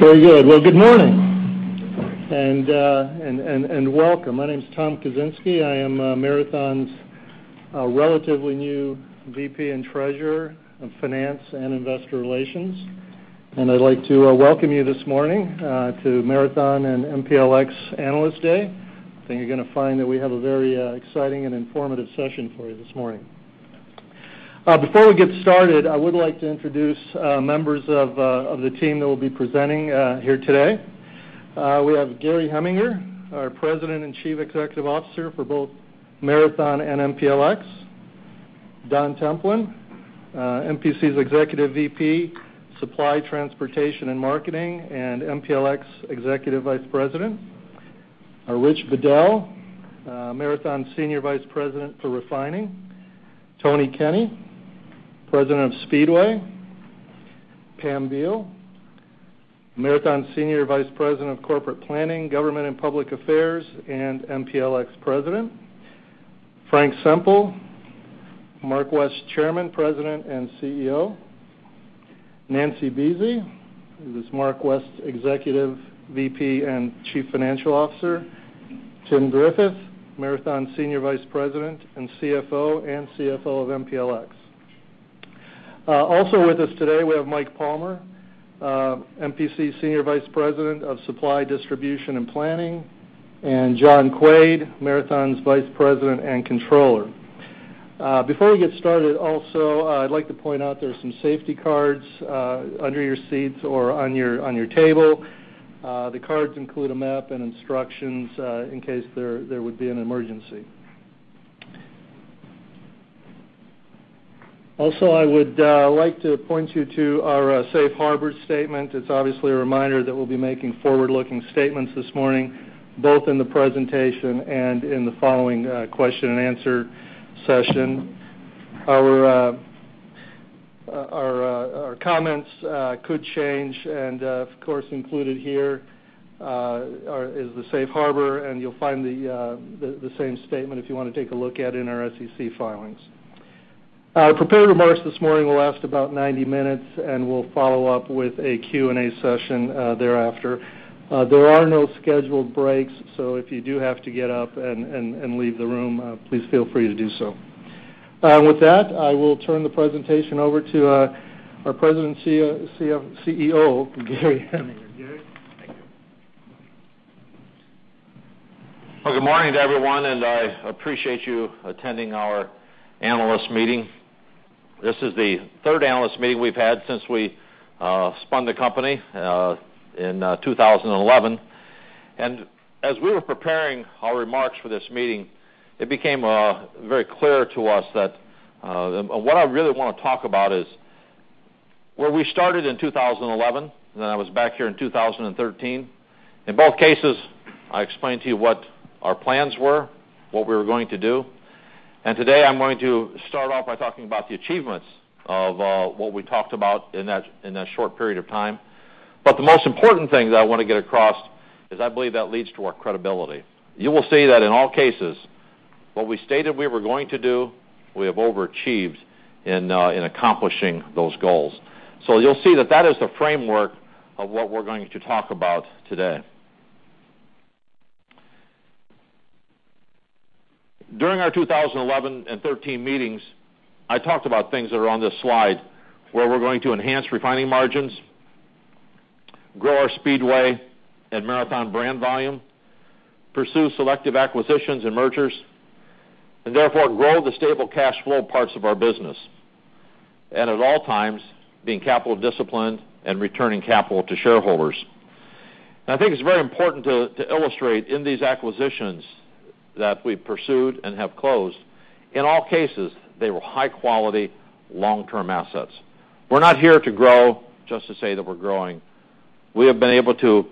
Very good. Well, good morning and welcome. My name is Tom Kaczynski. I am Marathon's relatively new VP and Treasurer of Finance and Investor Relations. I would like to welcome you this morning to Marathon and MPLX Analyst Day. I think you are going to find that we have a very exciting and informative session for you this morning. Before we get started, I would like to introduce members of the team that will be presenting here today. We have Gary Heminger, our President and Chief Executive Officer for both Marathon and MPLX. Don Templin, MPC's Executive VP, Supply, Transportation, and Marketing, and MPLX Executive Vice President. Rich Bedell, Marathon Senior Vice President for Refining. Tony Kenney, President of Speedway. Pam Beall, Marathon Senior Vice President of Corporate Planning, Government and Public Affairs, and MPLX President. Frank Semple, MarkWest Chairman, President, and CEO. Nancy Buese, who is MarkWest Executive VP and Chief Financial Officer. Tim Griffith, Marathon Senior Vice President and CFO, and CFO of MPLX. Also with us today we have Mike Palmer, MPC Senior Vice President of Supply, Distribution, and Planning. John Quaid, Marathon's Vice President and Controller. Before we get started, also, I would like to point out there are some safety cards under your seats or on your table. The cards include a map and instructions in case there would be an emergency. Also, I would like to point you to our safe harbor statement. It's obviously a reminder that we will be making forward-looking statements this morning, both in the presentation and in the following question and answer session. Our comments could change, and of course, included here is the safe harbor, and you'll find the same statement if you want to take a look at in our SEC filings. Our prepared remarks this morning will last about 90 minutes, and we'll follow up with a Q&A session thereafter. There are no scheduled breaks, so if you do have to get up and leave the room, please feel free to do so. With that, I will turn the presentation over to our President CEO, Gary Heminger. Gary? Thank you. Well, good morning to everyone, and I appreciate you attending our analyst meeting. This is the third analyst meeting we've had since we spun the company in 2011. As we were preparing our remarks for this meeting, it became very clear to us that what I really want to talk about is where we started in 2011, then I was back here in 2013. In both cases, I explained to you what our plans were, what we were going to do. Today I am going to start off by talking about the achievements of what we talked about in that short period of time. The most important thing that I want to get across is I believe that leads to our credibility. You will see that in all cases, what we stated we were going to do, we have overachieved in accomplishing those goals. You'll see that that is the framework of what we're going to talk about today. During our 2011 and 2013 meetings, I talked about things that are on this slide, where we're going to enhance refining margins, grow our Speedway and Marathon brand volume, pursue selective acquisitions and mergers, and therefore grow the stable cash flow parts of our business. At all times, being capital disciplined and returning capital to shareholders. I think it's very important to illustrate in these acquisitions that we've pursued and have closed, in all cases, they were high-quality, long-term assets. We're not here to grow, just to say that we're growing. We have been able to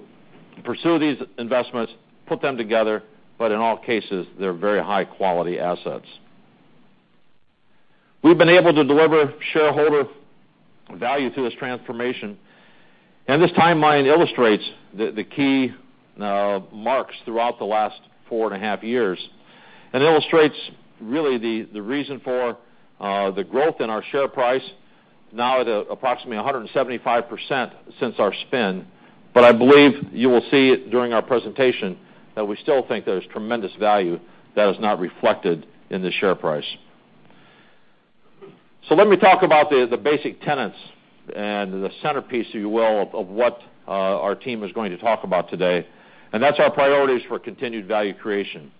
pursue these investments, put them together, but in all cases, they're very high-quality assets. We've been able to deliver shareholder value through this transformation, and this timeline illustrates the key marks throughout the last four and a half years. Illustrates really the reason for the growth in our share price, now at approximately 175% since our spin. I believe you will see during our presentation that we still think there's tremendous value that is not reflected in the share price. Let me talk about the basic tenets and the centerpiece, if you will, of what our team is going to talk about today. That's our priorities for continued value creation.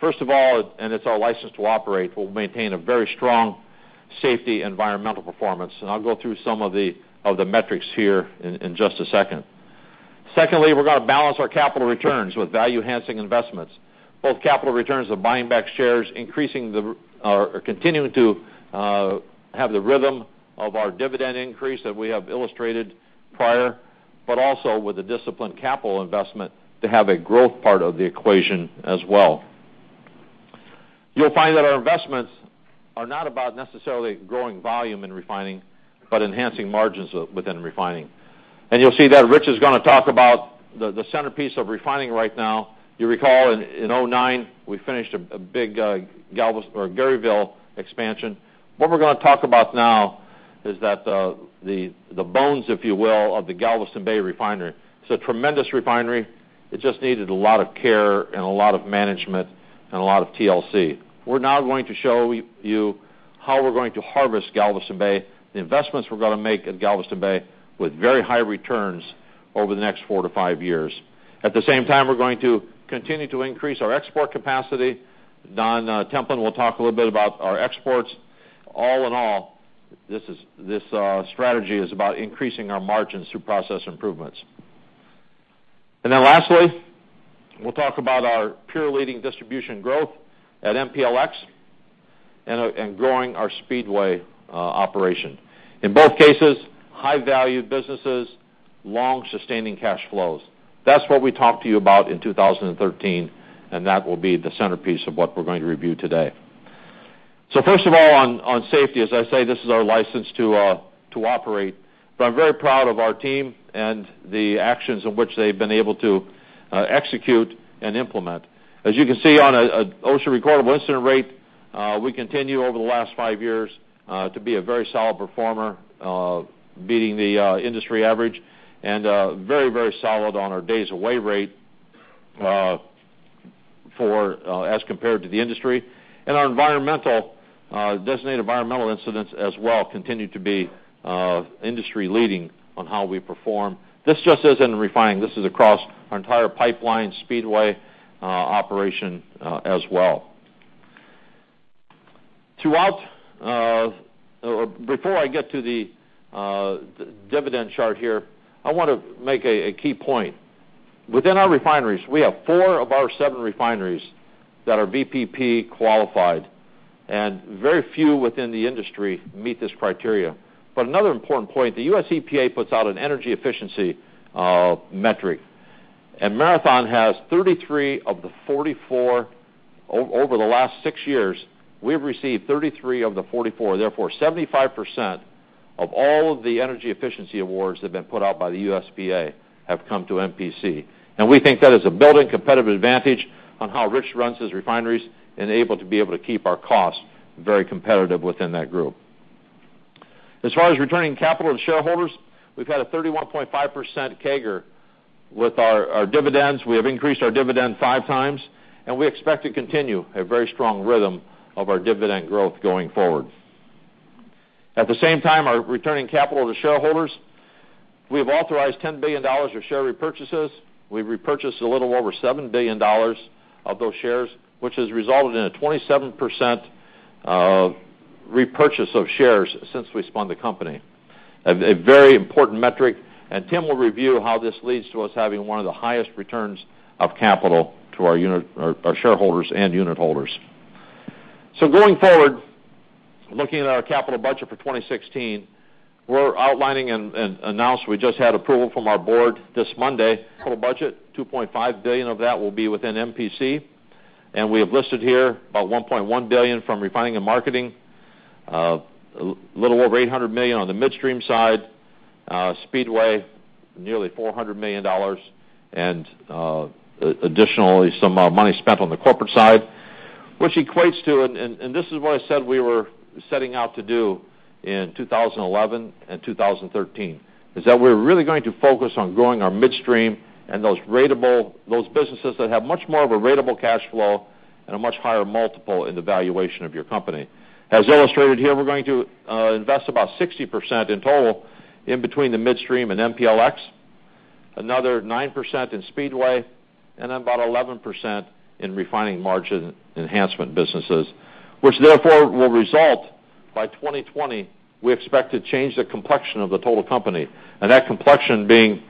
First of all, and it's our license to operate, we'll maintain a very strong safety environmental performance, and I'll go through some of the metrics here in just a second. Secondly, we're going to balance our capital returns with value-enhancing investments. Both capital returns of buying back shares, continuing to have the rhythm of our dividend increase that we have illustrated prior, also with the disciplined capital investment to have a growth part of the equation as well. You'll find that our investments are not about necessarily growing volume in refining, but enhancing margins within refining. You'll see that Rich is going to talk about the centerpiece of refining right now, you recall in 2009, we finished a big Garyville expansion. What we're going to talk about now is that the bones, if you will, of the Galveston Bay refinery. It's a tremendous refinery. It just needed a lot of care and a lot of management and a lot of TLC. We're now going to show you how we're going to harvest Galveston Bay, the investments we're going to make at Galveston Bay with very high returns over the next four to five years. At the same time, we're going to continue to increase our export capacity. Don Templin will talk a little bit about our exports. All in all, this strategy is about increasing our margins through process improvements. Lastly, we'll talk about our peer-leading distribution growth at MPLX and growing our Speedway operation. In both cases, high-value businesses, long-sustaining cash flows. That's what we talked to you about in 2013, and that will be the centerpiece of what we're going to review today. First of all, on safety, as I say, this is our license to operate. I'm very proud of our team and the actions in which they've been able to execute and implement. As you can see on an OSHA recordable incident rate, we continue over the last 5 years to be a very solid performer, beating the industry average, and very solid on our days away rate as compared to the industry. Our designated environmental incidents as well continue to be industry-leading on how we perform. This just isn't in refining. This is across our entire pipeline Speedway operation as well. Before I get to the dividend chart here, I want to make a key point. Within our refineries, we have four of our seven refineries that are VPP qualified, and very few within the industry meet this criteria. Another important point, the USEPA puts out an energy efficiency metric, and Marathon has, over the last 6 years, we have received 33 of the 44. Therefore, 75% of all of the energy efficiency awards that have been put out by the USEPA have come to MPC. We think that is a building competitive advantage on how Rich runs his refineries and able to be able to keep our costs very competitive within that group. As far as returning capital to shareholders, we've had a 31.5% CAGR with our dividends. We have increased our dividend 5 times, and we expect to continue a very strong rhythm of our dividend growth going forward. At the same time, our returning capital to shareholders, we have authorized $10 billion of share repurchases. We've repurchased a little over $7 billion of those shares, which has resulted in a 27% repurchase of shares since we spun the company. A very important metric, and Tim will review how this leads to us having one of the highest returns of capital to our shareholders and unit holders. Going forward, looking at our capital budget for 2016, we're outlining and announced we just had approval from our board this Monday, total budget, $2.5 billion of that will be within MPC. We have listed here about $1.1 billion from refining and marketing, a little over $800 million on the midstream side, Speedway, nearly $400 million, and additionally, some money spent on the corporate side, which equates to, and this is what I said we were setting out to do in 2011 and 2013, is that we're really going to focus on growing our midstream and those businesses that have much more of a ratable cash flow and a much higher multiple in the valuation of your company. As illustrated here, we're going to invest about 60% in total in between the midstream and MPLX, another 9% in Speedway, and then about 11% in refining margin enhancement businesses, which therefore will result by 2020, we expect to change the complexion of the total company. That complexion being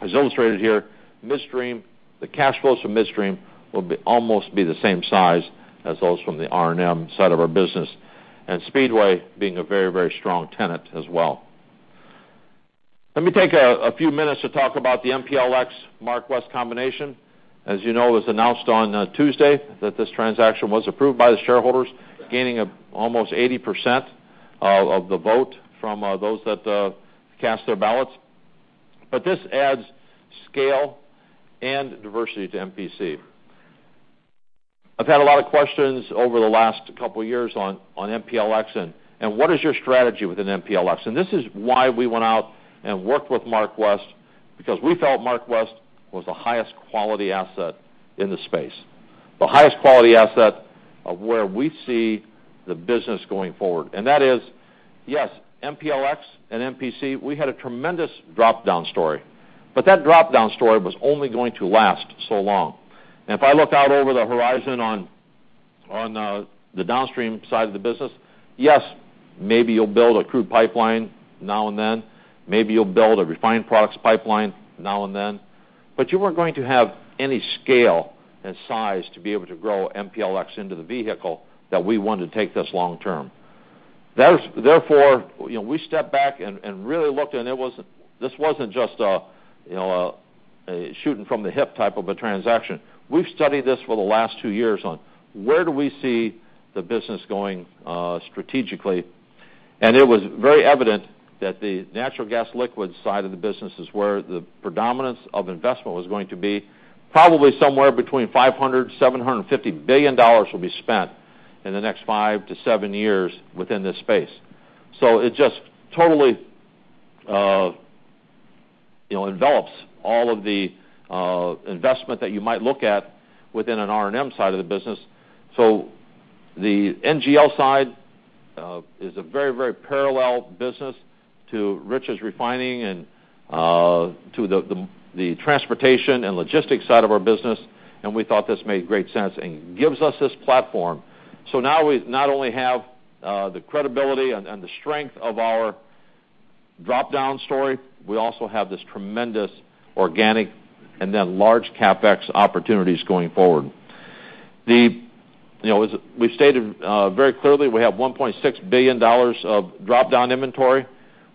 as illustrated here, the cash flows from midstream will almost be the same size as those from the R&M side of our business, and Speedway being a very strong tenant as well. Let me take a few minutes to talk about the MPLX MarkWest combination. As you know, it was announced on Tuesday that this transaction was approved by the shareholders, gaining almost 80% of the vote from those that cast their ballots. This adds scale and diversity to MPC. I've had a lot of questions over the last couple of years on MPLX and what is your strategy within MPLX. This is why we went out and worked with MarkWest because we felt MarkWest was the highest quality asset in the space, the highest quality asset of where we see the business going forward. That is, yes, MPLX and MPC, we had a tremendous drop-down story, that drop-down story was only going to last so long. If I look out over the horizon on the downstream side of the business, yes, maybe you'll build a crude pipeline now and then. Maybe you'll build a refined products pipeline now and then. You weren't going to have any scale and size to be able to grow MPLX into the vehicle that we want to take this long term. Therefore, we stepped back and really looked, this wasn't just a shooting-from-the-hip type of a transaction. We've studied this for the last two years on where do we see the business going strategically. It was very evident that the natural gas liquids side of the business is where the predominance of investment was going to be. Probably somewhere between $500 billion-$750 billion will be spent in the next five to seven years within this space. It just totally envelops all of the investment that you might look at within an R&M side of the business. The NGL side is a very parallel business to Rich's refining and to the transportation and logistics side of our business. We thought this made great sense and gives us this platform. Now we not only have the credibility and the strength of our drop-down story, we also have this tremendous organic and large CapEx opportunities going forward. We've stated very clearly we have $1.6 billion of drop-down inventory.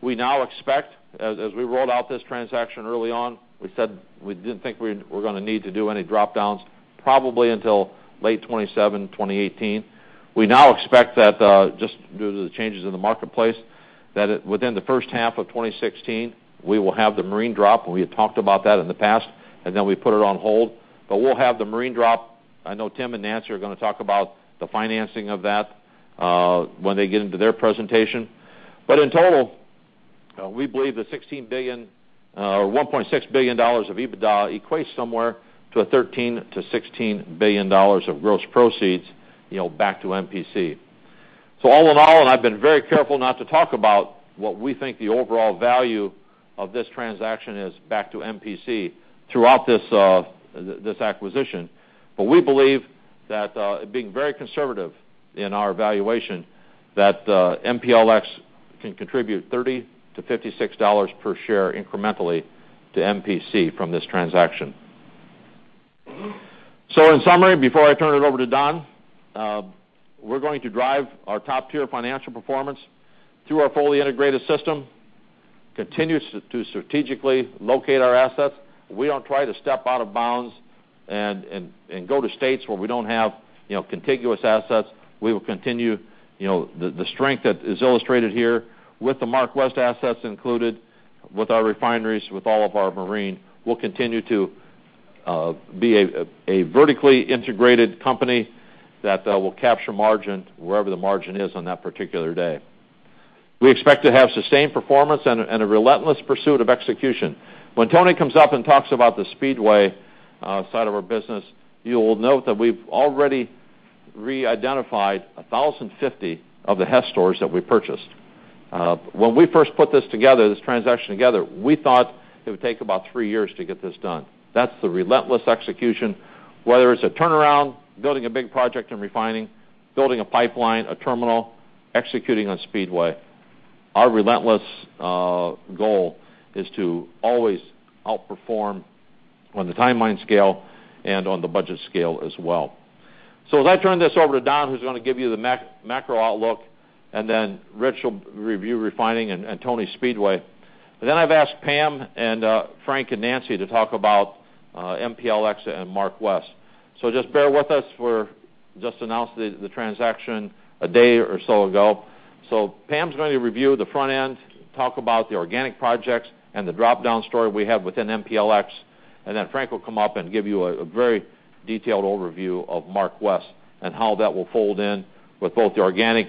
We now expect, as we rolled out this transaction early on, we said we didn't think we were going to need to do any drop-downs probably until late 2017, 2018. We now expect that just due to the changes in the marketplace, that within the first half of 2016, we will have the marine drop. We had talked about that in the past, we put it on hold. We'll have the marine drop. I know Tim and Nancy are going to talk about the financing of that when they get into their presentation. In total, we believe the $1.6 billion of EBITDA equates somewhere to a $13 billion-$16 billion of gross proceeds back to MPC. All in all, I've been very careful not to talk about what we think the overall value of this transaction is back to MPC throughout this acquisition, we believe that being very conservative in our valuation, that MPLX can contribute $30-$56 per share incrementally to MPC from this transaction. In summary, before I turn it over to Don, we're going to drive our top-tier financial performance through our fully integrated system, continue to strategically locate our assets. We don't try to step out of bounds and go to states where we don't have contiguous assets. We will continue the strength that is illustrated here with the MarkWest assets included, with our refineries, with all of our marine. We'll continue to be a vertically integrated company that will capture margin wherever the margin is on that particular day. We expect to have sustained performance and a relentless pursuit of execution. When Tony comes up and talks about the Speedway side of our business, you will note that we've already re-identified 1,050 of the Hess stores that we purchased. When we first put this transaction together, we thought it would take about 3 years to get this done. That's the relentless execution, whether it's a turnaround, building a big project in refining, building a pipeline, a terminal, executing on Speedway. Our relentless goal is to always outperform on the timeline scale and on the budget scale as well. As I turn this over to Don, who's going to give you the macro outlook, and then Rich will review refining and Tony, Speedway. I've asked Pam and Frank and Nancy to talk about MPLX and MarkWest. Just bear with us. We just announced the transaction a day or so ago. Pam's going to review the front end, talk about the organic projects, and the drop-down story we have within MPLX. Frank will come up and give you a very detailed overview of MarkWest and how that will fold in with both the organic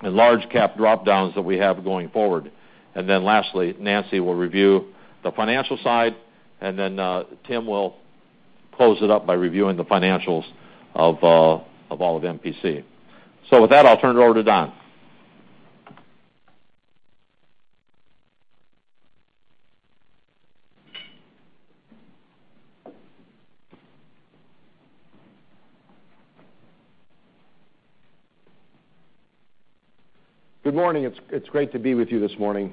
and large cap drop-downs that we have going forward. Lastly, Nancy will review the financial side, and then Tim will close it up by reviewing the financials of all of MPC. With that, I'll turn it over to Don. Good morning. It's great to be with you this morning.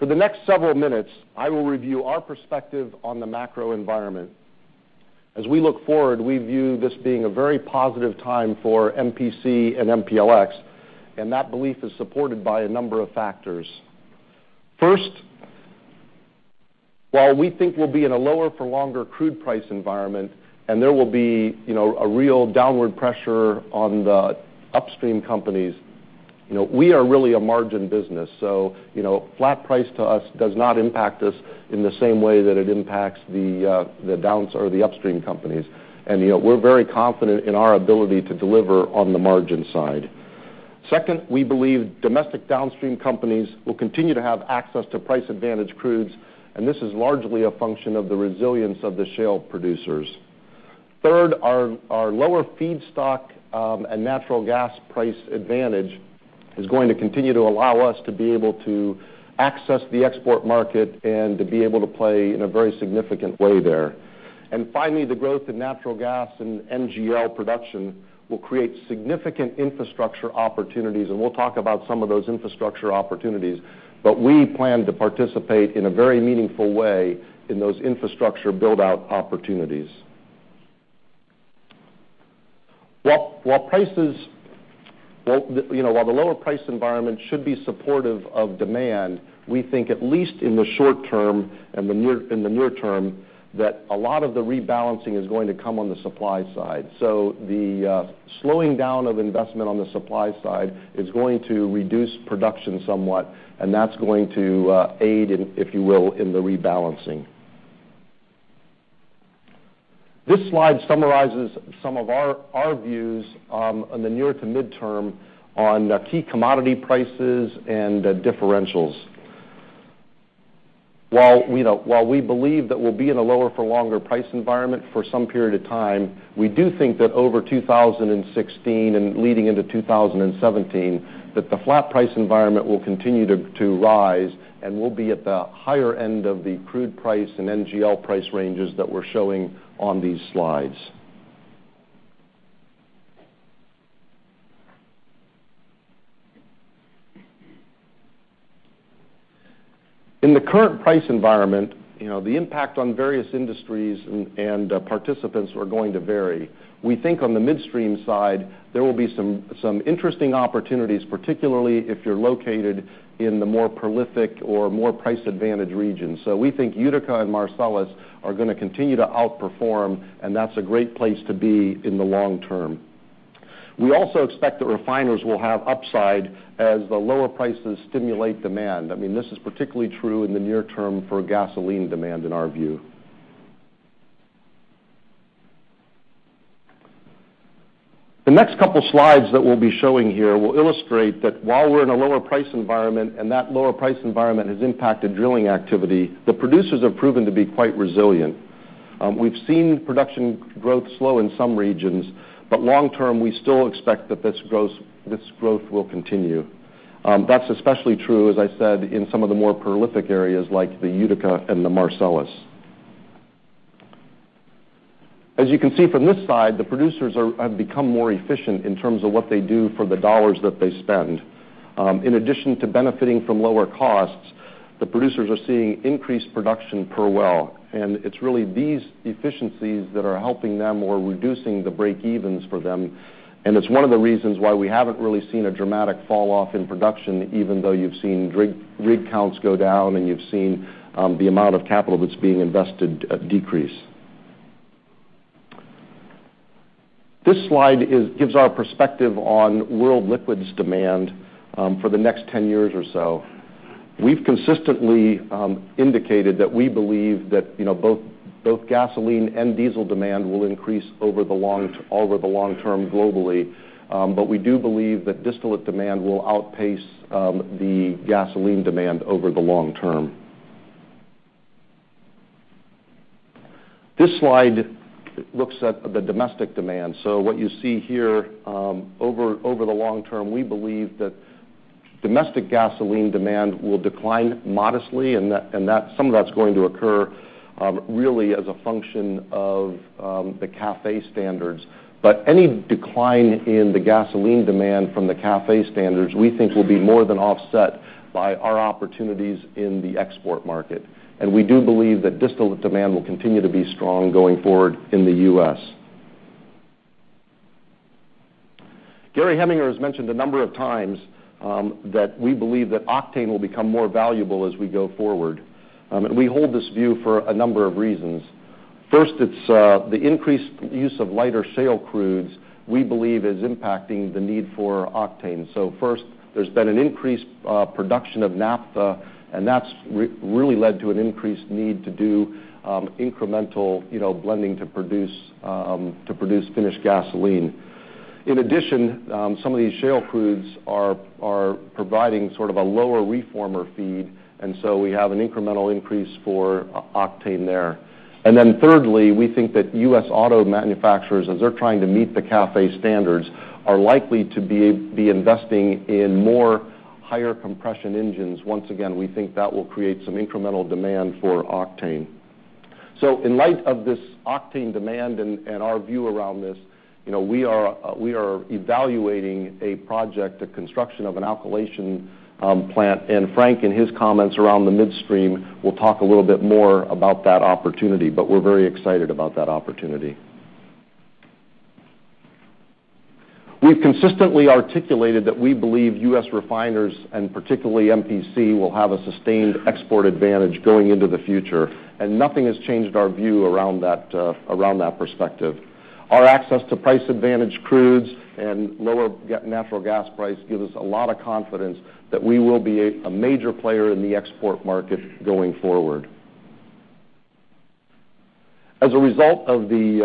For the next several minutes, I will review our perspective on the macro environment. As we look forward, we view this being a very positive time for MPC and MPLX, and that belief is supported by a number of factors. First, while we think we'll be in a lower for longer crude price environment, and there will be a real downward pressure on the upstream companies, we are really a margin business. Flat price to us does not impact us in the same way that it impacts the upstream companies. We're very confident in our ability to deliver on the margin side. Second, we believe domestic downstream companies will continue to have access to price advantage crudes, and this is largely a function of the resilience of the shale producers. Third, our lower feedstock and natural gas price advantage is going to continue to allow us to be able to access the export market and to be able to play in a very significant way there. Finally, the growth in natural gas and NGL production will create significant infrastructure opportunities, and we'll talk about some of those infrastructure opportunities. We plan to participate in a very meaningful way in those infrastructure build-out opportunities. While the lower price environment should be supportive of demand, we think at least in the short term and the near term, that a lot of the rebalancing is going to come on the supply side. The slowing down of investment on the supply side is going to reduce production somewhat, and that's going to aid, if you will, in the rebalancing. This slide summarizes some of our views on the near to midterm on key commodity prices and differentials. While we believe that we'll be in a lower for longer price environment for some period of time, we do think that over 2016 and leading into 2017, the flat price environment will continue to rise and will be at the higher end of the crude price and NGL price ranges that we're showing on these slides. In the current price environment, the impact on various industries and participants are going to vary. We think on the midstream side, there will be some interesting opportunities, particularly if you're located in the more prolific or more price-advantaged regions. We think Utica and Marcellus are going to continue to outperform, and that's a great place to be in the long term. We also expect that refiners will have upside as the lower prices stimulate demand. This is particularly true in the near term for gasoline demand, in our view. The next couple slides that we'll be showing here will illustrate that while we're in a lower price environment and that lower price environment has impacted drilling activity, the producers have proven to be quite resilient. We've seen production growth slow in some regions, but long term, we still expect that this growth will continue. That's especially true, as I said, in some of the more prolific areas like the Utica and the Marcellus. As you can see from this slide, the producers have become more efficient in terms of what they do for the dollars that they spend. In addition to benefiting from lower costs, the producers are seeing increased production per well, it's really these efficiencies that are helping them or reducing the breakevens for them. It's one of the reasons why we haven't really seen a dramatic fall off in production, even though you've seen rig counts go down and you've seen the amount of capital that's being invested decrease. This slide gives our perspective on world liquids demand for the next 10 years or so. We've consistently indicated that we believe that both gasoline and diesel demand will increase over the long term globally. We do believe that distillate demand will outpace the gasoline demand over the long term. This slide looks at the domestic demand. What you see here, over the long term, we believe that domestic gasoline demand will decline modestly, and some of that's going to occur really as a function of the CAFE standards. Any decline in the gasoline demand from the CAFE standards, we think will be more than offset by our opportunities in the export market. We do believe that distillate demand will continue to be strong going forward in the U.S. Gary Heminger has mentioned a number of times that we believe that octane will become more valuable as we go forward. We hold this view for a number of reasons. First, it's the increased use of lighter shale crudes we believe is impacting the need for octane. First, there's been an increased production of naphtha, that's really led to an increased need to do incremental blending to produce finished gasoline. In addition, some of these shale crudes are providing sort of a lower reformer feed, and so we have an incremental increase for octane there. Thirdly, we think that U.S. auto manufacturers, as they're trying to meet the CAFE standards, are likely to be investing in more higher compression engines. Once again, we think that will create some incremental demand for octane. In light of this octane demand and our view around this, we are evaluating a project, the construction of an alkylation plant, and Frank, in his comments around the midstream, will talk a little bit more about that opportunity, but we're very excited about that opportunity. We've consistently articulated that we believe U.S. refiners, and particularly MPC, will have a sustained export advantage going into the future, and nothing has changed our view around that perspective. Our access to price-advantaged crudes and lower natural gas price gives us a lot of confidence that we will be a major player in the export market going forward. As a result of the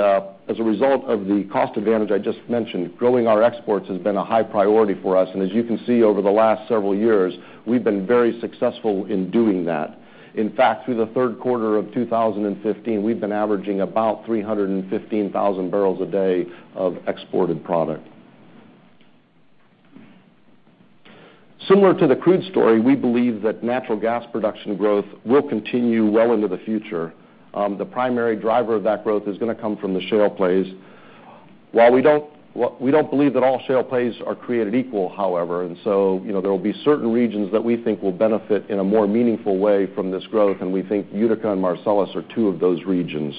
cost advantage I just mentioned, growing our exports has been a high priority for us. As you can see over the last several years, we've been very successful in doing that. In fact, through the third quarter of 2015, we've been averaging about 315,000 barrels a day of exported product. Similar to the crude story, we believe that natural gas production growth will continue well into the future. The primary driver of that growth is going to come from the shale plays. We don't believe that all shale plays are created equal, however, there will be certain regions that we think will benefit in a more meaningful way from this growth, and we think Utica and Marcellus are two of those regions.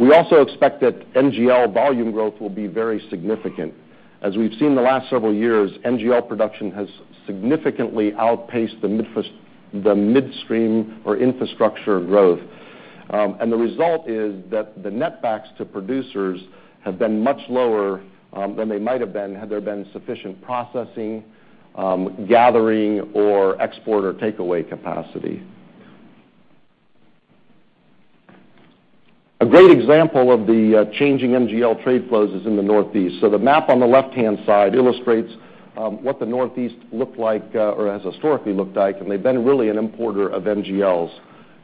We also expect that NGL volume growth will be very significant. As we've seen the last several years, NGL production has significantly outpaced the midstream or infrastructure growth. The result is that the netbacks to producers have been much lower than they might have been had there been sufficient processing, gathering, or export or takeaway capacity. A great example of the changing NGL trade flows is in the Northeast. The map on the left-hand side illustrates what the Northeast looked like or has historically looked like, and they've been really an importer of NGLs.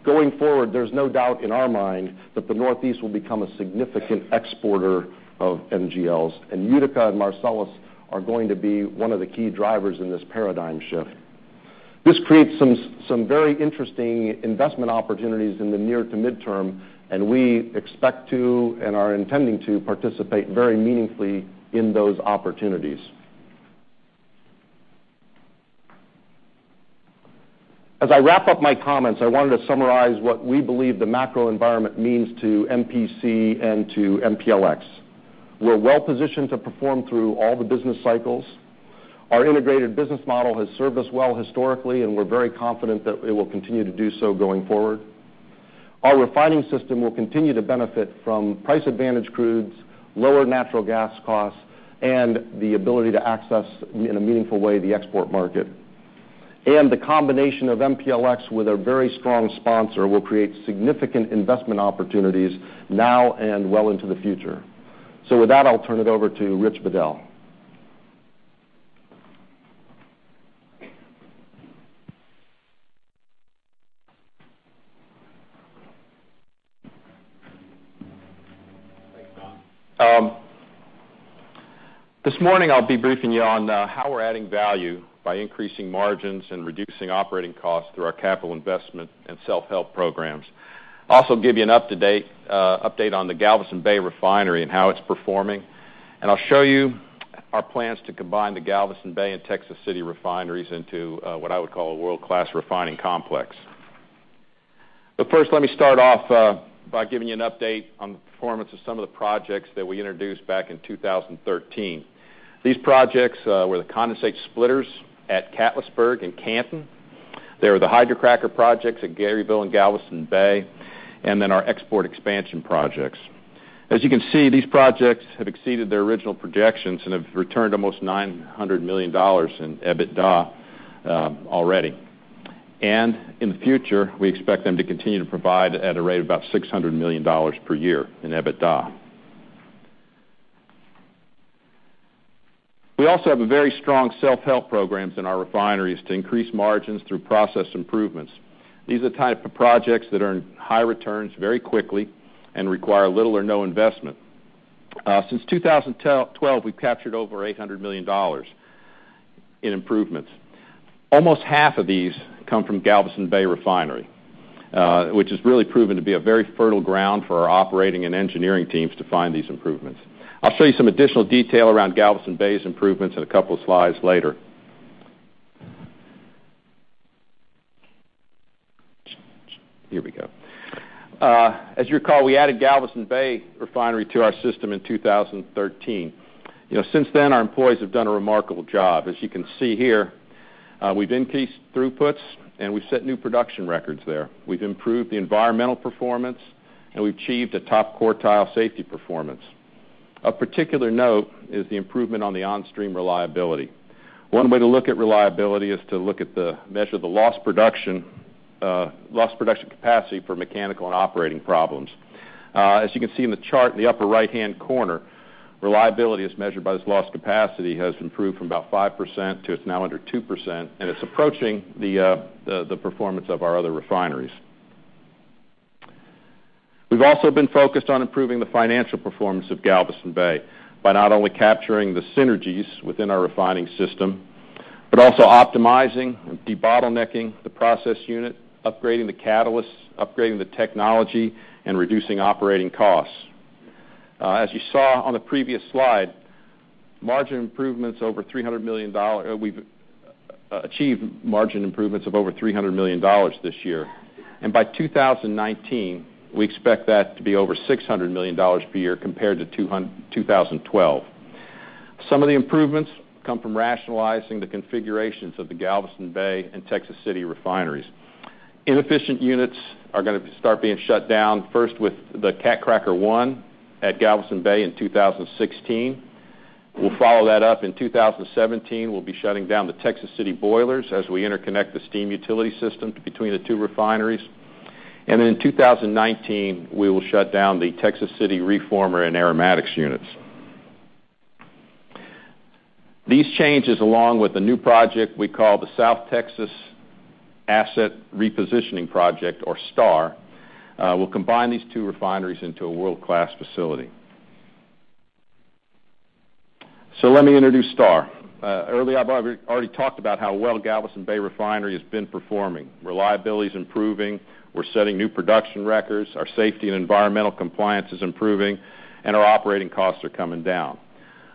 Going forward, there's no doubt in our mind that the Northeast will become a significant exporter of NGLs, and Utica and Marcellus are going to be one of the key drivers in this paradigm shift. This creates some very interesting investment opportunities in the near to midterm, we expect to and are intending to participate very meaningfully in those opportunities. As I wrap up my comments, I wanted to summarize what we believe the macro environment means to MPC and to MPLX. We're well positioned to perform through all the business cycles. Our integrated business model has served us well historically, we're very confident that it will continue to do so going forward. Our refining system will continue to benefit from price-advantaged crudes, lower natural gas costs, the ability to access, in a meaningful way, the export market. The combination of MPLX with a very strong sponsor will create significant investment opportunities now and well into the future. With that, I'll turn it over to Rich Bedell. Thanks, Tom. This morning, I'll be briefing you on how we're adding value by increasing margins and reducing operating costs through our capital investment and self-help programs. I'll also give you an update on the Galveston Bay refinery and how it's performing. I'll show you our plans to combine the Galveston Bay and Texas City refineries into what I would call a world-class refining complex. First, let me start off by giving you an update on the performance of some of the projects that we introduced back in 2013. These projects were the condensate splitters at Catlettsburg and Canton. They were the hydrocracker projects at Garyville and Galveston Bay, and then our export expansion projects. As you can see, these projects have exceeded their original projections and have returned almost $900 million in EBITDA already. In the future, we expect them to continue to provide at a rate of about $600 million per year in EBITDA. We also have very strong self-help programs in our refineries to increase margins through process improvements. These are the type of projects that earn high returns very quickly and require little or no investment. Since 2012, we've captured over $800 million in improvements. Almost half of these come from Galveston Bay refinery which has really proven to be a very fertile ground for our operating and engineering teams to find these improvements. I'll show you some additional detail around Galveston Bay's improvements in a couple of slides later. Here we go. As you recall, we added Galveston Bay refinery to our system in 2013. Since then, our employees have done a remarkable job. As you can see here, we've increased throughputs, and we've set new production records there. We've improved the environmental performance, and we've achieved a top quartile safety performance. Of particular note is the improvement on the on-stream reliability. One way to look at reliability is to look at the measure of the lost production capacity for mechanical and operating problems. As you can see in the chart in the upper right-hand corner, reliability as measured by this lost capacity has improved from about 5% to it's now under 2%, and it's approaching the performance of our other refineries. We've also been focused on improving the financial performance of Galveston Bay by not only capturing the synergies within our refining system, but also optimizing, debottlenecking the process unit, upgrading the catalysts, upgrading the technology, and reducing operating costs. As you saw on the previous slide, we've achieved margin improvements of over $300 million this year. By 2019, we expect that to be over $600 million per year compared to 2012. Some of the improvements come from rationalizing the configurations of the Galveston Bay and Texas City refineries. Inefficient units are going to start being shut down, first with the Cat Cracker 1 at Galveston Bay in 2016. We'll follow that up in 2017. We'll be shutting down the Texas City boilers as we interconnect the steam utility system between the two refineries. In 2019, we will shut down the Texas City reformer and aromatics units. These changes, along with the new project we call the South Texas Asset Repositioning project, or STAR, will combine these two refineries into a world-class facility. Let me introduce STAR. Earlier, I've already talked about how well Galveston Bay refinery has been performing. Reliability's improving, we're setting new production records, our safety and environmental compliance is improving, and our operating costs are coming down.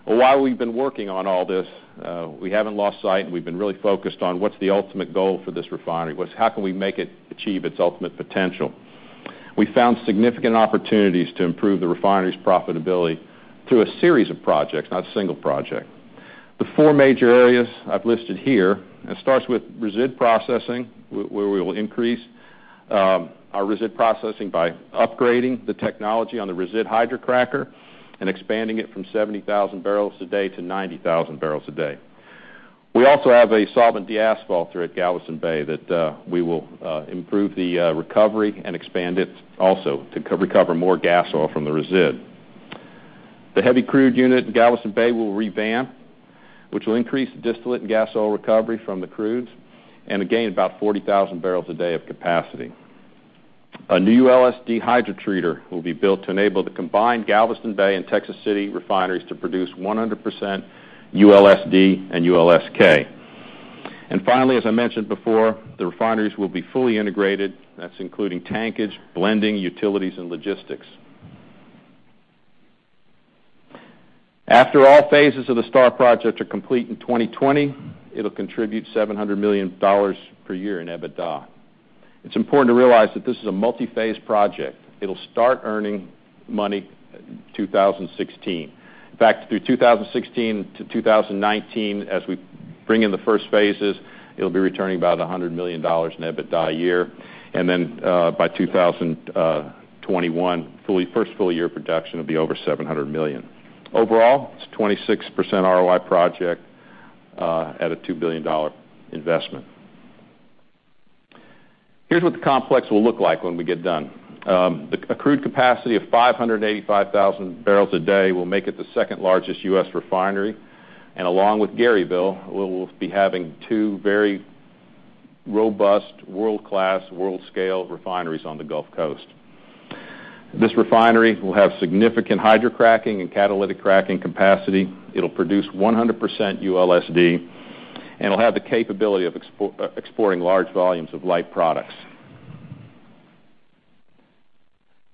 While we've been working on all this, we haven't lost sight, and we've been really focused on what's the ultimate goal for this refinery. How can we make it achieve its ultimate potential? We found significant opportunities to improve the refinery's profitability through a series of projects, not a single project. The four major areas I've listed here. It starts with resid processing, where we will increase our resid processing by upgrading the technology on the resid hydrocracker and expanding it from 70,000 barrels a day to 90,000 barrels a day. We also have a solvent deasphalter at Galveston Bay that we will improve the recovery and expand it also to recover more gas oil from the resid. The heavy crude unit in Galveston Bay we'll revamp, which will increase the distillate and gas oil recovery from the crudes, and again, about 40,000 barrels a day of capacity. A new ULSD hydrotreater will be built to enable the combined Galveston Bay and Texas City refineries to produce 100% ULSD and ULSK. Finally, as I mentioned before, the refineries will be fully integrated. That's including tankage, blending, utilities, and logistics. After all phases of the STAR project are complete in 2020, it'll contribute $700 million per year in EBITDA. It's important to realize that this is a multi-phase project. It'll start earning money in 2016. In fact, through 2016 to 2019, as we bring in the first phases, it'll be returning about $100 million in EBITDA a year. Then by 2021, first full year of production will be over $700 million. Overall, it's a 26% ROI project at a $2 billion investment. Here's what the complex will look like when we get done. A crude capacity of 585,000 barrels a day will make it the second-largest U.S. refinery. Along with Garyville, we'll be having two very robust, world-class, world-scale refineries on the Gulf Coast. This refinery will have significant hydrocracking and catalytic cracking capacity. It'll produce 100% ULSD, and it'll have the capability of exporting large volumes of light products.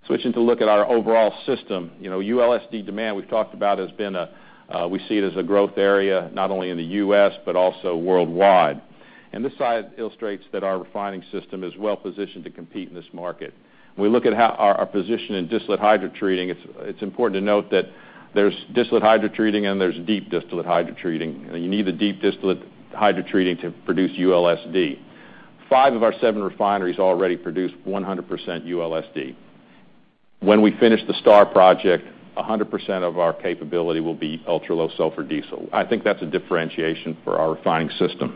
Switching to look at our overall system. ULSD demand, we've talked about, we see it as a growth area, not only in the U.S., but also worldwide. This slide illustrates that our refining system is well positioned to compete in this market. When we look at our position in distillate hydrotreating, it's important to note that there's distillate hydrotreating, and there's deep distillate hydrotreating. You need the deep distillate hydrotreating to produce ULSD. five of our seven refineries already produce 100% ULSD. When we finish the STAR project, 100% of our capability will be ultra-low sulfur diesel. I think that's a differentiation for our refining system.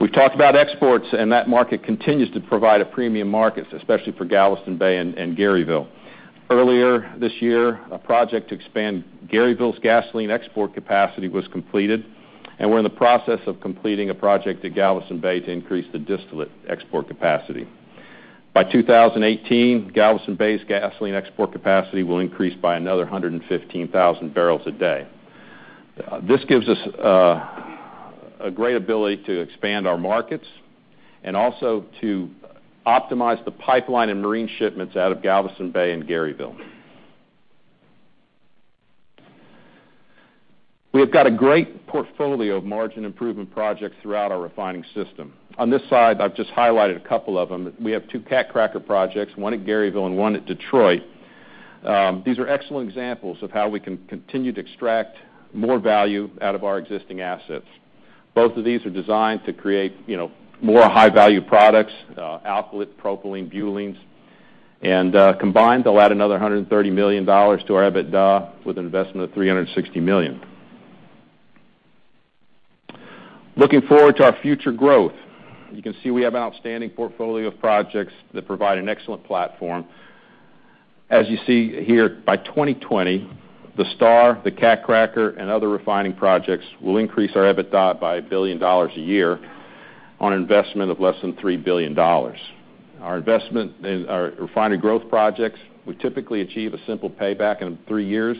That market continues to provide a premium market, especially for Galveston Bay and Garyville. Earlier this year, a project to expand Garyville's gasoline export capacity was completed. We're in the process of completing a project at Galveston Bay to increase the distillate export capacity. By 2018, Galveston Bay's gasoline export capacity will increase by another 115,000 barrels a day. This gives us a great ability to expand our markets and also to optimize the pipeline and marine shipments out of Galveston Bay and Garyville. We have got a great portfolio of margin improvement projects throughout our refining system. On this slide, I've just highlighted a couple of them. We have two Cat Cracker projects, one at Garyville and one at Detroit. These are excellent examples of how we can continue to extract more value out of our existing assets. Both of these are designed to create more high-value products, Alkylate, propylene, butanes. Combined, they'll add another $130 million to our EBITDA with an investment of $360 million. Looking forward to our future growth. You can see we have an outstanding portfolio of projects that provide an excellent platform. As you see here, by 2020, the STAR, the Cat Cracker, and other refining projects will increase our EBITDA by $1 billion a year on an investment of less than $3 billion. Our investment in our refinery growth projects will typically achieve a simple payback in three years.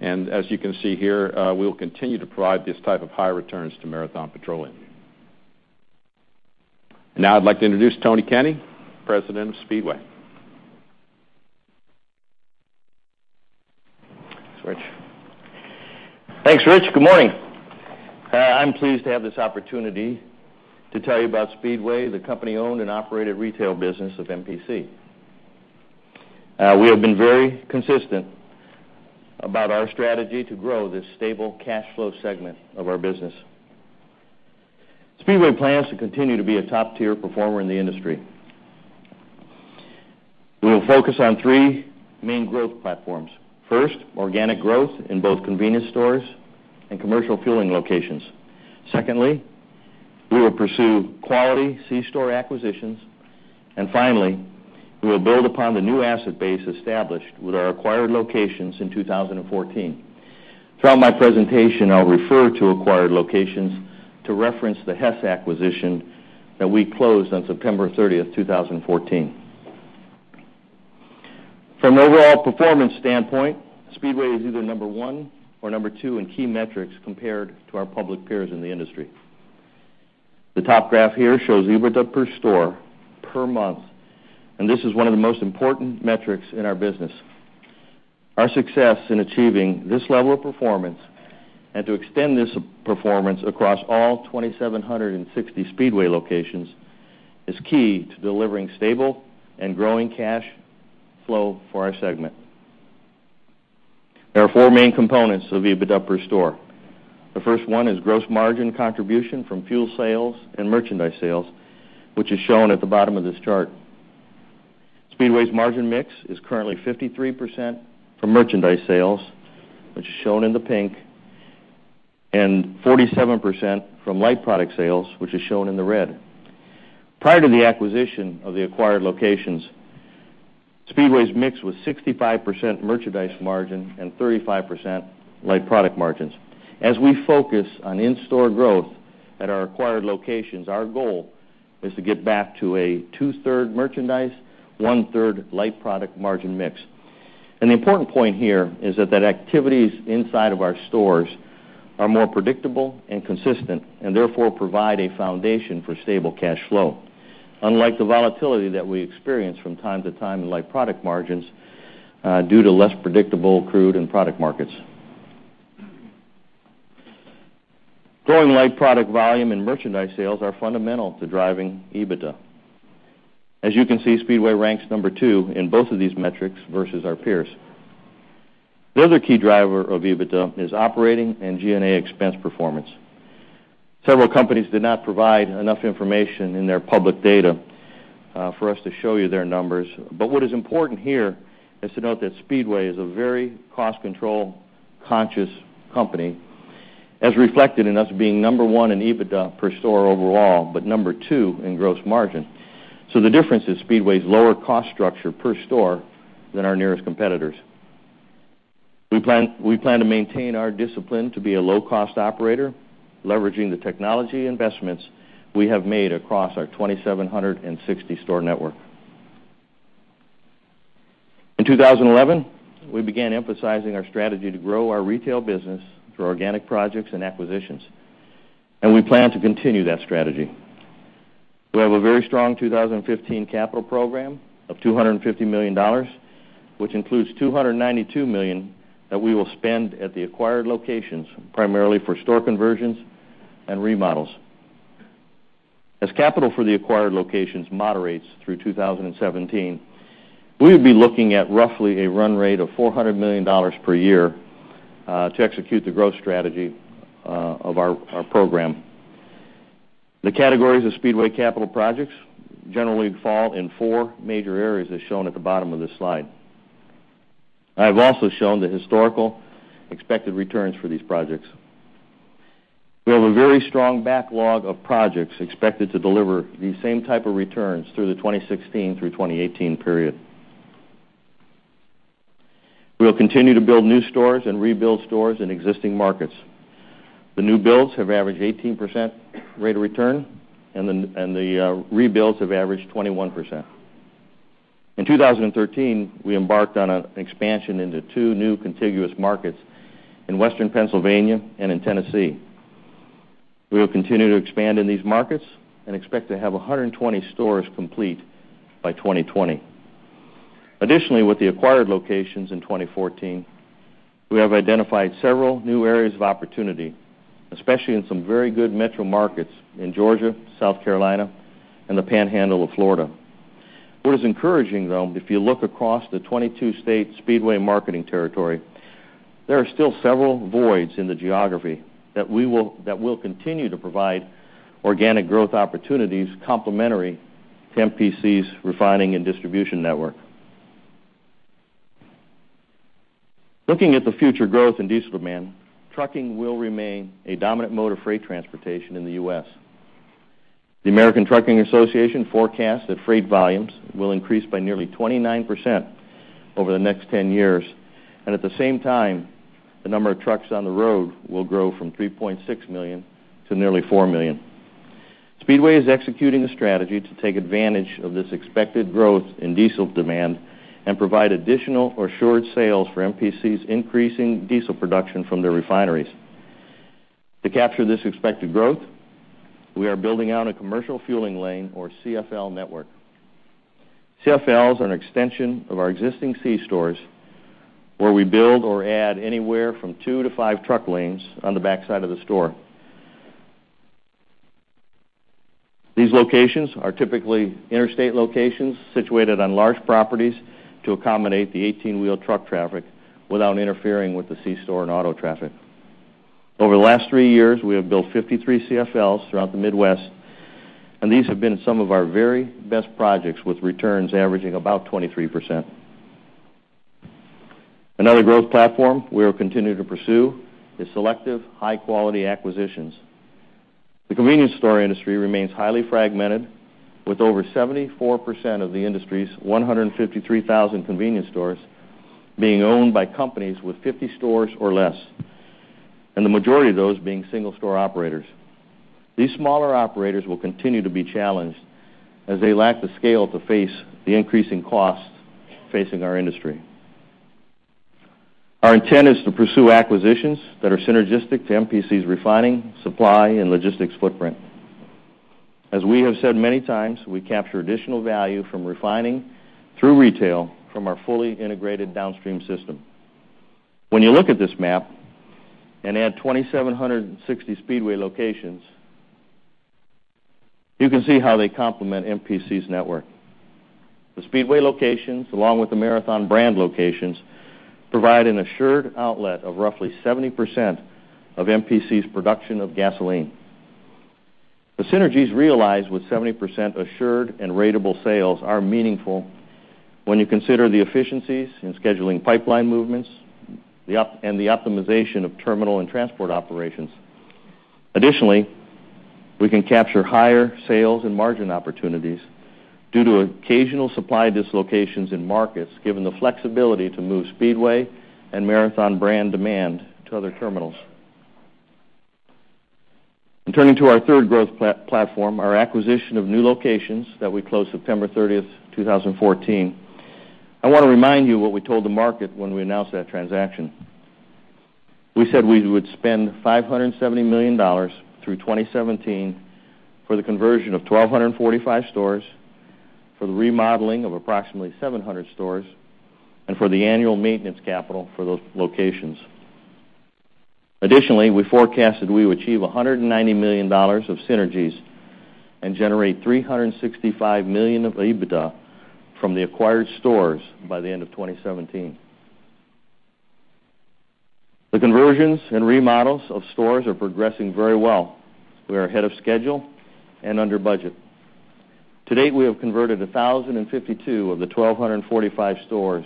As you can see here, we will continue to provide these type of high returns to Marathon Petroleum. Now I'd like to introduce Tony Kenny, President of Speedway. Switch. Thanks, Rich. Good morning. I'm pleased to have this opportunity to tell you about Speedway, the company-owned and operated retail business of MPC. We have been very consistent about our strategy to grow this stable cash flow segment of our business. Speedway plans to continue to be a top-tier performer in the industry. We will focus on three main growth platforms. First, organic growth in both convenience stores and commercial fueling locations. Secondly, we will pursue quality c-store acquisitions. Finally, we will build upon the new asset base established with our acquired locations in 2014. Throughout my presentation, I'll refer to acquired locations to reference the Hess acquisition that we closed on September 30th, 2014. From an overall performance standpoint, Speedway is either number one or number two in key metrics compared to our public peers in the industry. The top graph here shows EBITDA per store per month. This is one of the most important metrics in our business. Our success in achieving this level of performance and to extend this performance across all 2,760 Speedway locations is key to delivering stable and growing cash flow for our segment. There are four main components of EBITDA per store. The first one is gross margin contribution from fuel sales and merchandise sales, which is shown at the bottom of this chart. Speedway's margin mix is currently 53% from merchandise sales, which is shown in the pink, and 47% from light product sales, which is shown in the red. Prior to the acquisition of the acquired locations, Speedway's mix was 65% merchandise margin and 35% light product margins. As we focus on in-store growth at our acquired locations, our goal is to get back to a two-third merchandise, one-third light product margin mix. An important point here is that activities inside of our stores are more predictable and consistent and therefore provide a foundation for stable cash flow, unlike the volatility that we experience from time to time in light product margins due to less predictable crude and product markets. Growing light product volume and merchandise sales are fundamental to driving EBITDA. As you can see, Speedway ranks number two in both of these metrics versus our peers. The other key driver of EBITDA is operating and G&A expense performance. Several companies did not provide enough information in their public data for us to show you their numbers. What is important here is to note that Speedway is a very cost-control-conscious company, as reflected in us being number one in EBITDA per store overall, but number two in gross margin. The difference is Speedway's lower cost structure per store than our nearest competitors. We plan to maintain our discipline to be a low-cost operator, leveraging the technology investments we have made across our 2,760-store network. In 2011, we began emphasizing our strategy to grow our retail business through organic projects and acquisitions. We plan to continue that strategy. We have a very strong 2015 capital program of $250 million, which includes $292 million that we will spend at the acquired locations, primarily for store conversions and remodels. As capital for the acquired locations moderates through 2017, we would be looking at roughly a run rate of $400 million per year to execute the growth strategy of our program. The categories of Speedway capital projects generally fall in four major areas, as shown at the bottom of this slide. I've also shown the historical expected returns for these projects. We have a very strong backlog of projects expected to deliver these same type of returns through the 2016 through 2018 period. We'll continue to build new stores and rebuild stores in existing markets. The new builds have averaged 18% rate of return. The rebuilds have averaged 21%. In 2013, we embarked on an expansion into two new contiguous markets in western Pennsylvania and in Tennessee. We will continue to expand in these markets and expect to have 120 stores complete by 2020. Additionally, with the acquired locations in 2014, we have identified several new areas of opportunity, especially in some very good metro markets in Georgia, South Carolina, and the panhandle of Florida. What is encouraging, though, if you look across the 22-state Speedway marketing territory, there are still several voids in the geography that will continue to provide organic growth opportunities complementary to MPC's refining and distribution network. Looking at the future growth in diesel demand, trucking will remain a dominant mode of freight transportation in the U.S. The American Trucking Associations forecasts that freight volumes will increase by nearly 29% over the next 10 years, and at the same time, the number of trucks on the road will grow from 3.6 million to nearly 4 million. Speedway is executing a strategy to take advantage of this expected growth in diesel demand and provide additional assured sales for MPC's increasing diesel production from their refineries. To capture this expected growth, we are building out a commercial fueling lane, or CFL network. CFL is an extension of our existing c-stores, where we build or add anywhere from two to five truck lanes on the backside of the store. These locations are typically interstate locations situated on large properties to accommodate the 18-wheel truck traffic without interfering with the c-store and auto traffic. Over the last three years, we have built 53 CFLs throughout the Midwest, and these have been some of our very best projects, with returns averaging about 23%. Another growth platform we will continue to pursue is selective high-quality acquisitions. The convenience store industry remains highly fragmented, with over 74% of the industry's 153,000 convenience stores being owned by companies with 50 stores or less, and the majority of those being single-store operators. These smaller operators will continue to be challenged as they lack the scale to face the increasing costs facing our industry. Our intent is to pursue acquisitions that are synergistic to MPC's refining, supply, and logistics footprint. As we have said many times, we capture additional value from refining through retail from our fully integrated downstream system. When you look at this map and add 2,760 Speedway locations, you can see how they complement MPC's network. The Speedway locations, along with the Marathon brand locations, provide an assured outlet of roughly 70% of MPC's production of gasoline. The synergies realized with 70% assured and ratable sales are meaningful when you consider the efficiencies in scheduling pipeline movements and the optimization of terminal and transport operations. Additionally, we can capture higher sales and margin opportunities due to occasional supply dislocations in markets, given the flexibility to move Speedway and Marathon brand demand to other terminals. In turning to our third growth platform, our acquisition of new locations that we closed September 30th, 2014, I want to remind you what we told the market when we announced that transaction. We said we would spend $570 million through 2017 for the conversion of 1,245 stores, for the remodeling of approximately 700 stores, and for the annual maintenance capital for those locations. Additionally, we forecasted we would achieve $190 million of synergies and generate $365 million of EBITDA from the acquired stores by the end of 2017. The conversions and remodels of stores are progressing very well. We are ahead of schedule and under budget. To date, we have converted 1,052 of the 1,245 stores,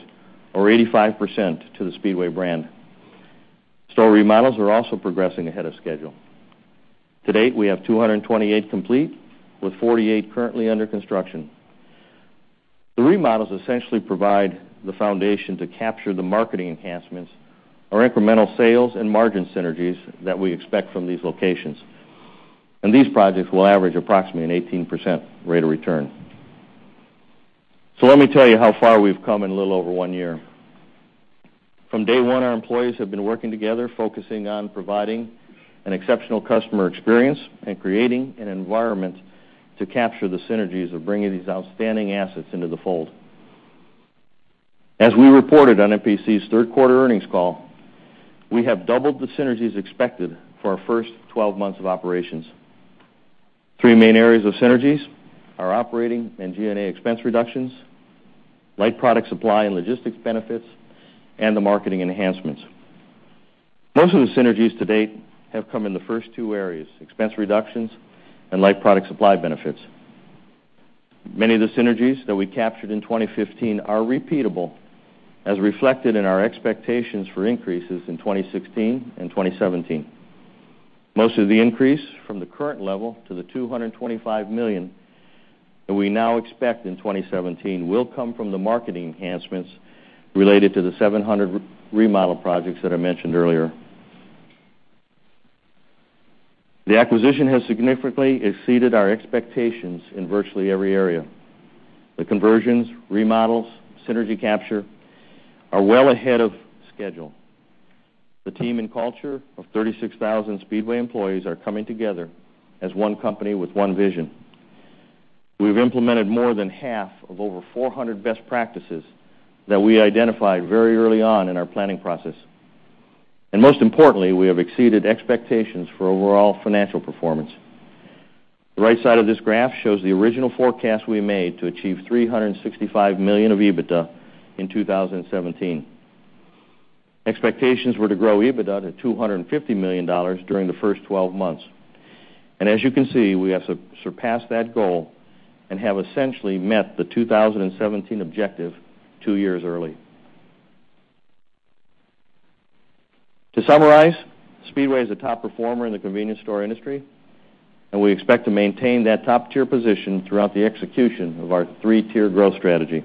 or 85%, to the Speedway brand. Store remodels are also progressing ahead of schedule. To date, we have 228 complete, with 48 currently under construction. The remodels essentially provide the foundation to capture the marketing enhancements or incremental sales and margin synergies that we expect from these locations. These projects will average approximately an 18% rate of return. Let me tell you how far we've come in a little over one year. From day one, our employees have been working together, focusing on providing an exceptional customer experience and creating an environment to capture the synergies of bringing these outstanding assets into the fold. As we reported on MPC's third quarter earnings call, we have doubled the synergies expected for our first 12 months of operations. Three main areas of synergies are operating and G&A expense reductions, light product supply and logistics benefits, and the marketing enhancements. Most of the synergies to date have come in the first two areas, expense reductions and light product supply benefits. Many of the synergies that we captured in 2015 are repeatable, as reflected in our expectations for increases in 2016 and 2017. Most of the increase from the current level to the $225 million that we now expect in 2017 will come from the marketing enhancements related to the 700 remodel projects that I mentioned earlier. The acquisition has significantly exceeded our expectations in virtually every area. The conversions, remodels, synergy capture are well ahead of schedule. The team and culture of 36,000 Speedway employees are coming together as one company with one vision. We've implemented more than half of over 400 best practices that we identified very early on in our planning process. Most importantly, we have exceeded expectations for overall financial performance. The right side of this graph shows the original forecast we made to achieve $365 million of EBITDA in 2017. Expectations were to grow EBITDA to $250 million during the first 12 months. As you can see, we have surpassed that goal and have essentially met the 2017 objective two years early. To summarize, Speedway is a top performer in the convenience store industry, and we expect to maintain that top-tier position throughout the execution of our 3-tier growth strategy.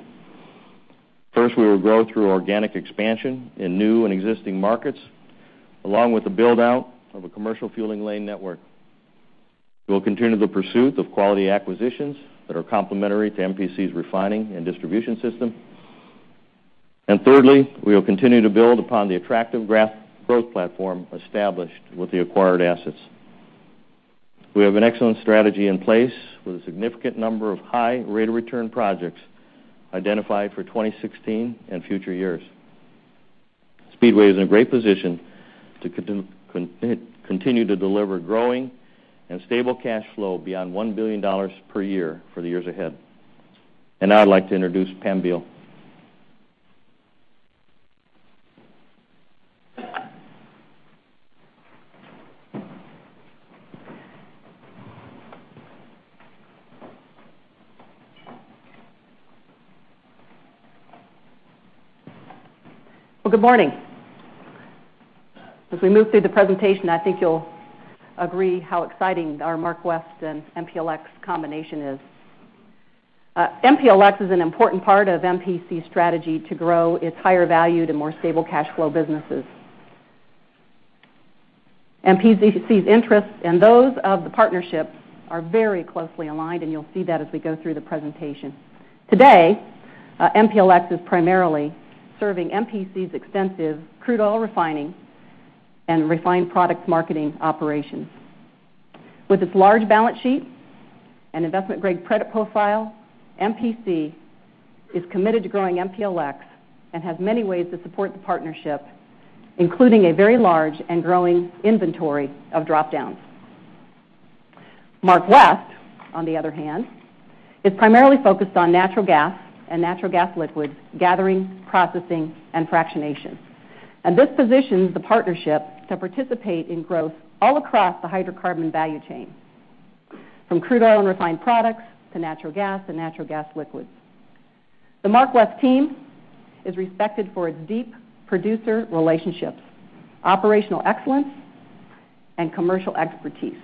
First, we will grow through organic expansion in new and existing markets, along with the build-out of a commercial fueling lane network. We will continue the pursuit of quality acquisitions that are complementary to MPC's refining and distribution system. Thirdly, we will continue to build upon the attractive growth platform established with the acquired assets. We have an excellent strategy in place with a significant number of high rate of return projects identified for 2016 and future years. Speedway is in a great position to continue to deliver growing and stable cash flow beyond $1 billion per year for the years ahead. Now I'd like to introduce Pam Beale. Well, good morning. As we move through the presentation, I think you'll agree how exciting our MarkWest and MPLX combination is. MPLX is an important part of MPC's strategy to grow its higher valued and more stable cash flow businesses. MPC's interests and those of the partnership are very closely aligned, and you'll see that as we go through the presentation. Today, MPLX is primarily serving MPC's extensive crude oil refining and refined product marketing operations. With its large balance sheet and investment-grade credit profile, MPC is committed to growing MPLX and has many ways to support the partnership, including a very large and growing inventory of dropdowns. MarkWest, on the other hand, is primarily focused on natural gas and natural gas liquids gathering, processing, and fractionation. This positions the partnership to participate in growth all across the hydrocarbon value chain, from crude oil and refined products to natural gas and natural gas liquids. The MarkWest team is respected for its deep producer relationships, operational excellence, and commercial expertise.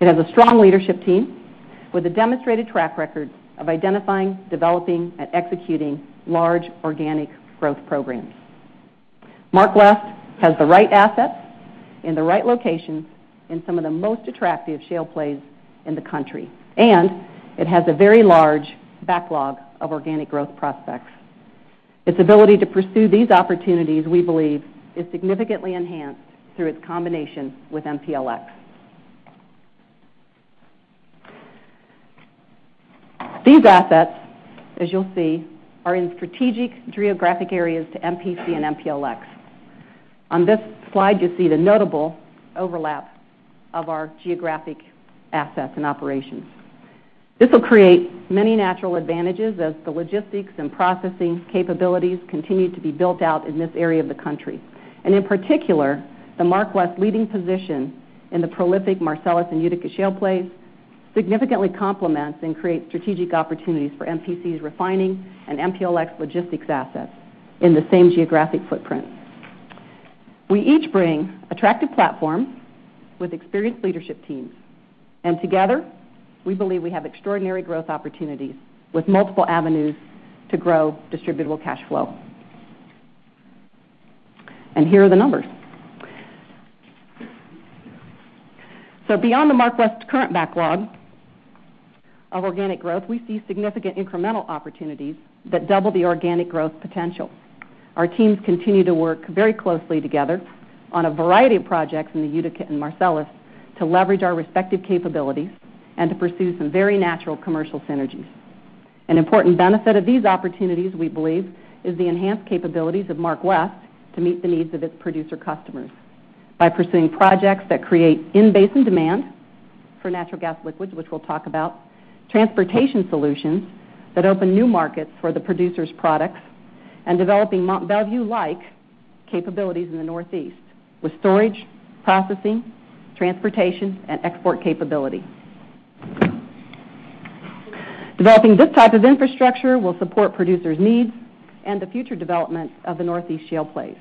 It has a strong leadership team with a demonstrated track record of identifying, developing, and executing large organic growth programs. MarkWest has the right assets in the right locations in some of the most attractive shale plays in the country, and it has a very large backlog of organic growth prospects. Its ability to pursue these opportunities, we believe, is significantly enhanced through its combination with MPLX. These assets, as you'll see, are in strategic geographic areas to MPC and MPLX. On this slide, you see the notable overlap of our geographic assets and operations. This will create many natural advantages as the logistics and processing capabilities continue to be built out in this area of the country. In particular, the MarkWest leading position in the prolific Marcellus and Utica shale plays significantly complements and creates strategic opportunities for MPC's refining and MPLX logistics assets in the same geographic footprint. We each bring attractive platforms with experienced leadership teams, and together, we believe we have extraordinary growth opportunities with multiple avenues to grow distributable cash flow. Here are the numbers. Beyond the MarkWest current backlog of organic growth, we see significant incremental opportunities that double the organic growth potential. Our teams continue to work very closely together on a variety of projects in the Utica and Marcellus to leverage our respective capabilities and to pursue some very natural commercial synergies. An important benefit of these opportunities, we believe, is the enhanced capabilities of MarkWest to meet the needs of its producer customers by pursuing projects that create in-basin demand for natural gas liquids, which we'll talk about, transportation solutions that open new markets for the producer's products, and developing Mont Belvieu-like capabilities in the Northeast with storage, processing, transportation, and export capability. Developing this type of infrastructure will support producers' needs and the future development of the Northeast shale plays.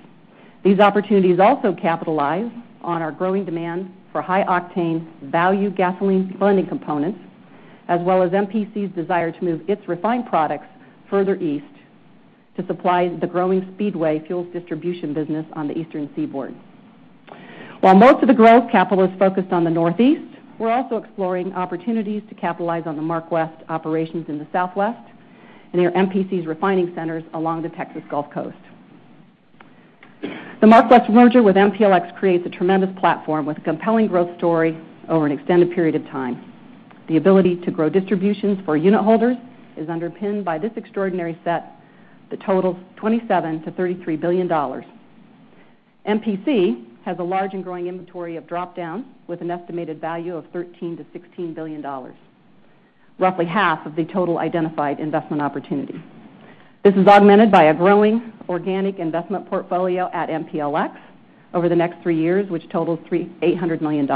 These opportunities also capitalize on our growing demand for high-octane value gasoline blending components, as well as MPC's desire to move its refined products further east to supply the growing Speedway fuels distribution business on the Eastern Seaboard. While most of the growth capital is focused on the Northeast, we're also exploring opportunities to capitalize on the MarkWest operations in the Southwest near MPC's refining centers along the Texas Gulf Coast. The MarkWest merger with MPLX creates a tremendous platform with a compelling growth story over an extended period of time. The ability to grow distributions for unit holders is underpinned by this extraordinary set that totals $27 billion-$33 billion. MPC has a large and growing inventory of dropdowns with an estimated value of $13 billion-$16 billion, roughly half of the total identified investment opportunity. This is augmented by a growing organic investment portfolio at MPLX over the next three years, which totals $800 million.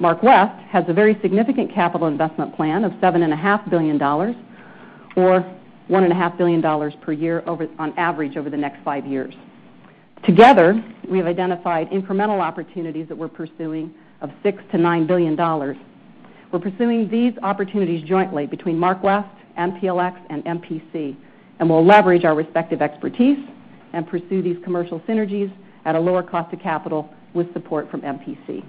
MarkWest has a very significant capital investment plan of $7.5 billion or $1.5 billion per year on average over the next five years. Together, we have identified incremental opportunities that we're pursuing of $6 billion-$9 billion. We're pursuing these opportunities jointly between MarkWest, MPLX, and MPC, and we'll leverage our respective expertise and pursue these commercial synergies at a lower cost of capital with support from MPC.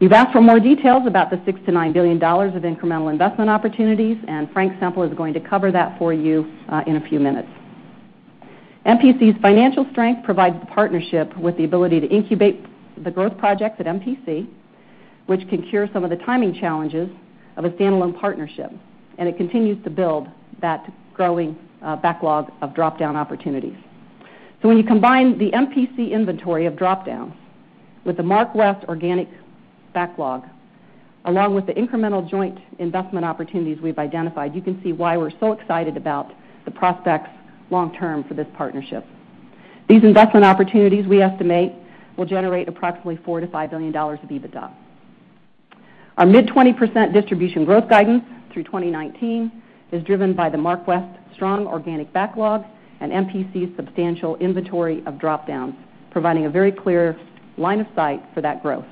You've asked for more details about the $6 billion-$9 billion of incremental investment opportunities, and Frank Semple is going to cover that for you in a few minutes. MPC's financial strength provides the partnership with the ability to incubate the growth projects at MPC, which can cure some of the timing challenges of a standalone partnership, and it continues to build that growing backlog of dropdown opportunities. When you combine the MPC inventory of dropdowns with the MarkWest organic backlog, along with the incremental joint investment opportunities we've identified, you can see why we're so excited about the prospects long term for this partnership. These investment opportunities, we estimate, will generate approximately $4 billion-$5 billion of EBITDA. Our mid-20% distribution growth guidance through 2019 is driven by the MarkWest strong organic backlog and MPC's substantial inventory of dropdowns, providing a very clear line of sight for that growth.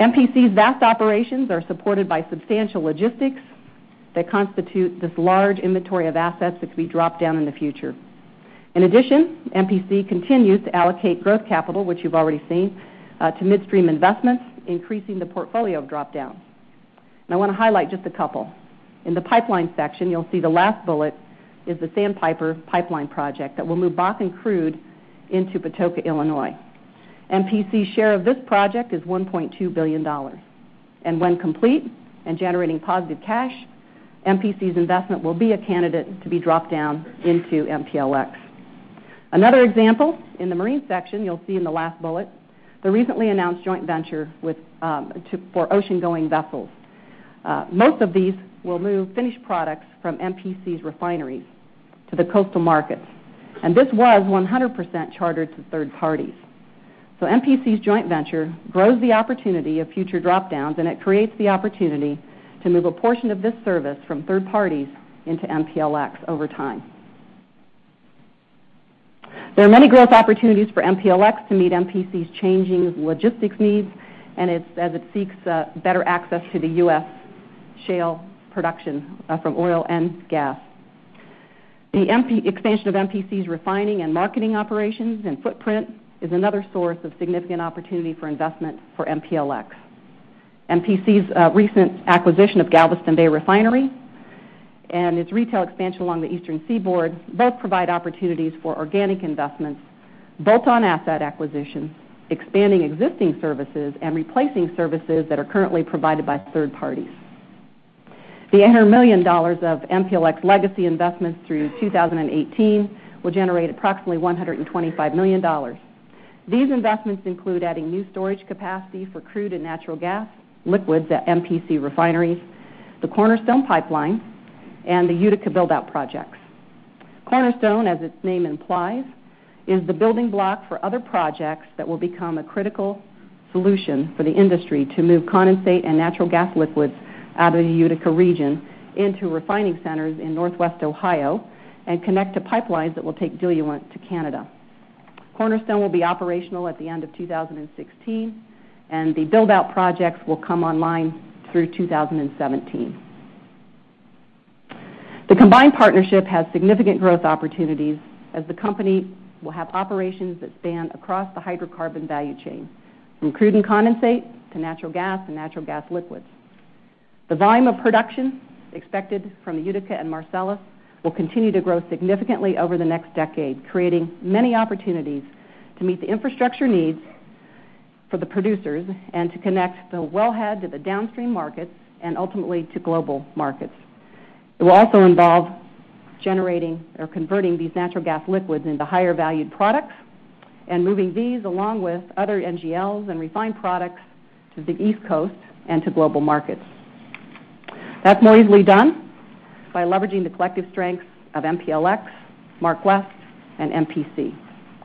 MPC's vast operations are supported by substantial logistics that constitute this large inventory of assets that could be dropped down in the future. In addition, MPC continues to allocate growth capital, which you've already seen, to midstream investments, increasing the portfolio of dropdowns. I want to highlight just a couple. In the pipeline section, you'll see the last bullet is the Sandpiper pipeline project that will move Bakken crude into Patoka, Illinois. MPC's share of this project is $1.2 billion. When complete and generating positive cash, MPC's investment will be a candidate to be dropped down into MPLX. Another example, in the marine section, you'll see in the last bullet, the recently announced joint venture for oceangoing vessels. Most of these will move finished products from MPC's refineries to the coastal markets. This was 100% chartered to third parties. MPC's joint venture grows the opportunity of future drop-downs, and it creates the opportunity to move a portion of this service from third parties into MPLX over time. There are many growth opportunities for MPLX to meet MPC's changing logistics needs as it seeks better access to the U.S. shale production from oil and gas. The expansion of MPC's refining and marketing operations and footprint is another source of significant opportunity for investment for MPLX. MPC's recent acquisition of Galveston Bay Refinery and its retail expansion along the eastern seaboard both provide opportunities for organic investments, bolt-on asset acquisitions, expanding existing services, and replacing services that are currently provided by third parties. The $800 million of MPLX legacy investments through 2018 will generate approximately $125 million. These investments include adding new storage capacity for crude and natural gas liquids at MPC refineries, the Cornerstone Pipeline, and the Utica build-out projects. Cornerstone, as its name implies, is the building block for other projects that will become a critical solution for the industry to move condensate and natural gas liquids out of the Utica region into refining centers in Northwest Ohio and connect to pipelines that will take diluent to Canada. Cornerstone will be operational at the end of 2016, and the build-out projects will come online through 2017. The combined partnership has significant growth opportunities as the company will have operations that span across the hydrocarbon value chain from crude and condensate to natural gas and natural gas liquids. The volume of production expected from the Utica and Marcellus will continue to grow significantly over the next decade, creating many opportunities to meet the infrastructure needs for the producers and to connect the wellhead to the downstream markets and ultimately to global markets. It will also involve generating or converting these natural gas liquids into higher valued products and moving these along with other NGLs and refined products to the East Coast and to global markets. That's more easily done by leveraging the collective strengths of MPLX, MarkWest, and MPC.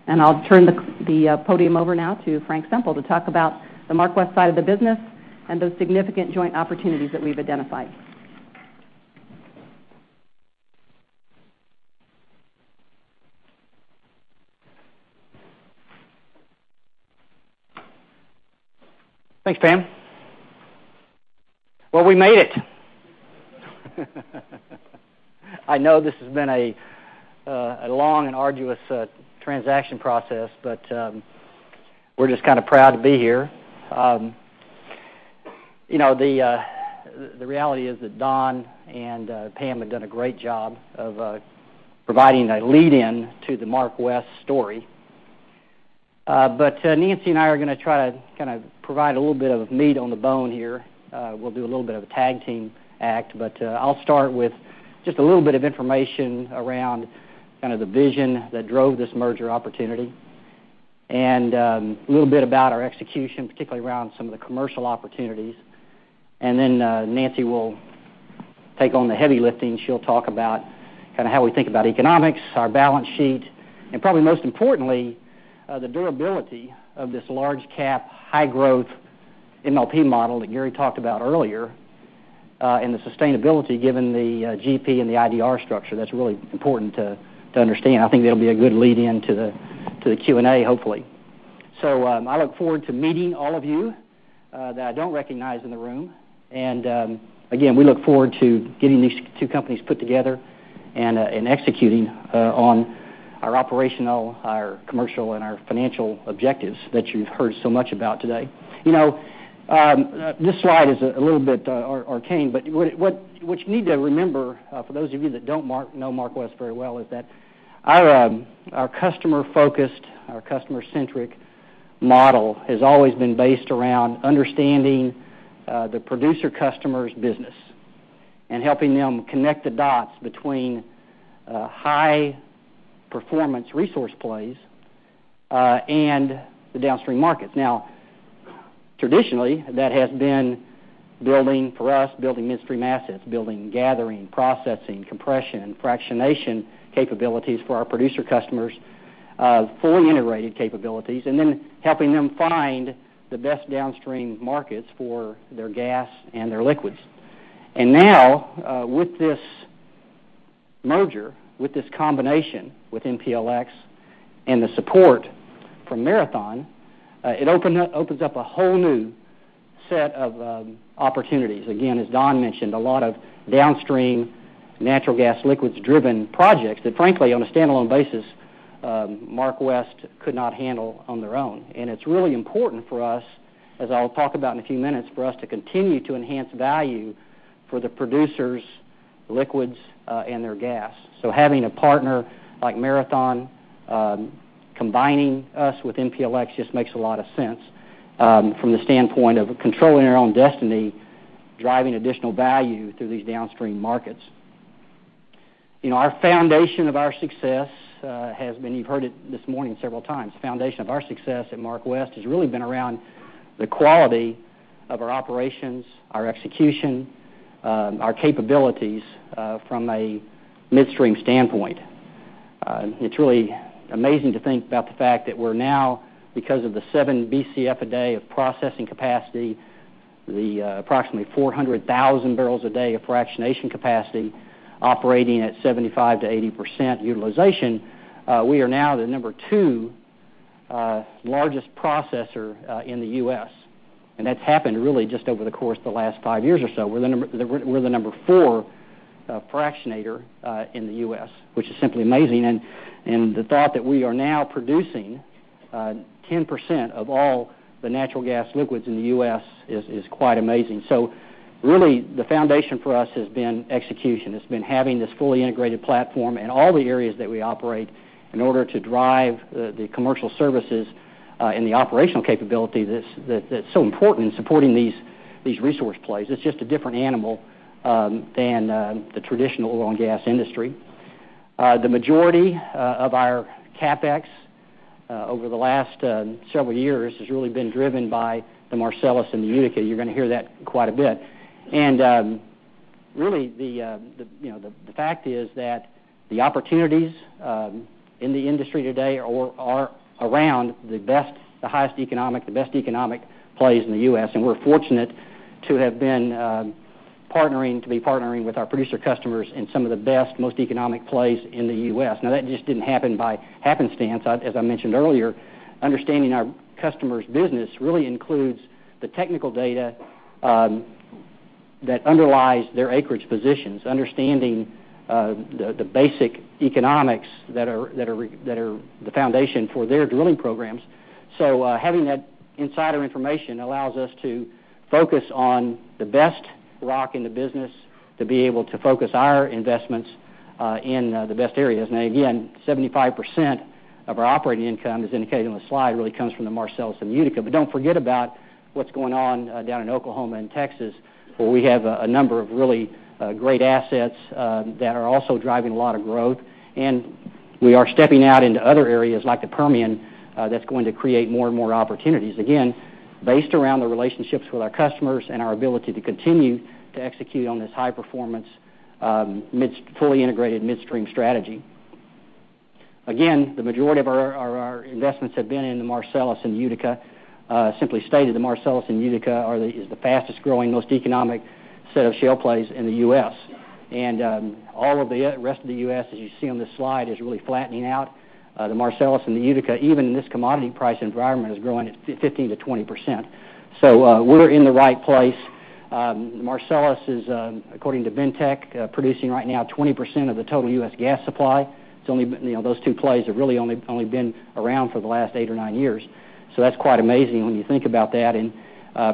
I'll turn the podium over now to Frank Semple to talk about the MarkWest side of the business and those significant joint opportunities that we've identified. Thanks, Pam. We made it. I know this has been a long and arduous transaction process, but we're just kind of proud to be here. The reality is that Don and Pam have done a great job of providing a lead-in to the MarkWest story. Nancy and I are going to try to kind of provide a little bit of meat on the bone here. We'll do a little bit of a tag team act, but I'll start with just a little bit of information around kind of the vision that drove this merger opportunity and a little bit about our execution, particularly around some of the commercial opportunities. Then Nancy will take on the heavy lifting. She'll talk about how we think about economics, our balance sheet, and probably most importantly, the durability of this large cap, high growth MLP model that Gary talked about earlier, and the sustainability given the GP and the IDR structure. That's really important to understand. I think that'll be a good lead-in to the Q&A, hopefully. I look forward to meeting all of you that I don't recognize in the room. Again, we look forward to getting these two companies put together and executing on our operational, our commercial, and our financial objectives that you've heard so much about today. This slide is a little bit arcane, what you need to remember, for those of you that don't know MarkWest very well, is that our customer-focused, our customer-centric model has always been based around understanding the producer customer's business and helping them connect the dots between high performance resource plays and the downstream markets. Traditionally, that has been building for us, building midstream assets, building, gathering, processing, compression, fractionation capabilities for our producer customers, fully integrated capabilities, and then helping them find the best downstream markets for their gas and their liquids. With this merger, with this combination with MPLX and the support from Marathon, it opens up a whole new set of opportunities. As Don mentioned, a lot of downstream natural gas liquids-driven projects that frankly, on a standalone basis MarkWest could not handle on their own. It's really important for us, as I'll talk about in a few minutes, for us to continue to enhance value for the producers' liquids and their gas. Having a partner like Marathon, combining us with MPLX just makes a lot of sense from the standpoint of controlling our own destiny, driving additional value through these downstream markets. Our foundation of our success has been, you've heard it this morning several times, the foundation of our success at MarkWest has really been around the quality of our operations, our execution, our capabilities from a midstream standpoint. It's really amazing to think about the fact that we're now, because of the 7 Bcf a day of processing capacity, the approximately 400,000 barrels a day of fractionation capacity operating at 75%-80% utilization, we are now the number 2 largest processor in the U.S., that's happened really just over the course of the last 5 years or so. We're the number 4 fractionator in the U.S., which is simply amazing, and the thought that we are now producing 10% of all the natural gas liquids in the U.S. is quite amazing. Really the foundation for us has been execution. It's been having this fully integrated platform in all the areas that we operate in order to drive the commercial services and the operational capability that's so important in supporting these resource plays. It's just a different animal than the traditional oil and gas industry. The majority of our CapEx over the last several years has really been driven by the Marcellus and the Utica. You're going to hear that quite a bit. The fact is that the opportunities in the industry today are around the best economic plays in the U.S., and we're fortunate to be partnering with our producer customers in some of the best, most economic plays in the U.S. That just didn't happen by happenstance. As I mentioned earlier, understanding our customers' business really includes the technical data that underlies their acreage positions, understanding the basic economics that are the foundation for their drilling programs. Having that insider information allows us to focus on the best rock in the business to be able to focus our investments in the best areas. Again, 75% of our operating income, as indicated on the slide, really comes from the Marcellus and Utica, but don't forget about what's going on down in Oklahoma and Texas, where we have a number of really great assets that are also driving a lot of growth. We are stepping out into other areas like the Permian that's going to create more and more opportunities, again, based around the relationships with our customers and our ability to continue to execute on this high performance fully integrated midstream strategy. Again, the majority of our investments have been in the Marcellus and Utica. Simply stated, the Marcellus and Utica is the fastest growing, most economic set of shale plays in the U.S. All of the rest of the U.S., as you see on this slide, is really flattening out. The Marcellus and the Utica, even in this commodity price environment, is growing at 15%-20%. We're in the right place. Marcellus is, according to Bentek, producing right now 20% of the total U.S. gas supply. Those two plays have really only been around for the last eight or nine years. That's quite amazing when you think about that.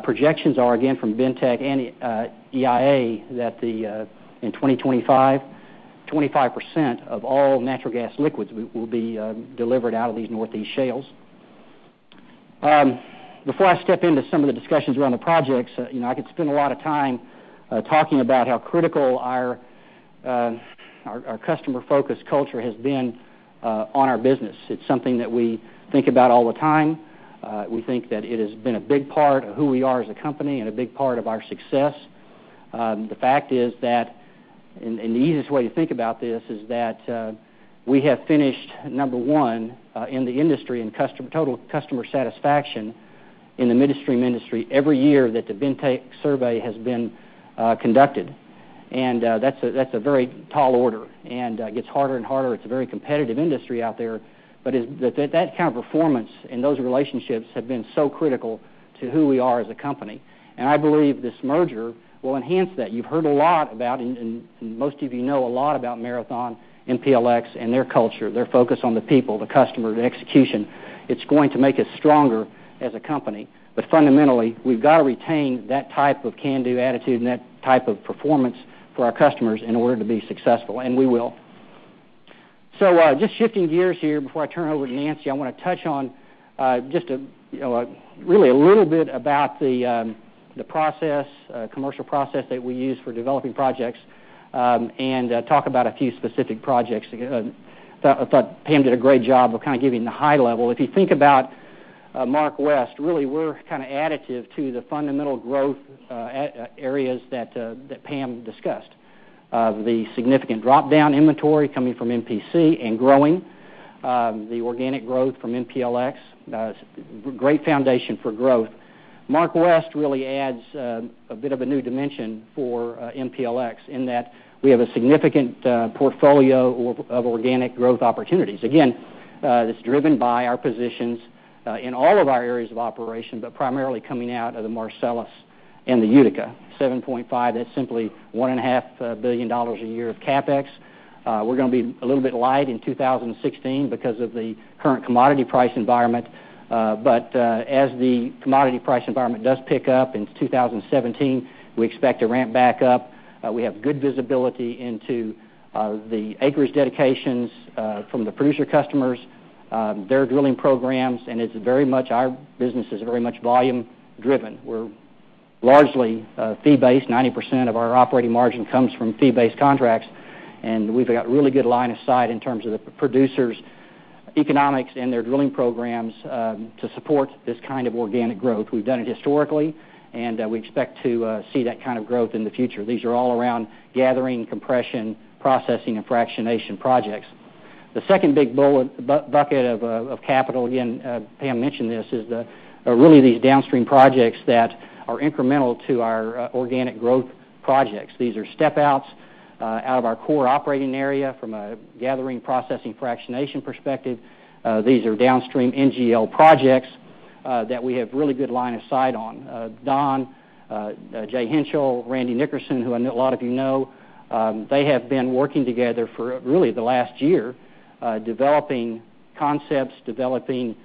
Projections are again from Bentek and EIA that in 2025, 25% of all natural gas liquids will be delivered out of these Northeast shales. Before I step into some of the discussions around the projects, I could spend a lot of time talking about how critical our customer-focused culture has been on our business. It's something that we think about all the time. We think that it has been a big part of who we are as a company and a big part of our success. The fact is that the easiest way to think about this is that we have finished number one in the industry in total customer satisfaction in the midstream industry every year that the Bentek survey has been conducted. That's a very tall order and gets harder and harder. It's a very competitive industry out there, that kind of performance and those relationships have been so critical to who we are as a company. I believe this merger will enhance that. You've heard a lot about, and most of you know a lot about Marathon, MPLX and their culture, their focus on the people, the customer, the execution. It's going to make us stronger as a company. Fundamentally, we've got to retain that type of can-do attitude and that type of performance for our customers in order to be successful, and we will. Just shifting gears here before I turn it over to Nancy, I want to touch on just really a little bit about the commercial process that we use for developing projects and talk about a few specific projects. I thought Pam did a great job of kind of giving the high level. If you think about MarkWest, really we're kind of additive to the fundamental growth areas that Pam discussed. The significant drop-down inventory coming from MPC and growing, the organic growth from MPLX, great foundation for growth. MarkWest really adds a bit of a new dimension for MPLX in that we have a significant portfolio of organic growth opportunities. Again, that's driven by our positions in all of our areas of operation, but primarily coming out of the Marcellus in the Utica, 7.5, that's simply $1.5 billion a year of CapEx. We're going to be a little bit light in 2016 because of the current commodity price environment. As the commodity price environment does pick up in 2017, we expect to ramp back up. We have good visibility into the acreage dedications from the producer customers, their drilling programs, and our business is very much volume driven. We're largely fee-based. 90% of our operating margin comes from fee-based contracts, and we've got really good line of sight in terms of the producers' economics and their drilling programs to support this kind of organic growth. We've done it historically, and we expect to see that kind of growth in the future. These are all around gathering, compression, processing, and fractionation projects. The second big bucket of capital, again, Pam mentioned this, is really these downstream projects that are incremental to our organic growth projects. These are step outs out of our core operating area from a gathering processing fractionation perspective. These are downstream NGL projects that we have really good line of sight on. Don, Jay Hentschel, Randy Nickerson, who I know a lot of you know, they have been working together for really the last year, developing concepts, developing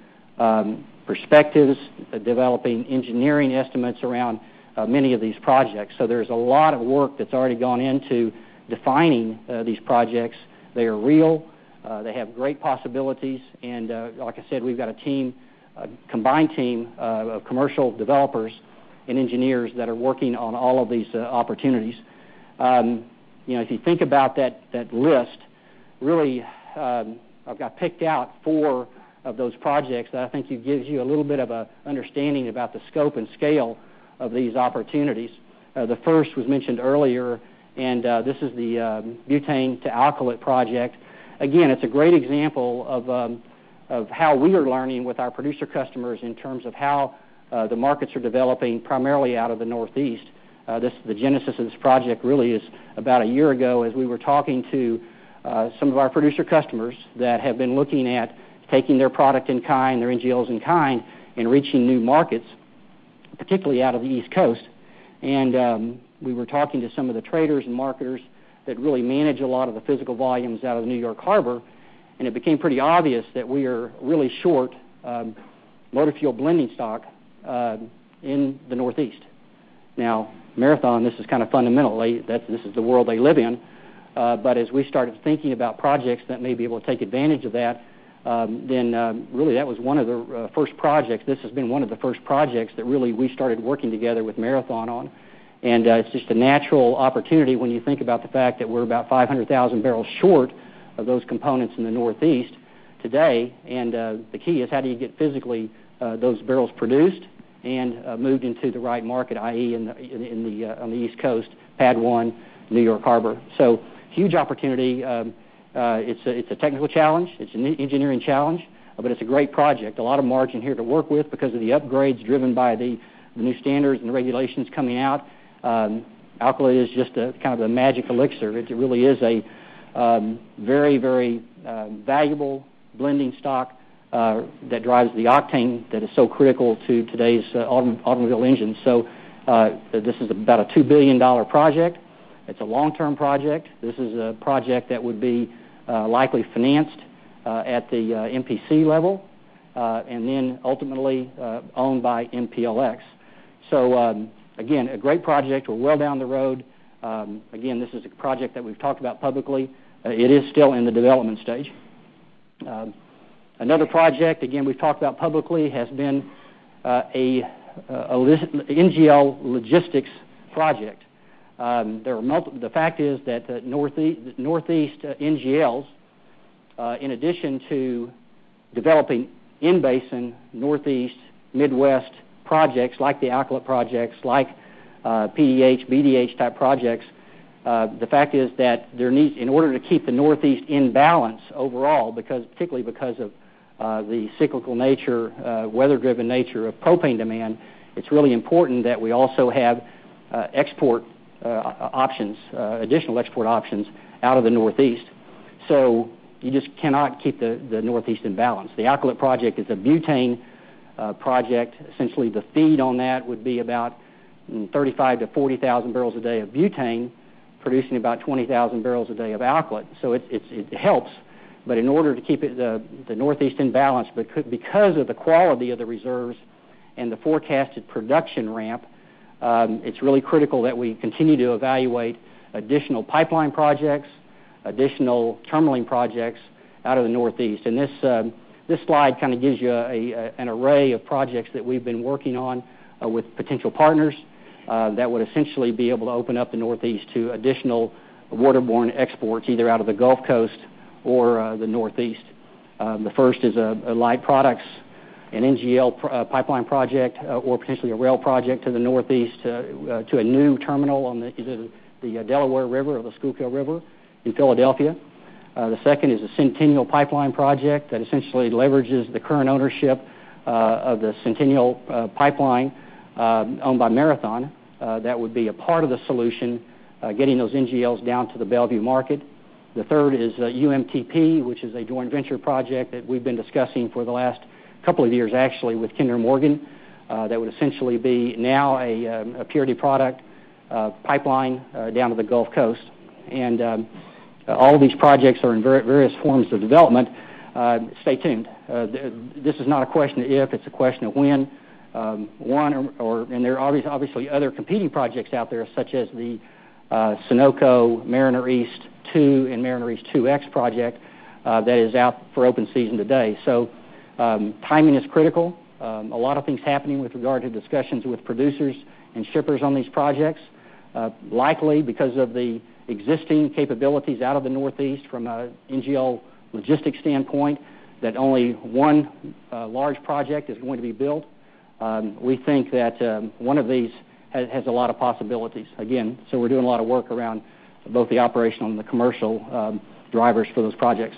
perspectives, developing engineering estimates around many of these projects. There's a lot of work that's already gone into defining these projects. They are real. They have great possibilities. Like I said, we've got a combined team of commercial developers and engineers that are working on all of these opportunities. If you think about that list, really, I've picked out four of those projects that I think gives you a little bit of an understanding about the scope and scale of these opportunities. The first was mentioned earlier, and this is the Butane to Alkylate project. Again, it's a great example of how we are learning with our producer customers in terms of how the markets are developing primarily out of the Northeast. The genesis of this project really is about a year ago, as we were talking to some of our producer customers that have been looking at taking their product in kind, their NGLs in kind, and reaching new markets, particularly out of the East Coast. We were talking to some of the traders and marketers that really manage a lot of the physical volumes out of New York Harbor, and it became pretty obvious that we are really short motor fuel blending stock in the Northeast. Now, Marathon, this is kind of fundamentally, this is the world they live in. As we started thinking about projects that may be able to take advantage of that, really that was one of the first projects. This has been one of the first projects that really we started working together with Marathon on. It's just a natural opportunity when you think about the fact that we're about 500,000 barrels short of those components in the Northeast today. The key is how do you get physically those barrels produced and moved into the right market, i.e., on the East Coast, PADD 1, New York Harbor. Huge opportunity. It's a technical challenge. It's an engineering challenge, but it's a great project. A lot of margin here to work with because of the upgrades driven by the new standards and regulations coming out. Alkylate is just a kind of a magic elixir. It really is a very, very valuable blending stock that drives the octane that is so critical to today's automobile engines. This is about a $2 billion project. It's a long-term project. This is a project that would be likely financed at the MPC level and ultimately owned by MPLX. Again, a great project. We're well down the road. Again, this is a project that we've talked about publicly. It is still in the development stage. Another project, again, we've talked about publicly has been a NGL logistics project. The fact is that Northeast NGLs in addition to developing in-basin Northeast Midwest projects like the Alkylate projects, like PDH, BDH type projects, the fact is that in order to keep the Northeast in balance overall, particularly because of the cyclical nature, weather-driven nature of propane demand, it's really important that we also have additional export options out of the Northeast. You just cannot keep the Northeast in balance. The Alkylate project is a butane project. Essentially, the feed on that would be about 35,000 to 40,000 barrels a day of butane, producing about 20,000 barrels a day of Alkylate. It helps. In order to keep the Northeast in balance, because of the quality of the reserves and the forecasted production ramp, it's really critical that we continue to evaluate additional pipeline projects, additional terminaling projects out of the Northeast. This slide kind of gives you an array of projects that we've been working on with potential partners that would essentially be able to open up the Northeast to additional waterborne exports, either out of the Gulf Coast or the Northeast. The first is a light products, an NGL pipeline project, or potentially a rail project to the Northeast to a new terminal on the Delaware River or the Schuylkill River in Philadelphia. The second is a Centennial Pipeline project that essentially leverages the current ownership of the Centennial Pipeline owned by Marathon. That would be a part of the solution, getting those NGLs down to the Mont Belvieu market. The third is UMTP, which is a joint venture project that we've been discussing for the last couple of years actually with Kinder Morgan. That would essentially be now a purity product pipeline down to the Gulf Coast. All these projects are in various forms of development. Stay tuned. This is not a question of if, it's a question of when. There are obviously other competing projects out there, such as the Sunoco Mariner East 2 and Mariner East 2X project that is out for open season today. Timing is critical. A lot of things happening with regard to discussions with producers and shippers on these projects. Likely because of the existing capabilities out of the Northeast from an NGL logistics standpoint, only one large project is going to be built. We think that one of these has a lot of possibilities. Again, we're doing a lot of work around both the operational and the commercial drivers for those projects.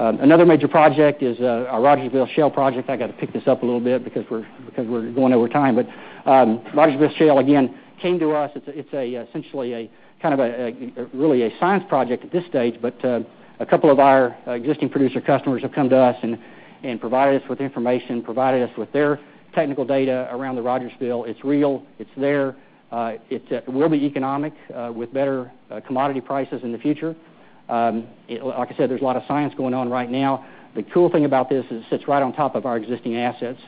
Another major project is our Rogersville Shale project. I got to pick this up a little bit because we're going over time. Rogersville Shale, again, came to us. It's essentially kind of really a science project at this stage, a couple of our existing producer customers have come to us and provided us with information, provided us with their technical data around the Rogersville. It's real. It's there. It will be economic with better commodity prices in the future. Like I said, there's a lot of science going on right now. The cool thing about this is it sits right on top of our existing assets.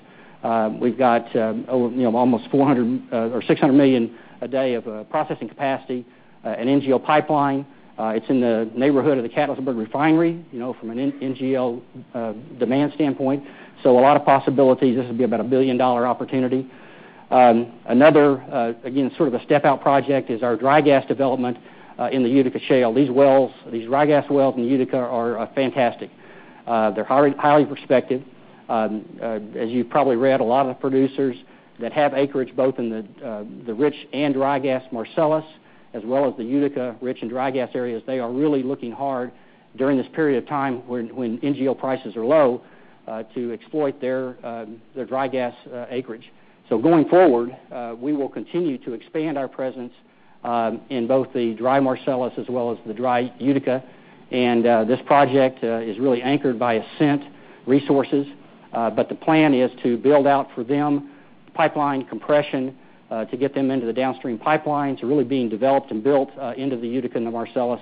We've got almost $600 million a day of processing capacity, an NGL pipeline. It's in the neighborhood of the Catlettsburg Refinery from an NGL demand standpoint. A lot of possibilities. This will be about a $1 billion-dollar opportunity. Another, again, sort of a step-out project is our dry gas development in the Utica Shale. These dry gas wells in Utica are fantastic. They're highly prospective. As you probably read, a lot of the producers that have acreage both in the rich and dry gas Marcellus, as well as the Utica rich and dry gas areas, they are really looking hard during this period of time when NGL prices are low to exploit their dry gas acreage. Going forward, we will continue to expand our presence in both the dry Marcellus as well as the dry Utica. This project is really anchored by Ascent Resources. The plan is to build out for them pipeline compression to get them into the downstream pipelines really being developed and built into the Utica and the Marcellus,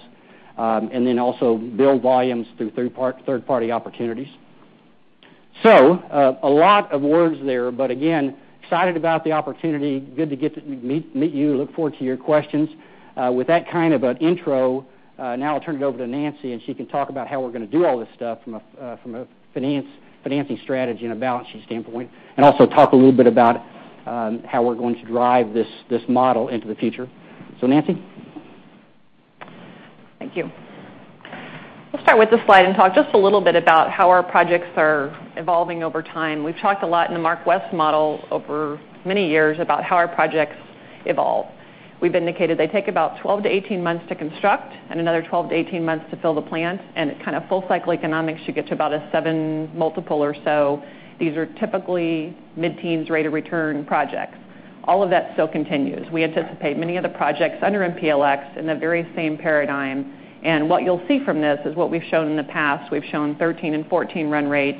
and then also build volumes through third-party opportunities. A lot of words there, again, excited about the opportunity. Good to get to meet you. Look forward to your questions. With that kind of an intro, now I'll turn it over to Nancy, she can talk about how we're going to do all this stuff from a financing strategy and a balance sheet standpoint, also talk a little bit about how we're going to drive this model into the future. Nancy? Thank you. Let's start with this slide and talk just a little bit about how our projects are evolving over time. We've talked a lot in the MarkWest model over many years about how our projects evolve. We've indicated they take about 12-18 months to construct and another 12-18 months to fill the plant, and at kind of full cycle economics, you get to about a seven multiple or so. These are typically mid-teens rate of return projects. All of that still continues. We anticipate many of the projects under MPLX in the very same paradigm, and what you'll see from this is what we've shown in the past. We've shown 13 and 14 run rates.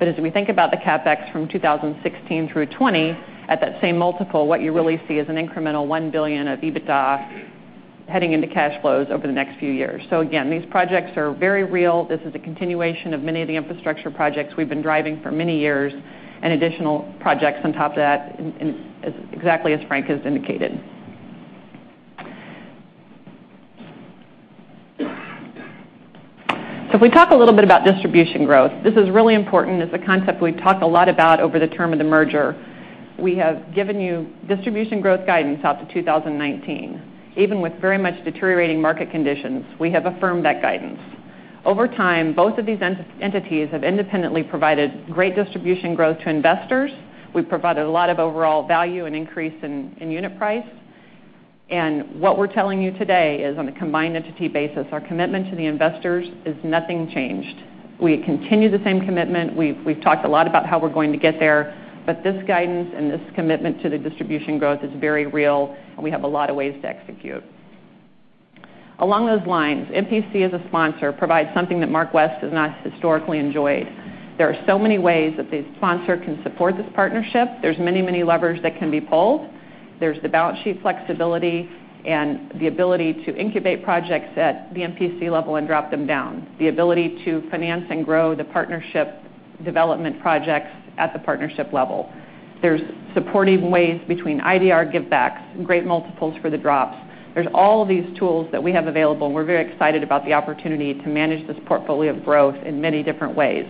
As we think about the CapEx from 2016 through 2020, at that same multiple, what you really see is an incremental $1 billion of EBITDA heading into cash flows over the next few years. Again, these projects are very real. This is a continuation of many of the infrastructure projects we've been driving for many years and additional projects on top of that, exactly as Frank has indicated. If we talk a little bit about distribution growth, this is really important. It's a concept we've talked a lot about over the term of the merger. We have given you distribution growth guidance out to 2019. Even with very much deteriorating market conditions, we have affirmed that guidance. Over time, both of these entities have independently provided great distribution growth to investors. We've provided a lot of overall value and increase in unit price. What we're telling you today is on a combined entity basis, our commitment to the investors is nothing changed. We continue the same commitment. We've talked a lot about how we're going to get there, this guidance and this commitment to the distribution growth is very real, and we have a lot of ways to execute. Along those lines, MPC as a sponsor provides something that MarkWest has not historically enjoyed. There are so many ways that the sponsor can support this partnership. There's many levers that can be pulled. There's the balance sheet flexibility and the ability to incubate projects at the MPC level and drop them down. The ability to finance and grow the partnership development projects at the partnership level. There's supportive ways between IDR give backs and great multiples for the drops. There's all of these tools that we have available. We're very excited about the opportunity to manage this portfolio of growth in many different ways.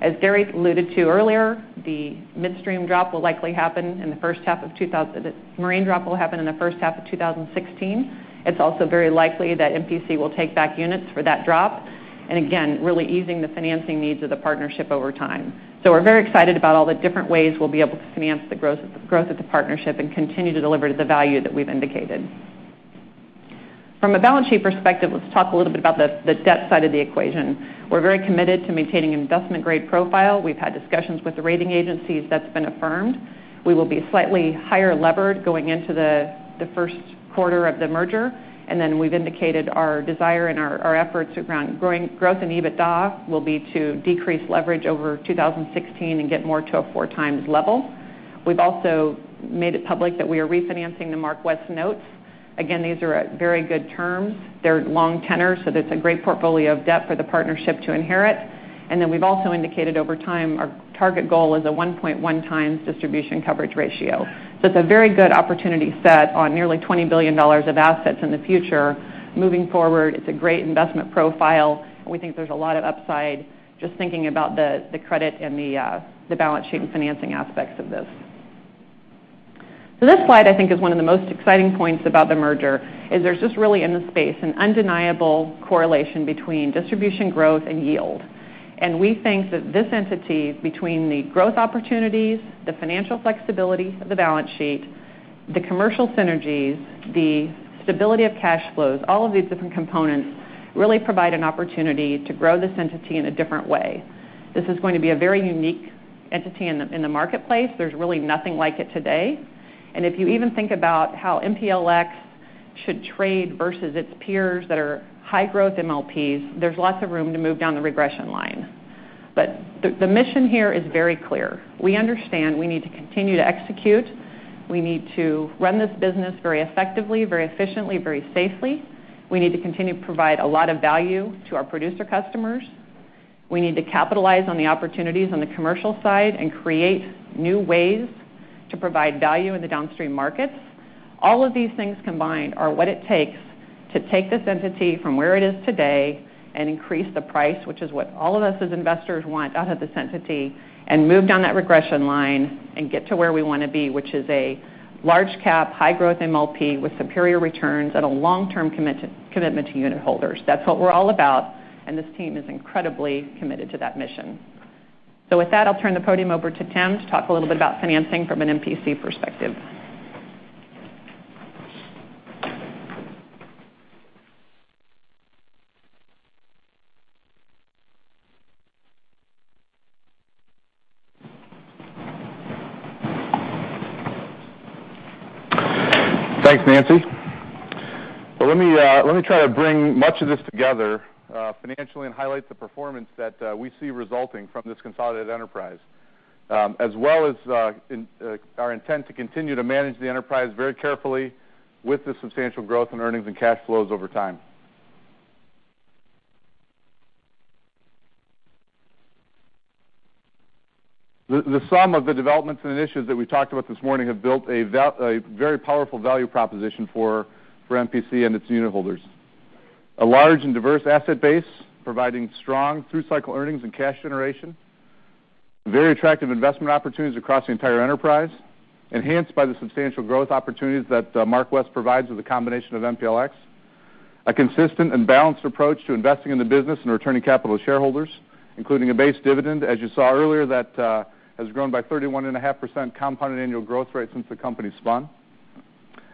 As Derek alluded to earlier, the midstream drop will happen in the first half of 2016. It's also very likely that MPC will take back units for that drop. Again, really easing the financing needs of the partnership over time. We're very excited about all the different ways we'll be able to finance the growth of the partnership and continue to deliver the value that we've indicated. From a balance sheet perspective, let's talk a little bit about the debt side of the equation. We're very committed to maintaining an investment-grade profile. We've had discussions with the rating agencies, that's been affirmed. We will be slightly higher levered going into the first quarter of the merger. Then we've indicated our desire and our efforts around growth in EBITDA will be to decrease leverage over 2016 and get more to a 4 times level. We've also made it public that we are refinancing the MarkWest notes. Again, these are at very good terms. They're long tenor, so that's a great portfolio of debt for the partnership to inherit. Then we've also indicated over time, our target goal is a 1.1 times distribution coverage ratio. It's a very good opportunity set on nearly $20 billion of assets in the future. Moving forward, it's a great investment profile, and we think there's a lot of upside, just thinking about the credit and the balance sheet and financing aspects of this. This slide, I think, is one of the most exciting points about the merger, is there's just really in the space, an undeniable correlation between distribution growth and yield. We think that this entity, between the growth opportunities, the financial flexibility of the balance sheet, the commercial synergies, the stability of cash flows, all of these different components really provide an opportunity to grow this entity in a different way. This is going to be a very unique entity in the marketplace. There's really nothing like it today. If you even think about how MPLX should trade versus its peers that are high-growth MLPs, there's lots of room to move down the regression line. But the mission here is very clear. We understand we need to continue to execute. We need to run this business very effectively, very efficiently, very safely. We need to continue to provide a lot of value to our producer customers. We need to capitalize on the opportunities on the commercial side and create new ways to provide value in the downstream markets. All of these things combined are what it takes to take this entity from where it is today and increase the price, which is what all of us as investors want out of this entity, and move down that regression line and get to where we want to be, which is a large cap, high-growth MLP with superior returns and a long-term commitment to unitholders. That's what we're all about, and this team is incredibly committed to that mission. With that, I'll turn the podium over to Tim to talk a little bit about financing from an MPC perspective. Thanks, Nancy. Well, let me try to bring much of this together financially and highlight the performance that we see resulting from this consolidated enterprise, as well as our intent to continue to manage the enterprise very carefully with the substantial growth in earnings and cash flows over time. The sum of the developments and initiatives that we talked about this morning have built a very powerful value proposition for MPC and its unitholders. A large and diverse asset base providing strong through-cycle earnings and cash generation. Very attractive investment opportunities across the entire enterprise, enhanced by the substantial growth opportunities that MarkWest provides with a combination of MPLX. A consistent and balanced approach to investing in the business and returning capital to shareholders, including a base dividend, as you saw earlier, that has grown by 31.5% compounded annual growth rate since the company spun.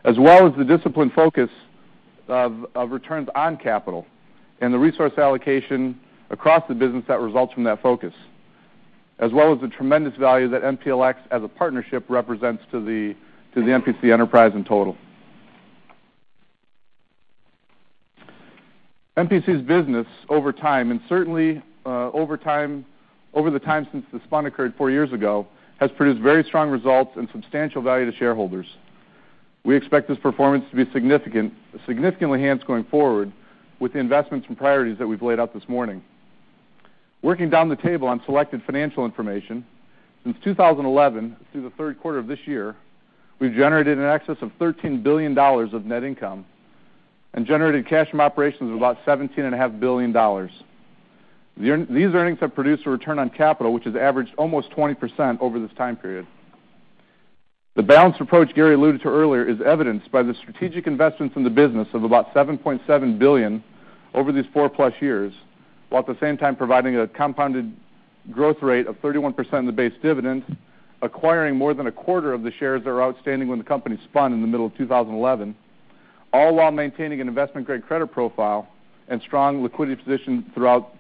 The disciplined focus of returns on capital and the resource allocation across the business that results from that focus. The tremendous value that MPLX, as a partnership, represents to the MPC enterprise in total. MPC's business over time, and certainly over the time since the spun occurred four years ago, has produced very strong results and substantial value to shareholders. We expect this performance to be significantly enhanced going forward with the investments and priorities that we've laid out this morning. Working down the table on selected financial information, since 2011 through the third quarter of this year, we've generated in excess of $13 billion of net income and generated cash from operations of about $17.5 billion. These earnings have produced a return on capital, which has averaged almost 20% over this time period. The balanced approach Gary alluded to earlier is evidenced by the strategic investments in the business of about $7.7 billion over these four-plus years, while at the same time providing a compounded growth rate of 31% of the base dividend, acquiring more than a quarter of the shares that were outstanding when the company spun in the middle of 2011, all while maintaining an investment-grade credit profile and strong liquidity position throughout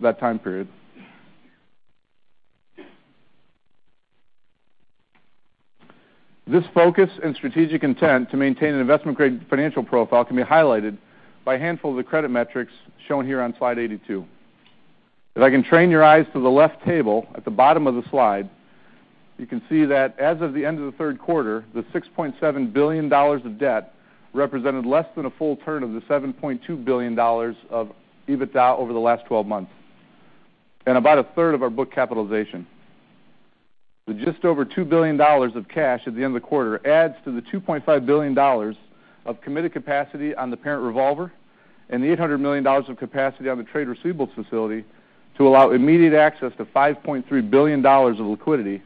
that time period. This focus and strategic intent to maintain an investment-grade financial profile can be highlighted by a handful of the credit metrics shown here on slide 82. If I can train your eyes to the left table at the bottom of the slide, you can see that as of the end of the third quarter, the $6.7 billion of debt represented less than a full turn of the $7.2 billion of EBITDA over the last 12 months and about a third of our book capitalization. The just over $2 billion of cash at the end of the quarter adds to the $2.5 billion of committed capacity on the parent revolver and the $800 million of capacity on the trade receivables facility to allow immediate access to $5.3 billion of liquidity.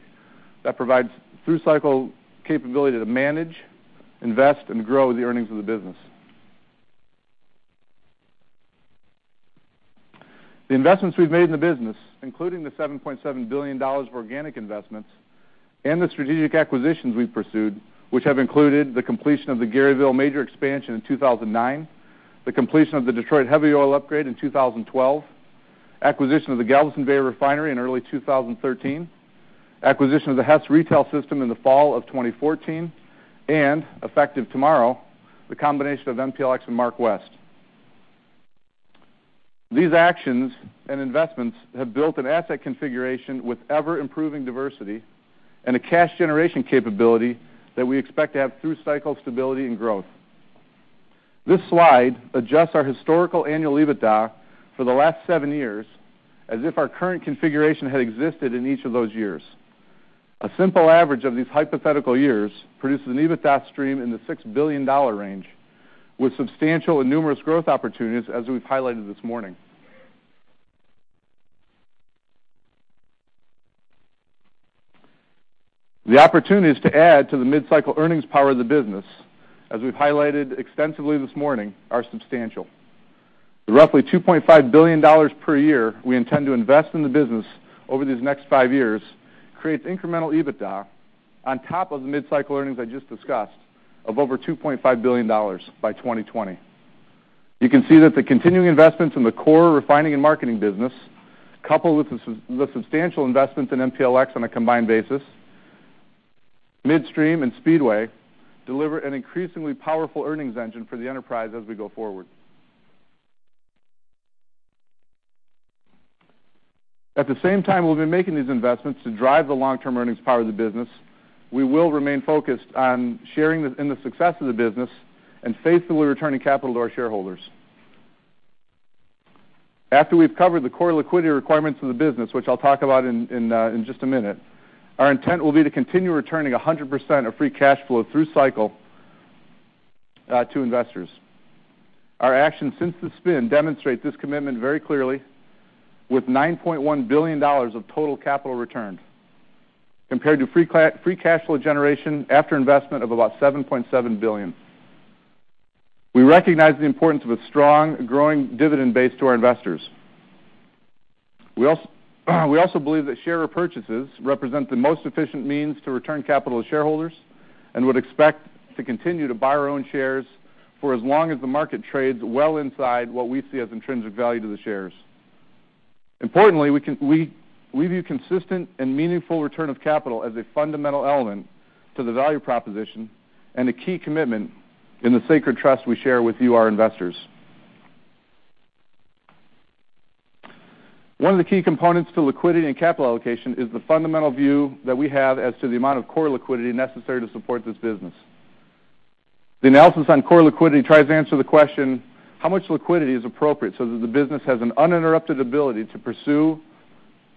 That provides through-cycle capability to manage, invest, and grow the earnings of the business. The investments we've made in the business, including the $7.7 billion of organic investments and the strategic acquisitions we've pursued, which have included the completion of the Garyville major expansion in 2009, the completion of the Detroit heavy oil upgrade in 2012, acquisition of the Galveston Bay refinery in early 2013, acquisition of the Hess retail system in the fall of 2014, and effective tomorrow, the combination of MPLX and MarkWest. These actions and investments have built an asset configuration with ever-improving diversity and a cash generation capability that we expect to have through cycle stability and growth. This slide adjusts our historical annual EBITDA for the last seven years, as if our current configuration had existed in each of those years. A simple average of these hypothetical years produces an EBITDA stream in the $6 billion range, with substantial and numerous growth opportunities as we've highlighted this morning. The opportunities to add to the mid-cycle earnings power of the business, as we've highlighted extensively this morning, are substantial. The roughly $2.5 billion per year we intend to invest in the business over these next five years creates incremental EBITDA on top of the mid-cycle earnings I just discussed of over $2.5 billion by 2020. You can see that the continuing investments in the core refining and marketing business, coupled with the substantial investments in MPLX on a combined basis, midstream and Speedway deliver an increasingly powerful earnings engine for the enterprise as we go forward. At the same time we'll be making these investments to drive the long-term earnings power of the business, we will remain focused on sharing in the success of the business and faithfully returning capital to our shareholders. After we've covered the core liquidity requirements of the business, which I'll talk about in just a minute, our intent will be to continue returning 100% of free cash flow through cycle to investors. Our actions since the spin demonstrate this commitment very clearly with $9.1 billion of total capital returned compared to free cash flow generation after investment of about $7.7 billion. We recognize the importance of a strong growing dividend base to our investors. We also believe that share repurchases represent the most efficient means to return capital to shareholders and would expect to continue to buy our own shares for as long as the market trades well inside what we see as intrinsic value to the shares. Importantly, we view consistent and meaningful return of capital as a fundamental element to the value proposition and a key commitment in the sacred trust we share with you, our investors. One of the key components to liquidity and capital allocation is the fundamental view that we have as to the amount of core liquidity necessary to support this business. The analysis on core liquidity tries to answer the question, how much liquidity is appropriate so that the business has an uninterrupted ability to pursue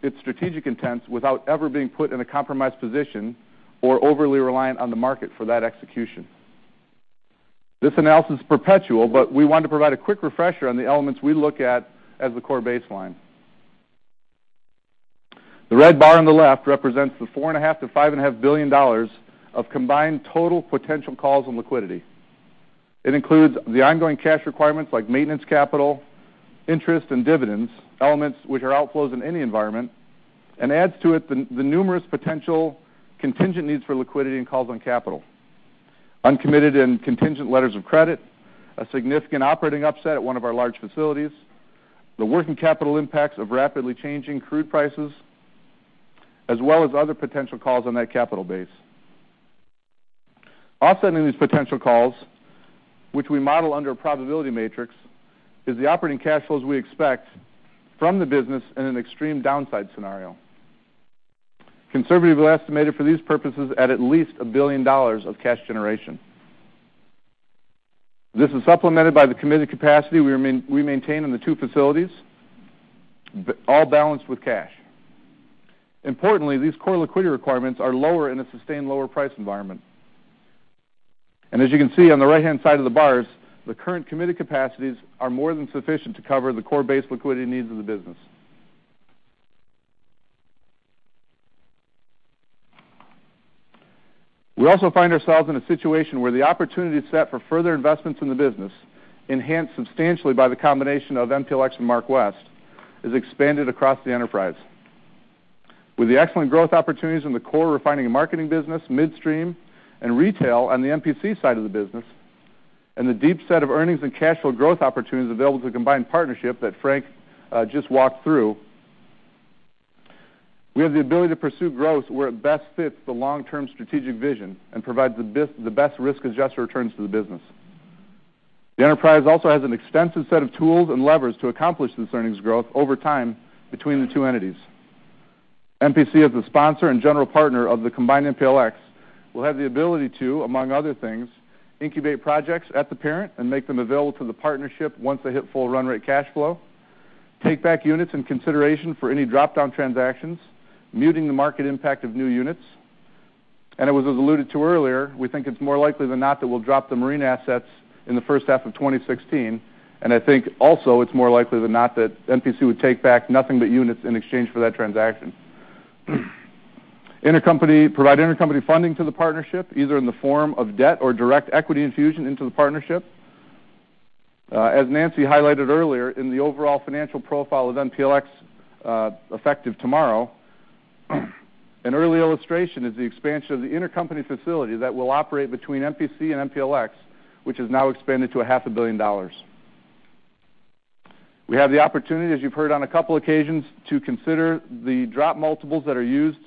its strategic intents without ever being put in a compromised position or overly reliant on the market for that execution? This analysis is perpetual, but we want to provide a quick refresher on the elements we look at as the core baseline. The red bar on the left represents the $4.5 billion-$5.5 billion of combined total potential calls on liquidity. It includes the ongoing cash requirements like maintenance capital, interest, and dividends, elements which are outflows in any environment, and adds to it the numerous potential contingent needs for liquidity and calls on capital. Uncommitted and contingent letters of credit, a significant operating upset at one of our large facilities, the working capital impacts of rapidly changing crude prices, as well as other potential calls on that capital base. Offsetting these potential calls, which we model under a probability matrix, is the operating cash flows we expect from the business in an extreme downside scenario. Conservatively estimated for these purposes at at least a billion dollars of cash generation. This is supplemented by the committed capacity we maintain in the two facilities, all balanced with cash. Importantly, these core liquidity requirements are lower in a sustained lower price environment. As you can see on the right-hand side of the bars, the current committed capacities are more than sufficient to cover the core base liquidity needs of the business. We also find ourselves in a situation where the opportunity set for further investments in the business, enhanced substantially by the combination of MPLX and MarkWest, is expanded across the enterprise. With the excellent growth opportunities in the core refining and marketing business, midstream, and retail on the MPC side of the business, and the deep set of earnings and cash flow growth opportunities available to the combined partnership that Frank just walked through, we have the ability to pursue growth where it best fits the long-term strategic vision and provides the best risk-adjusted returns to the business. The enterprise also has an extensive set of tools and levers to accomplish this earnings growth over time between the two entities. MPC as the sponsor and general partner of the combined MPLX will have the ability to, among other things, incubate projects at the parent and make them available to the partnership once they hit full run rate cash flow, take back units in consideration for any drop-down transactions, muting the market impact of new units. As was alluded to earlier, we think it's more likely than not that we'll drop the marine assets in the first half of 2016. I think also it's more likely than not that MPC would take back nothing but units in exchange for that transaction. Provide intercompany funding to the partnership, either in the form of debt or direct equity infusion into the partnership. As Nancy highlighted earlier, in the overall financial profile of MPLX effective tomorrow, an early illustration is the expansion of the intercompany facility that will operate between MPC and MPLX, which is now expanded to a half a billion dollars. We have the opportunity, as you've heard on a couple occasions, to consider the drop multiples that are used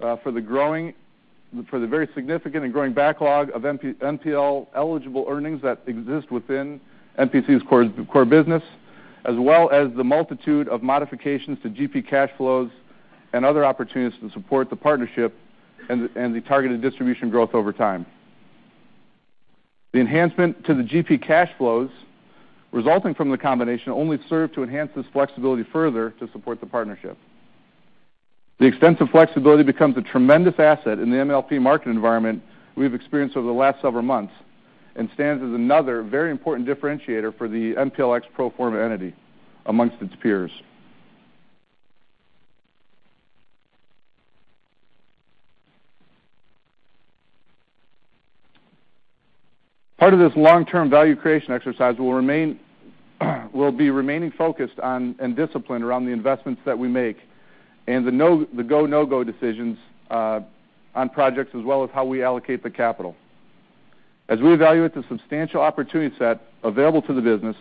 for the very significant and growing backlog of MPLX eligible earnings that exist within MPC's core business, as well as the multitude of modifications to GP cash flows and other opportunities to support the partnership and the targeted distribution growth over time. The enhancement to the GP cash flows resulting from the combination only serve to enhance this flexibility further to support the partnership. The extensive flexibility becomes a tremendous asset in the MLP market environment we've experienced over the last several months and stands as another very important differentiator for the MPLX pro forma entity amongst its peers. Part of this long-term value creation exercise will be remaining focused on and disciplined around the investments that we make and the go, no-go decisions on projects as well as how we allocate the capital. As we evaluate the substantial opportunity set available to the business,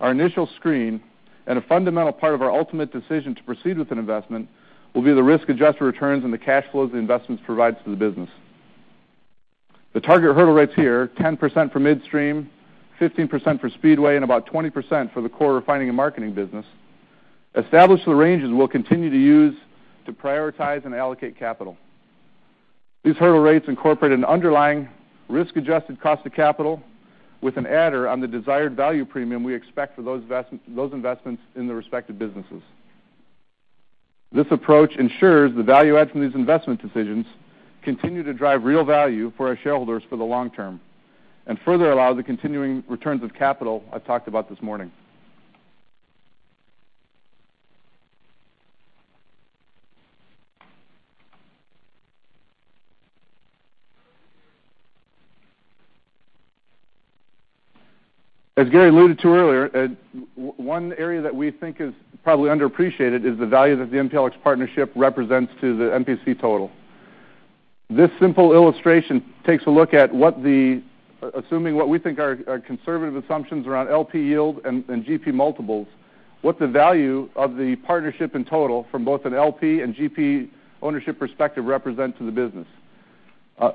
our initial screen and a fundamental part of our ultimate decision to proceed with an investment will be the risk-adjusted returns and the cash flows the investments provide to the business. The target hurdle rates here, 10% for midstream, 15% for Speedway, and about 20% for the core refining and marketing business, establish the ranges we'll continue to use to prioritize and allocate capital. These hurdle rates incorporate an underlying risk-adjusted cost of capital with an adder on the desired value premium we expect for those investments in the respective businesses. This approach ensures the value add from these investment decisions continue to drive real value for our shareholders for the long term and further allow the continuing returns of capital I talked about this morning. As Gary alluded to earlier, one area that we think is probably underappreciated is the value that the MPLX partnership represents to the MPC total. This simple illustration takes a look at assuming what we think are conservative assumptions around LP yield and GP multiples, what the value of the partnership in total from both an LP and GP ownership perspective represent to the business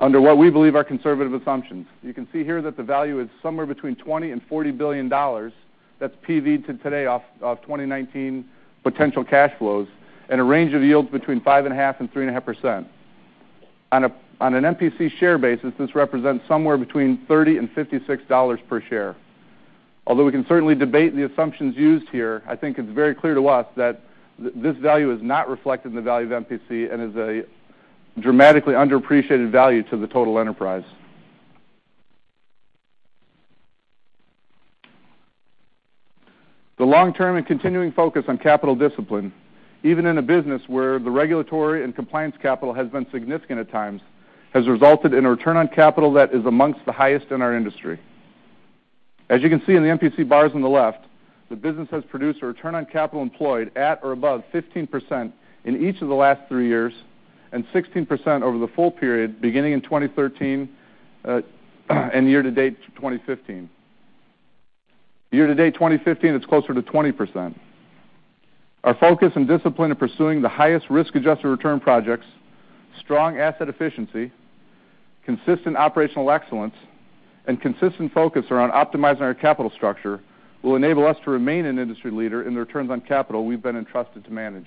under what we believe are conservative assumptions. You can see here that the value is somewhere between $20 billion-$40 billion. That's PV to today off of 2019 potential cash flows and a range of yields between 5.5%-3.5%. On an MPC share basis, this represents somewhere between $30-$56 per share. Although we can certainly debate the assumptions used here, I think it's very clear to us that this value is not reflected in the value of MPC and is a dramatically underappreciated value to the total enterprise. The long-term and continuing focus on capital discipline, even in a business where the regulatory and compliance capital has been significant at times, has resulted in a return on capital that is amongst the highest in our industry. As you can see in the MPC bars on the left, the business has produced a return on capital employed at or above 15% in each of the last three years and 16% over the full period beginning in 2013 and year to date to 2015. Year to date 2015, it's closer to 20%. Our focus and discipline of pursuing the highest risk-adjusted return projects, strong asset efficiency, consistent operational excellence, and consistent focus around optimizing our capital structure will enable us to remain an industry leader in the returns on capital we've been entrusted to manage.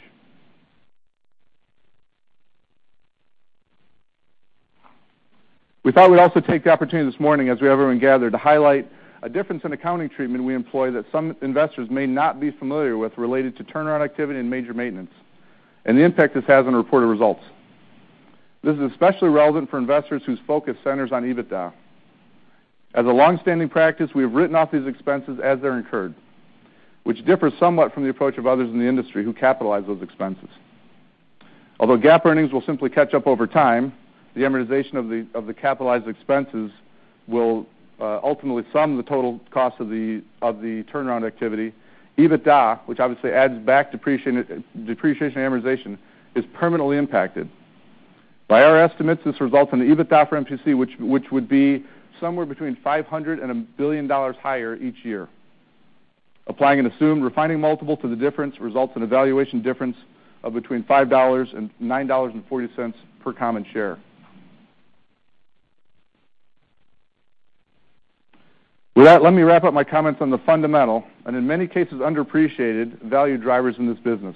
We thought we'd also take the opportunity this morning as we have everyone gathered to highlight a difference in accounting treatment we employ that some investors may not be familiar with related to turnaround activity and major maintenance and the impact this has on reported results. This is especially relevant for investors whose focus centers on EBITDA. As a longstanding practice, we have written off these expenses as they're incurred, which differs somewhat from the approach of others in the industry who capitalize those expenses. Although GAAP earnings will simply catch up over time, the amortization of the capitalized expenses will ultimately sum the total cost of the turnaround activity. EBITDA, which obviously adds back depreciation and amortization, is permanently impacted. By our estimates, this results in the EBITDA for MPC, which would be somewhere between $500 million and $1 billion higher each year. Applying an assumed refining multiple to the difference results in a valuation difference of between $5-$9.40 per common share. With that, let me wrap up my comments on the fundamental, and in many cases, underappreciated value drivers in this business,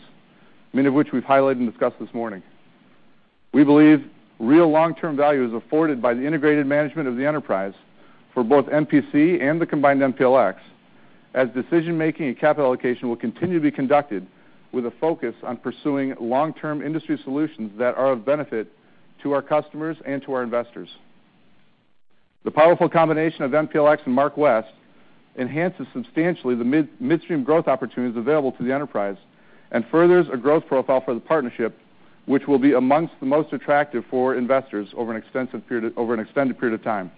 many of which we've highlighted and discussed this morning. We believe real long-term value is afforded by the integrated management of the enterprise for both MPC and the combined MPLX, as decision-making and capital allocation will continue to be conducted with a focus on pursuing long-term industry solutions that are of benefit to our customers and to our investors. The powerful combination of MPLX and MarkWest enhances substantially the midstream growth opportunities available to the enterprise and furthers a growth profile for the partnership, which will be amongst the most attractive for investors over an extended period of time.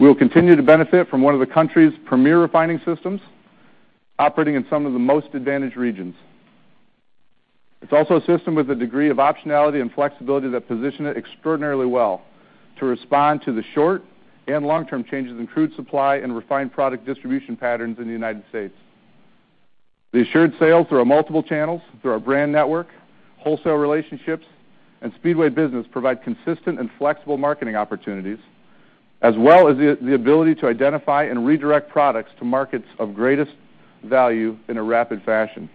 We will continue to benefit from one of the country's premier refining systems, operating in some of the most advantaged regions. It's also a system with a degree of optionality and flexibility that position it extraordinarily well to respond to the short and long-term changes in crude supply and refined product distribution patterns in the United States. The assured sales through our multiple channels, through our brand network, wholesale relationships, and Speedway business provide consistent and flexible marketing opportunities, as well as the ability to identify and redirect products to markets of greatest value in a rapid fashion.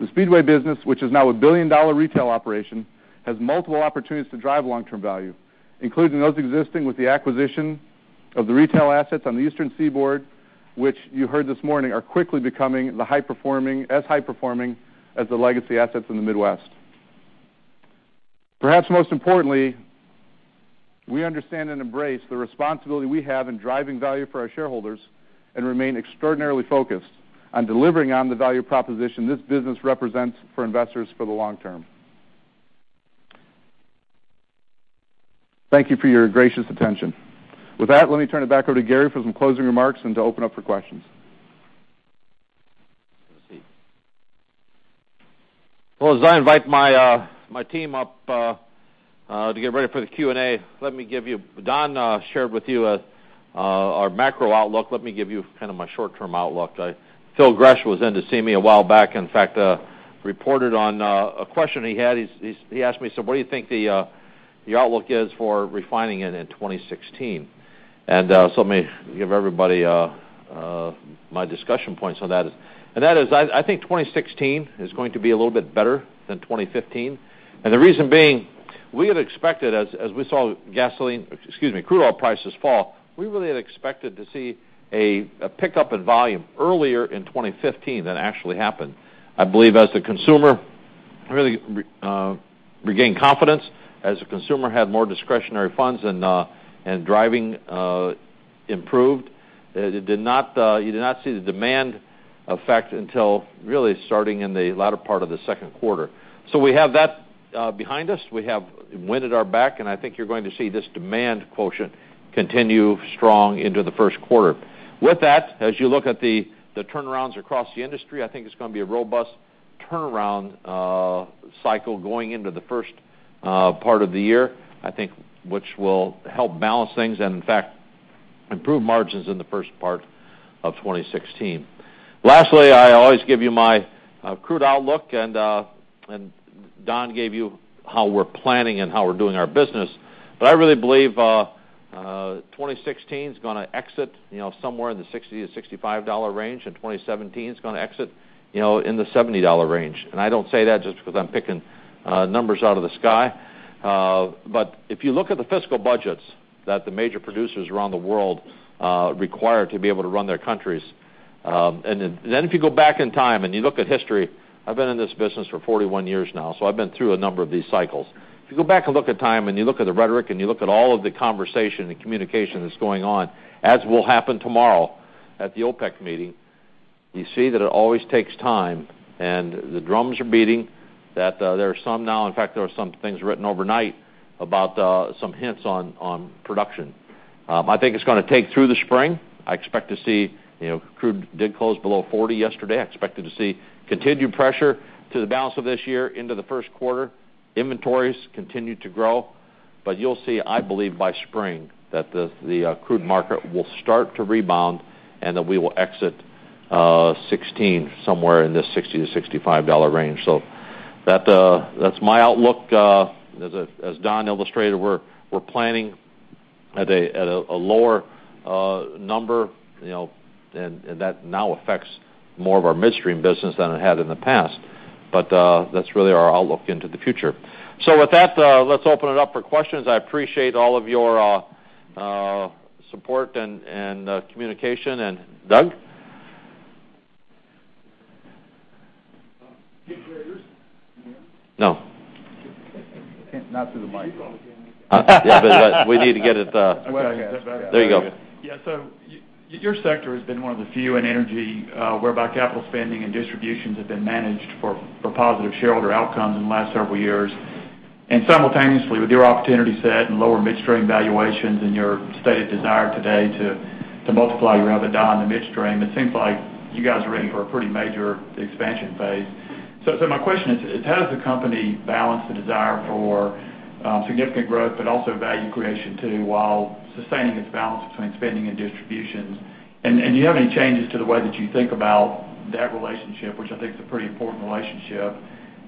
The Speedway business, which is now a billion-dollar retail operation, has multiple opportunities to drive long-term value, including those existing with the acquisition of the retail assets on the Eastern Seaboard, which you heard this morning are quickly becoming as high performing as the legacy assets in the Midwest. Perhaps most importantly, we understand and embrace the responsibility we have in driving value for our shareholders and remain extraordinarily focused on delivering on the value proposition this business represents for investors for the long term. Thank you for your gracious attention. With that, let me turn it back over to Gary for some closing remarks and to open up for questions. Have a seat. Well, as I invite my team up to get ready for the Q&A, Don shared with you our macro outlook. Let me give you my short-term outlook. Philip Gresh was in to see me a while back. In fact, reported on a question he had. He asked me, "What do you think the outlook is for refining in 2016?" Let me give everybody my discussion points on that. That is, I think 2016 is going to be a little bit better than 2015. The reason being, as we saw crude oil prices fall, we really had expected to see a pickup in volume earlier in 2015 than actually happened. I believe as the consumer really regained confidence, as the consumer had more discretionary funds and driving improved, you did not see the demand effect until really starting in the latter part of the second quarter. We have that behind us. We have wind at our back, and I think you're going to see this demand quotient continue strong into the first quarter. With that, as you look at the turnarounds across the industry, I think it's going to be a robust turnaround cycle going into the first part of the year, I think, which will help balance things and, in fact, improve margins in the first part of 2016. Lastly, I always give you my crude outlook, and Don gave you how we're planning and how we're doing our business. I really believe 2016 is going to exit somewhere in the $60-$65 range, and 2017 is going to exit in the $70 range. I don't say that just because I'm picking numbers out of the sky. If you look at the fiscal budgets that the major producers around the world require to be able to run their countries, then if you go back in time and you look at history, I've been in this business for 41 years now, I've been through a number of these cycles. If you go back and look at time and you look at the rhetoric and you look at all of the conversation and communication that's going on, as will happen tomorrow at the OPEC meeting, you see that it always takes time, and the drums are beating, that there are some now-- in fact, there were some things written overnight about some hints on production. I think it's going to take through the spring. Crude did close below $40 yesterday. I expect to see continued pressure to the balance of this year into the first quarter. Inventories continue to grow. You'll see, I believe, by spring that the crude market will start to rebound and that we will exit 2016 somewhere in the $60-$65 range. That's my outlook. As Don illustrated, we're planning at a lower number, and that now affects more of our midstream business than it had in the past. That's really our outlook into the future. With that, let's open it up for questions. I appreciate all of your support and communication. Doug? No. Not through the mic. But we need to get it. Is that better? There you go. Yeah. Your sector has been one of the few in energy whereby capital spending and distributions have been managed for positive shareholder outcomes in the last several years. Simultaneously, with your opportunity set and lower midstream valuations and your stated desire today to multiply your EBITDA in the midstream, it seems like you guys are in for a pretty major expansion phase. My question is, how does the company balance the desire for significant growth but also value creation too, while sustaining its balance between spending and distributions? Do you have any changes to the way that you think about that relationship, which I think is a pretty important relationship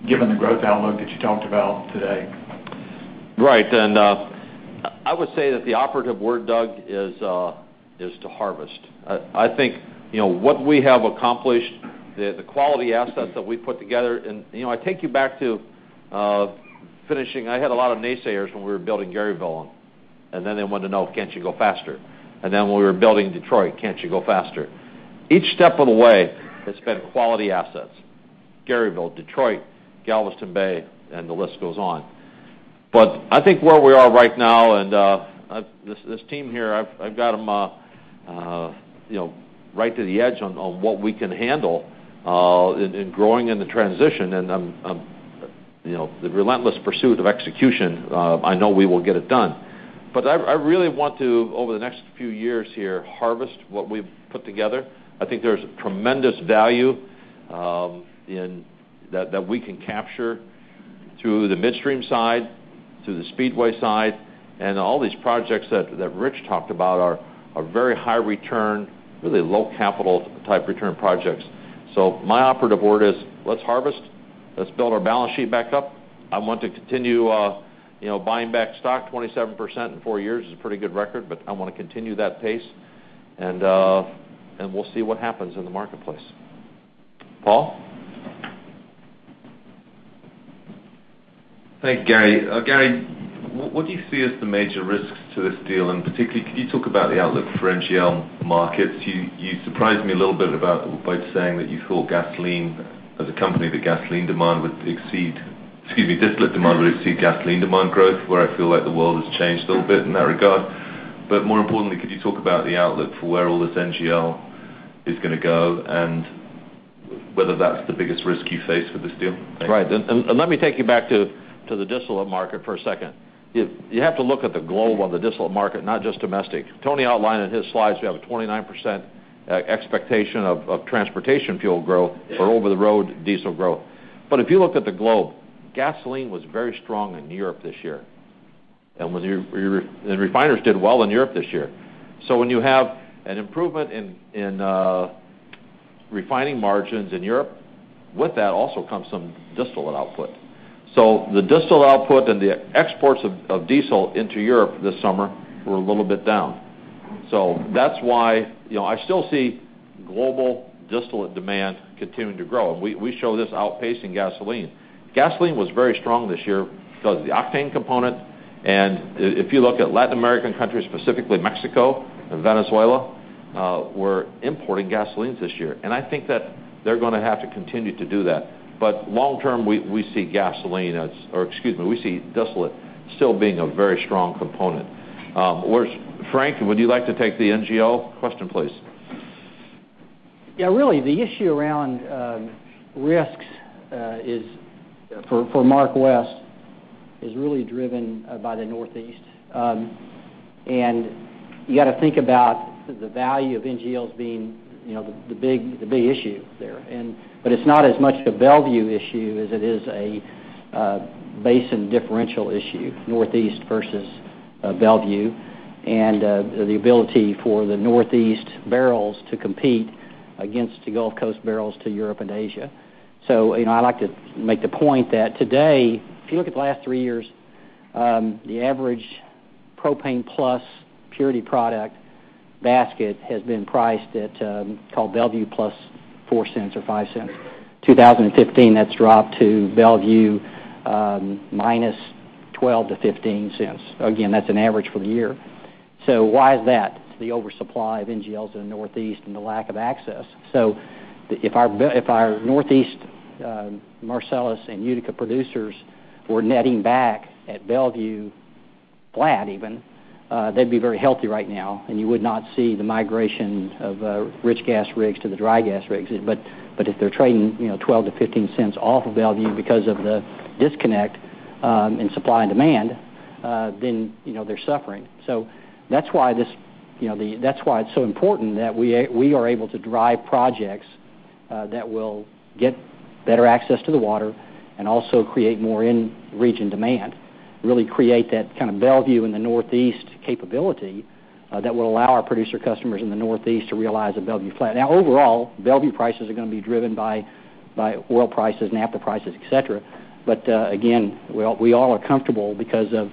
given the growth outlook that you talked about today? Right. I would say that the operative word, Doug, is to harvest. I think what we have accomplished, the quality assets that we put together, I take you back to finishing. I had a lot of naysayers when we were building Garyville, then they wanted to know, "Can't you go faster?" Then when we were building Detroit, "Can't you go faster?" Each step of the way has been quality assets. Garyville, Detroit, Galveston Bay, the list goes on. I think where we are right now, this team here, I've got them right to the edge on what we can handle in growing in the transition and the relentless pursuit of execution. I know we will get it done. I really want to, over the next few years here, harvest what we've put together. I think there's tremendous value that we can capture through the midstream side, through the Speedway side, all these projects that Rich talked about are very high return, really low capital type return projects. My operative word is let's harvest, let's build our balance sheet back up. I want to continue buying back stock. 27% in four years is a pretty good record, I want to continue that pace, we'll see what happens in the marketplace. Paul? Thank you, Gary. Gary, what do you see as the major risks to this deal? Particularly, could you talk about the outlook for NGL markets? You surprised me a little bit by saying that you thought distillate demand would exceed gasoline demand growth, where I feel like the world has changed a little bit in that regard. More importantly, could you talk about the outlook for where all this NGL is going to go and whether that's the biggest risk you face with this deal? Right. Let me take you back to the distillate market for a second. You have to look at the globe on the distillate market, not just domestic. Tony outlined in his slides, we have a 29% expectation of transportation fuel growth for over-the-road diesel growth. If you look at the globe, gasoline was very strong in Europe this year. Refiners did well in Europe this year. When you have an improvement in refining margins in Europe, with that also comes some distillate output. The distillate output and the exports of diesel into Europe this summer were a little bit down. That's why I still see global distillate demand continuing to grow. We show this outpacing gasoline. Gasoline was very strong this year because of the octane component, if you look at Latin American countries, specifically Mexico and Venezuela, were importing gasoline this year. I think that they're going to have to continue to do that. Long term, we see distillate still being a very strong component. Frank, would you like to take the NGL question, please? Yeah. Really, the issue around risks for MarkWest is really driven by the Northeast. You got to think about the value of NGLs being the big issue there. It's not as much a Bellevue issue as it is a basin differential issue, Northeast versus Bellevue, and the ability for the Northeast barrels to compete against the Gulf Coast barrels to Europe and Asia. I like to make the point that today, if you look at the last three years, the average propane plus purity product basket has been priced at Bellevue plus $0.04 or $0.05. 2015, that's dropped to Bellevue minus $0.12 to $0.15. Again, that's an average for the year. Why is that? It's the oversupply of NGLs in the Northeast and the lack of access. If our Northeast Marcellus and Utica producers were netting back at Bellevue flat even, they'd be very healthy right now, and you would not see the migration of rich gas rigs to the dry gas rigs. If they're trading $0.12 to $0.15 off of Bellevue because of the disconnect in supply and demand, then they're suffering. That's why it's so important that we are able to drive projects that will get better access to the water and also create more in-region demand, really create that kind of Bellevue in the Northeast capability that will allow our producer customers in the Northeast to realize a Bellevue flat. Overall, Bellevue prices are going to be driven by oil prices, naphtha prices, et cetera. Again, we all are comfortable because of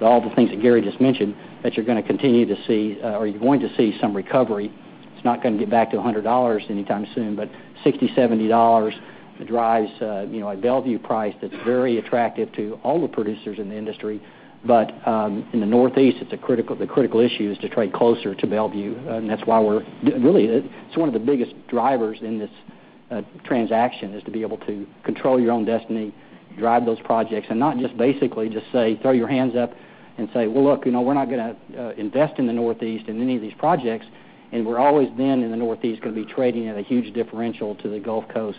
all the things that Gary just mentioned, that you're going to continue to see or you're going to see some recovery. It's not going to get back to $100 anytime soon, but $60, $70 drives a Bellevue price that's very attractive to all the producers in the industry. In the Northeast, the critical issue is to trade closer to Bellevue, and that's why really, it's one of the biggest drivers in this transaction is to be able to control your own destiny, drive those projects, and not just basically just say, throw your hands up and say, "Well, look, we're not going to invest in the Northeast in any of these projects." We're always then in the Northeast going to be trading at a huge differential to the Gulf Coast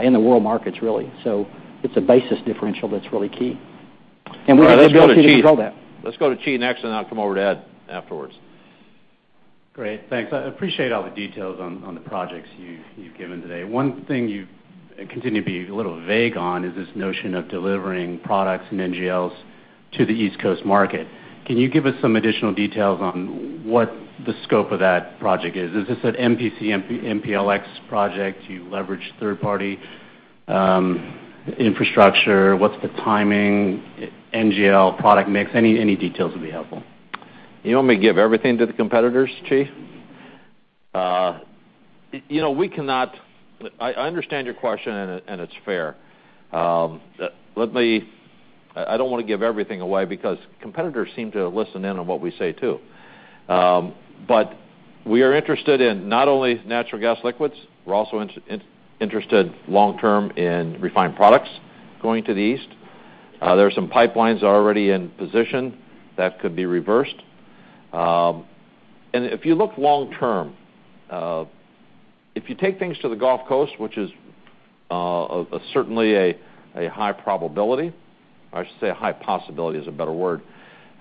in the world markets, really. It's a basis differential that's really key. We have the ability to control that. Let's go to Chi next, and then I'll come over to Ed afterwards. Great. Thanks. I appreciate all the details on the projects you've given today. One thing you continue to be a little vague on is this notion of delivering products and NGLs to the East Coast market. Can you give us some additional details on what the scope of that project is? Is this an MPC, MPLX project? Do you leverage third-party infrastructure? What's the timing? NGL product mix? Any details would be helpful. You want me to give everything to the competitors, Chi? I understand your question, and it's fair. I don't want to give everything away because competitors seem to listen in on what we say, too. We are interested in not only natural gas liquids, we're also interested long-term in refined products going to the East. There are some pipelines that are already in position that could be reversed. If you look long term, if you take things to the Gulf Coast, which is certainly a high probability, or I should say a high possibility is a better word.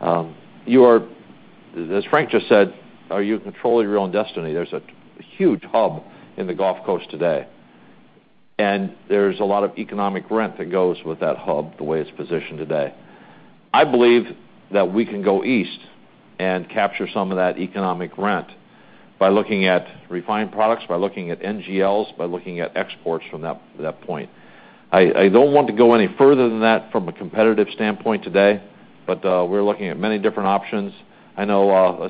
As Frank just said, are you controlling your own destiny? There's a huge hub in the Gulf Coast today, there's a lot of economic rent that goes with that hub, the way it's positioned today. I believe that we can go east and capture some of that economic rent by looking at refined products, by looking at NGLs, by looking at exports from that point. I don't want to go any further than that from a competitive standpoint today, but we're looking at many different options. I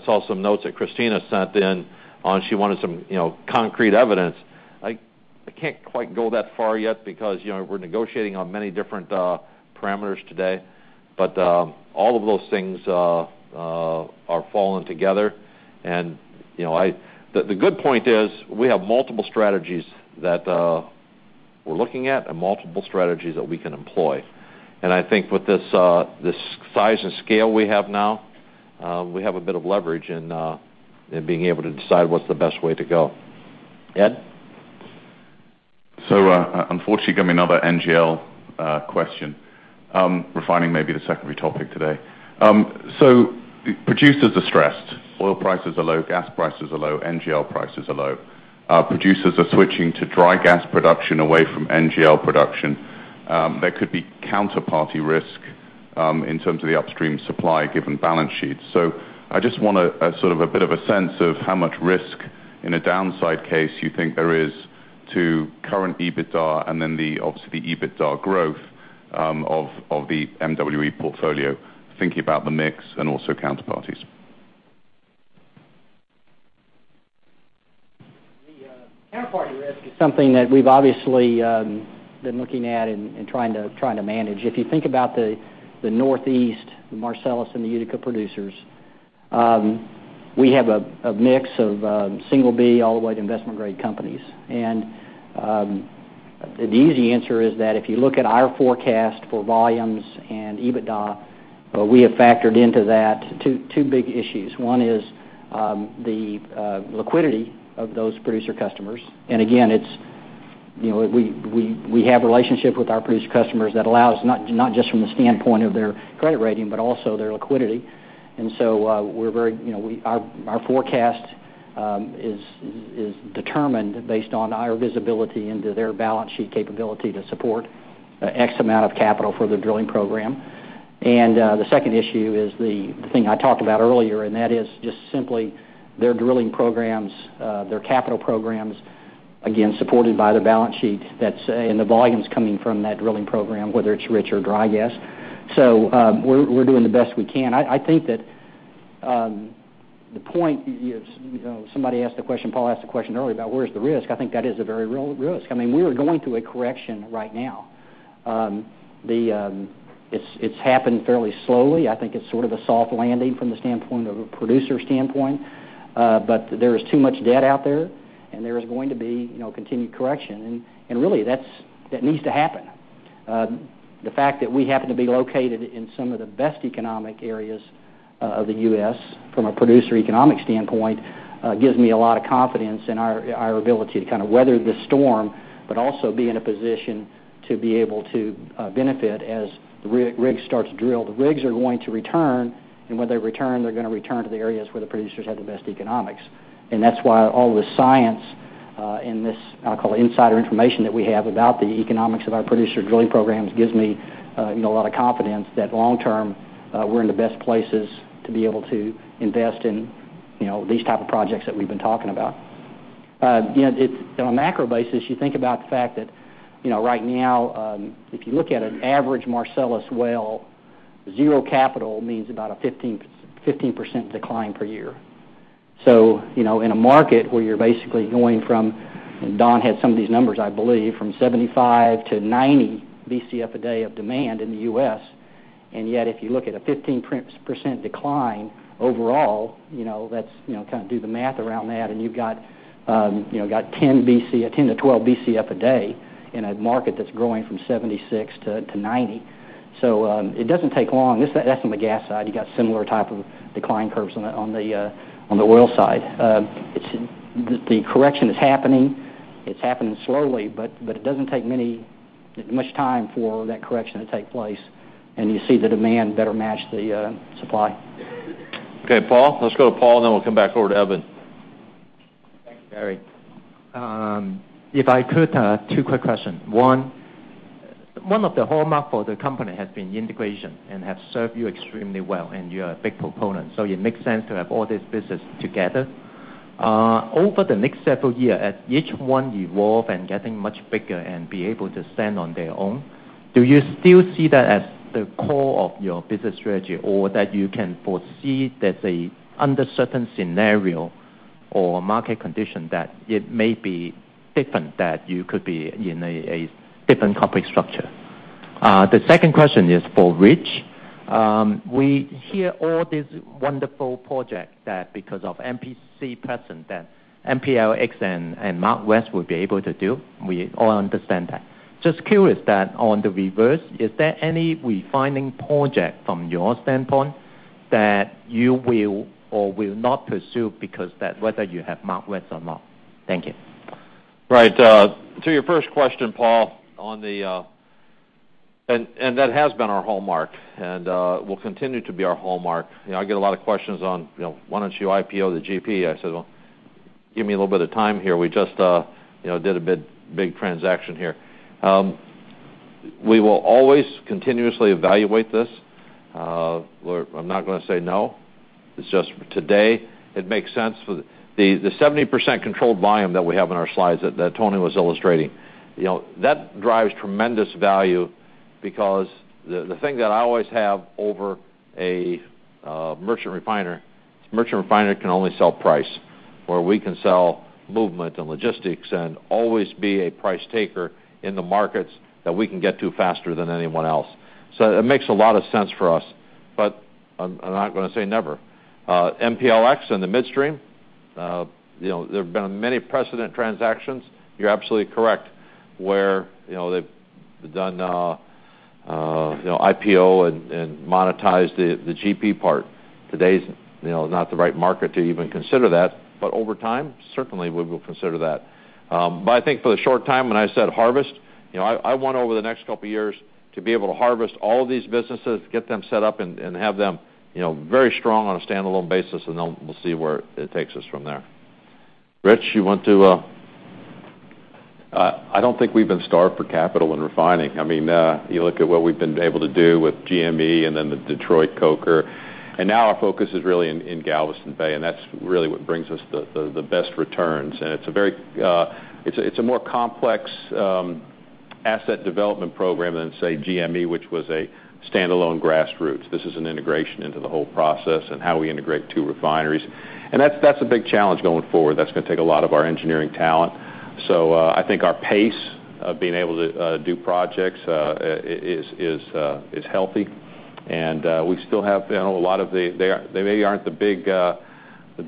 saw some notes that Christina sent in on, she wanted some concrete evidence. I can't quite go that far yet because we're negotiating on many different parameters today. All of those things are falling together, and the good point is we have multiple strategies that we're looking at and multiple strategies that we can employ. I think with this size and scale we have now, we have a bit of leverage in being able to decide what's the best way to go. Ed? Unfortunately, going to be another NGL question. Refining may be the secondary topic today. Producers are stressed. Oil prices are low, gas prices are low, NGL prices are low. Producers are switching to dry gas production away from NGL production. There could be counterparty risk in terms of the upstream supply given balance sheets. I just want a sort of a bit of a sense of how much risk in a downside case you think there is to current EBITDA, and then obviously the EBITDA growth of the MWE portfolio, thinking about the mix and also counterparties. The counterparty risk is something that we've obviously been looking at and trying to manage. If you think about the Northeast, the Marcellus and the Utica producers, we have a mix of single B all the way to investment-grade companies. The easy answer is that if you look at our forecast for volumes and EBITDA, we have factored into that two big issues. One is the liquidity of those producer customers. Again, we have relationships with our producer customers that allow us not just from the standpoint of their credit rating, but also their liquidity. Our forecast is determined based on our visibility into their balance sheet capability to support X amount of capital for the drilling program. The second issue is the thing I talked about earlier, and that is just simply their drilling programs, their capital programs, again, supported by the balance sheet, and the volumes coming from that drilling program, whether it's rich or dry gas. We're doing the best we can. I think that Somebody asked the question, Paul asked the question earlier about where's the risk? I think that is a very real risk. We are going through a correction right now. It's happened fairly slowly. I think it's sort of a soft landing from the standpoint of a producer standpoint. There is too much debt out there, and there is going to be continued correction, and really, that needs to happen. The fact that we happen to be located in some of the best economic areas of the U.S. from a producer economic standpoint gives me a lot of confidence in our ability to kind of weather the storm, but also be in a position to be able to benefit as the rigs start to drill. The rigs are going to return, and when they return, they're going to return to the areas where the producers have the best economics. That's why all the science in this, I'll call it insider information that we have about the economics of our producer drilling programs gives me a lot of confidence that long term, we're in the best places to be able to invest in these type of projects that we've been talking about. On a macro basis, you think about the fact that right now, if you look at an average Marcellus well, zero capital means about a 15% decline per year. In a market where you're basically going from, Don had some of these numbers, I believe, from 75-90 Bcf a day of demand in the U.S., yet if you look at a 15% decline overall, kind of do the math around that, you've got 10-12 Bcf a day in a market that's growing from 76-90. It doesn't take long. That's on the gas side. You got similar type of decline curves on the oil side. The correction is happening. It's happening slowly, but it doesn't take much time for that correction to take place, and you see the demand better match the supply. Okay, Paul. Let's go to Paul, and then we'll come back over to Evan. Thanks, Gary. If I could, two quick questions. One of the hallmark for the company has been integration and has served you extremely well, and you're a big proponent. It makes sense to have all this business together. Over the next several year, as each one evolve and getting much bigger and be able to stand on their own, do you still see that as the core of your business strategy, or that you can foresee that under certain scenario or market condition that it may be different, that you could be in a different complex structure. The second question is for Rich. We hear all these wonderful projects that because of MPC present that MPLX and MarkWest will be able to do. We all understand that. Just curious that on the reverse, is there any refining project from your standpoint that you will or will not pursue because that whether you have MarkWest or not? Thank you. Right. To your first question, Paul, that has been our hallmark and will continue to be our hallmark. I get a lot of questions on, "Why don't you IPO the GP?" I said, "Well, give me a little bit of time here. We just did a big transaction here." We will always continuously evaluate this. I'm not going to say no. It's just today it makes sense for the 70% controlled volume that we have on our slides that Tony was illustrating. That drives tremendous value because the thing that I always have over a merchant refiner, merchant refiner can only sell price, where we can sell movement and logistics and always be a price taker in the markets that we can get to faster than anyone else. It makes a lot of sense for us. I'm not going to say never. MPLX in the midstream, there have been many precedent transactions. You're absolutely correct, where they've done IPO and monetized the GP part. Today's not the right market to even consider that, over time, certainly we will consider that. I think for the short time when I said harvest, I want over the next couple of years to be able to harvest all of these businesses, get them set up, and have them very strong on a standalone basis, then we'll see where it takes us from there. Rich, you want to? I don't think we've been starved for capital and refining. You look at what we've been able to do with GME and then the Detroit Coker, our focus is really in Galveston Bay, and that's really what brings us the best returns. It's a more complex asset development program than, say, GME, which was a standalone grassroots. This is an integration into the whole process and how we integrate two refineries. That's a big challenge going forward. That's going to take a lot of our engineering talent. I think our pace of being able to do projects is healthy. They maybe aren't the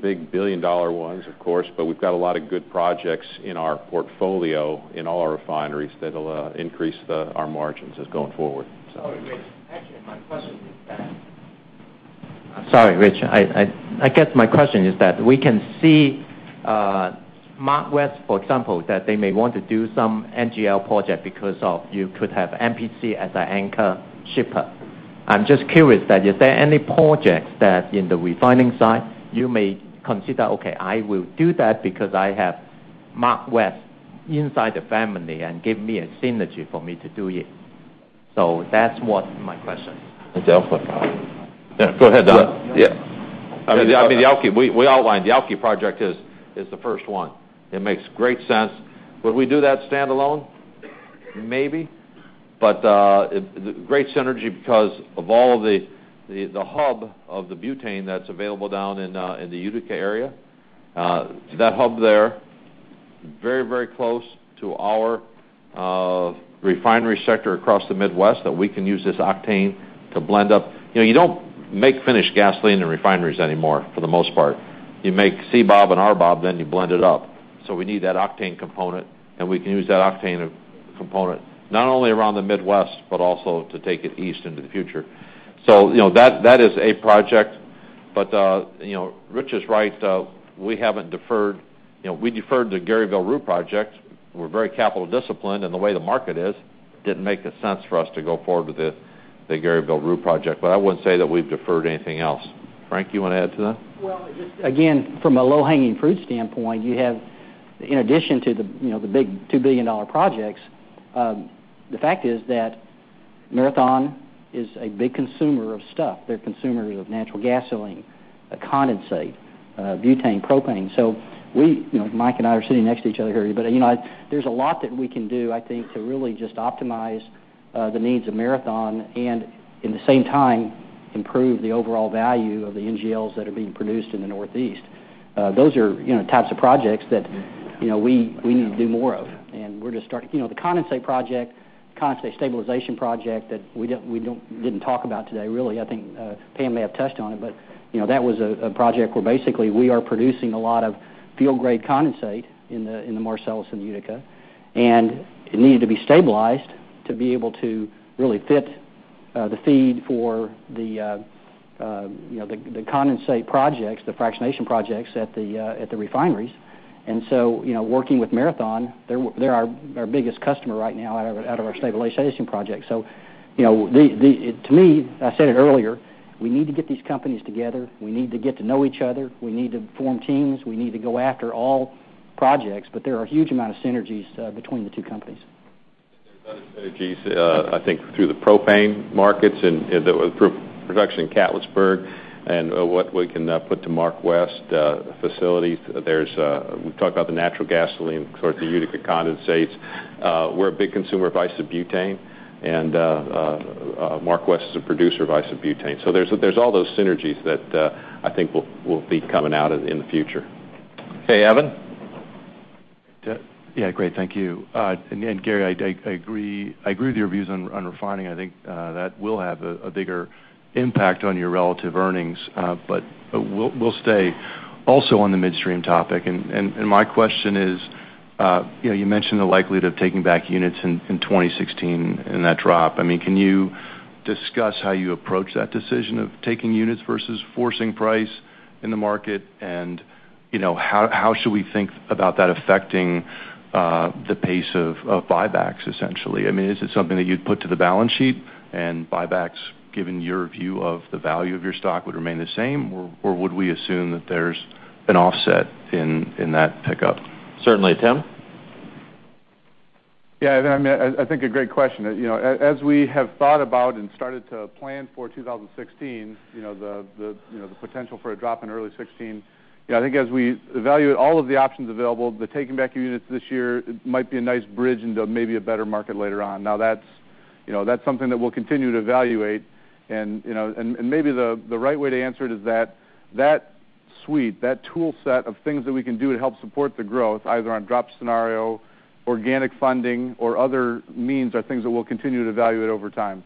big billion-dollar ones, of course, but we've got a lot of good projects in our portfolio in all our refineries that'll increase our margins as going forward. Sorry, Rich. My question is that Sorry, Rich. I guess my question is that we can see MarkWest, for example, that they may want to do some NGL project because of you could have MPC as an anchor shipper. I'm just curious that is there any projects that in the refining side you may consider, okay, I will do that because I have MarkWest inside the family and give me a synergy for me to do it. That's what my question is. Go ahead, Don. Yeah. I mean, we outlined the Alkylate project is the first one. It makes great sense. Would we do that standalone? Maybe. Great synergy because of all the hub of the butane that's available down in the Utica area. That hub there, very close to our refinery sector across the Midwest that we can use this octane to blend up. You don't make finished gasoline in refineries anymore, for the most part. You make CBOB and RBOB, then you blend it up. We need that octane component, and we can use that octane component not only around the Midwest, but also to take it east into the future. That is a project. Rich is right. We deferred the Garyville ROUX project. We're very capital disciplined, and the way the market is, didn't make sense for us to go forward with the Garyville ROUX project. I wouldn't say that we've deferred anything else. Frank, you want to add to that? Well, again, from a low-hanging fruit standpoint, you have in addition to the big $2 billion projects, the fact is that Marathon is a big consumer of stuff. They're consumers of natural gasoline, a condensate, butane, propane. Mike and I are sitting next to each other here, but there's a lot that we can do, I think, to really just optimize the needs of Marathon and, in the same time, improve the overall value of the NGLs that are being produced in the Northeast. Those are types of projects that we need to do more of, and we're just starting. The condensate project, condensate stabilization project that we didn't talk about today really. I think Pam may have touched on it, but that was a project where basically we are producing a lot of field grade condensate in the Marcellus and Utica, and it needed to be stabilized to be able to really fit the feed for the condensate projects, the fractionation projects at the refineries. Working with Marathon, they're our biggest customer right now out of our stabilization project. To me, I said it earlier, we need to get these companies together. We need to get to know each other. We need to form teams. We need to go after all projects. There are a huge amount of synergies between the two companies. There's other synergies, I think, through the propane markets and the production in Catlettsburg and what we can put to MarkWest facilities. We've talked about the natural gasoline towards the Utica condensates. We're a big consumer of isobutane, and MarkWest is a producer of isobutane. There's all those synergies that I think will be coming out in the future. Okay, Evan? Yeah, great. Thank you. Gary, I agree with your views on refining. I think that will have a bigger impact on your relative earnings. We'll stay also on the midstream topic, and my question is, you mentioned the likelihood of taking back units in 2016 and that drop. Can you discuss how you approach that decision of taking units versus forcing price in the market and how should we think about that affecting the pace of buybacks, essentially? Is it something that you'd put to the balance sheet and buybacks, given your view of the value of your stock, would remain the same, or would we assume that there's an offset in that pickup? Certainly. Tim? Yeah, I think a great question. As we have thought about and started to plan for 2016, the potential for a drop in early 2016, I think as we evaluate all of the options available, the taking back units this year might be a nice bridge into maybe a better market later on. That's something that we'll continue to evaluate, and maybe the right way to answer it is that that suite, that tool set of things that we can do to help support the growth, either on drop scenario, organic funding or other means, are things that we'll continue to evaluate over time.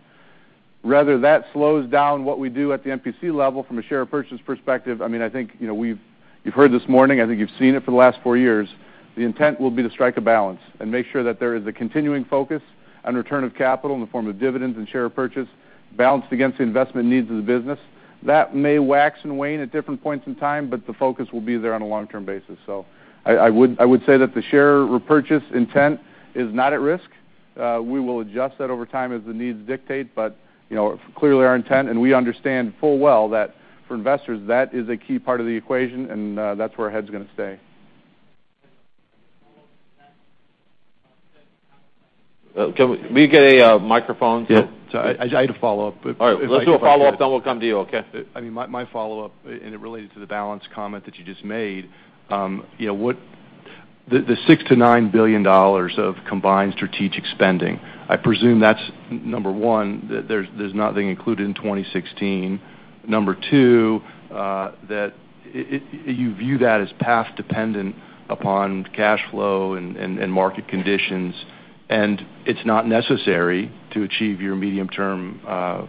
Rather that slows down what we do at the MPC level from a share purchase perspective, I think you've heard this morning, I think you've seen it for the last four years, the intent will be to strike a balance and make sure that there is a continuing focus on return of capital in the form of dividends and share purchase balanced against the investment needs of the business. That may wax and wane at different points in time, the focus will be there on a long-term basis. I would say that the share repurchase intent is not at risk. We will adjust that over time as the needs dictate, clearly our intent, and we understand full well that for investors, that is a key part of the equation, and that's where our head's going to stay. Can we get a microphone? Yeah. I had a follow-up. All right. Let's do a follow-up, then we'll come to you, okay? My follow-up, and it related to the balance comment that you just made. The $6 billion-$9 billion of combined strategic spending, I presume that's, number 1, there's nothing included in 2016. Number 2, that you view that as path dependent upon cash flow and market conditions, and it's not necessary to achieve your medium-term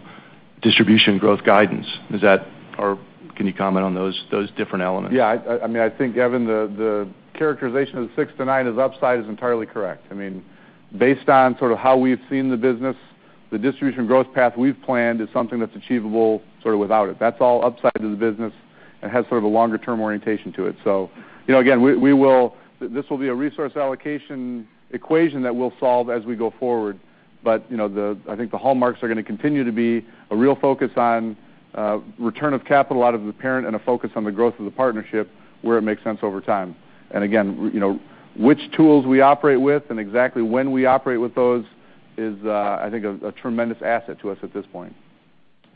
distribution growth guidance. Can you comment on those different elements? Yeah. I think, Evan, the characterization of six to nine is upside is entirely correct. Based on how we've seen the business, the distribution growth path we've planned is something that's achievable without it. That's all upside to the business and has a longer-term orientation to it. Again, this will be a resource allocation equation that we'll solve as we go forward. I think the hallmarks are going to continue to be a real focus on return of capital out of the parent and a focus on the growth of the partnership where it makes sense over time. Again, which tools we operate with and exactly when we operate with those is, I think, a tremendous asset to us at this point.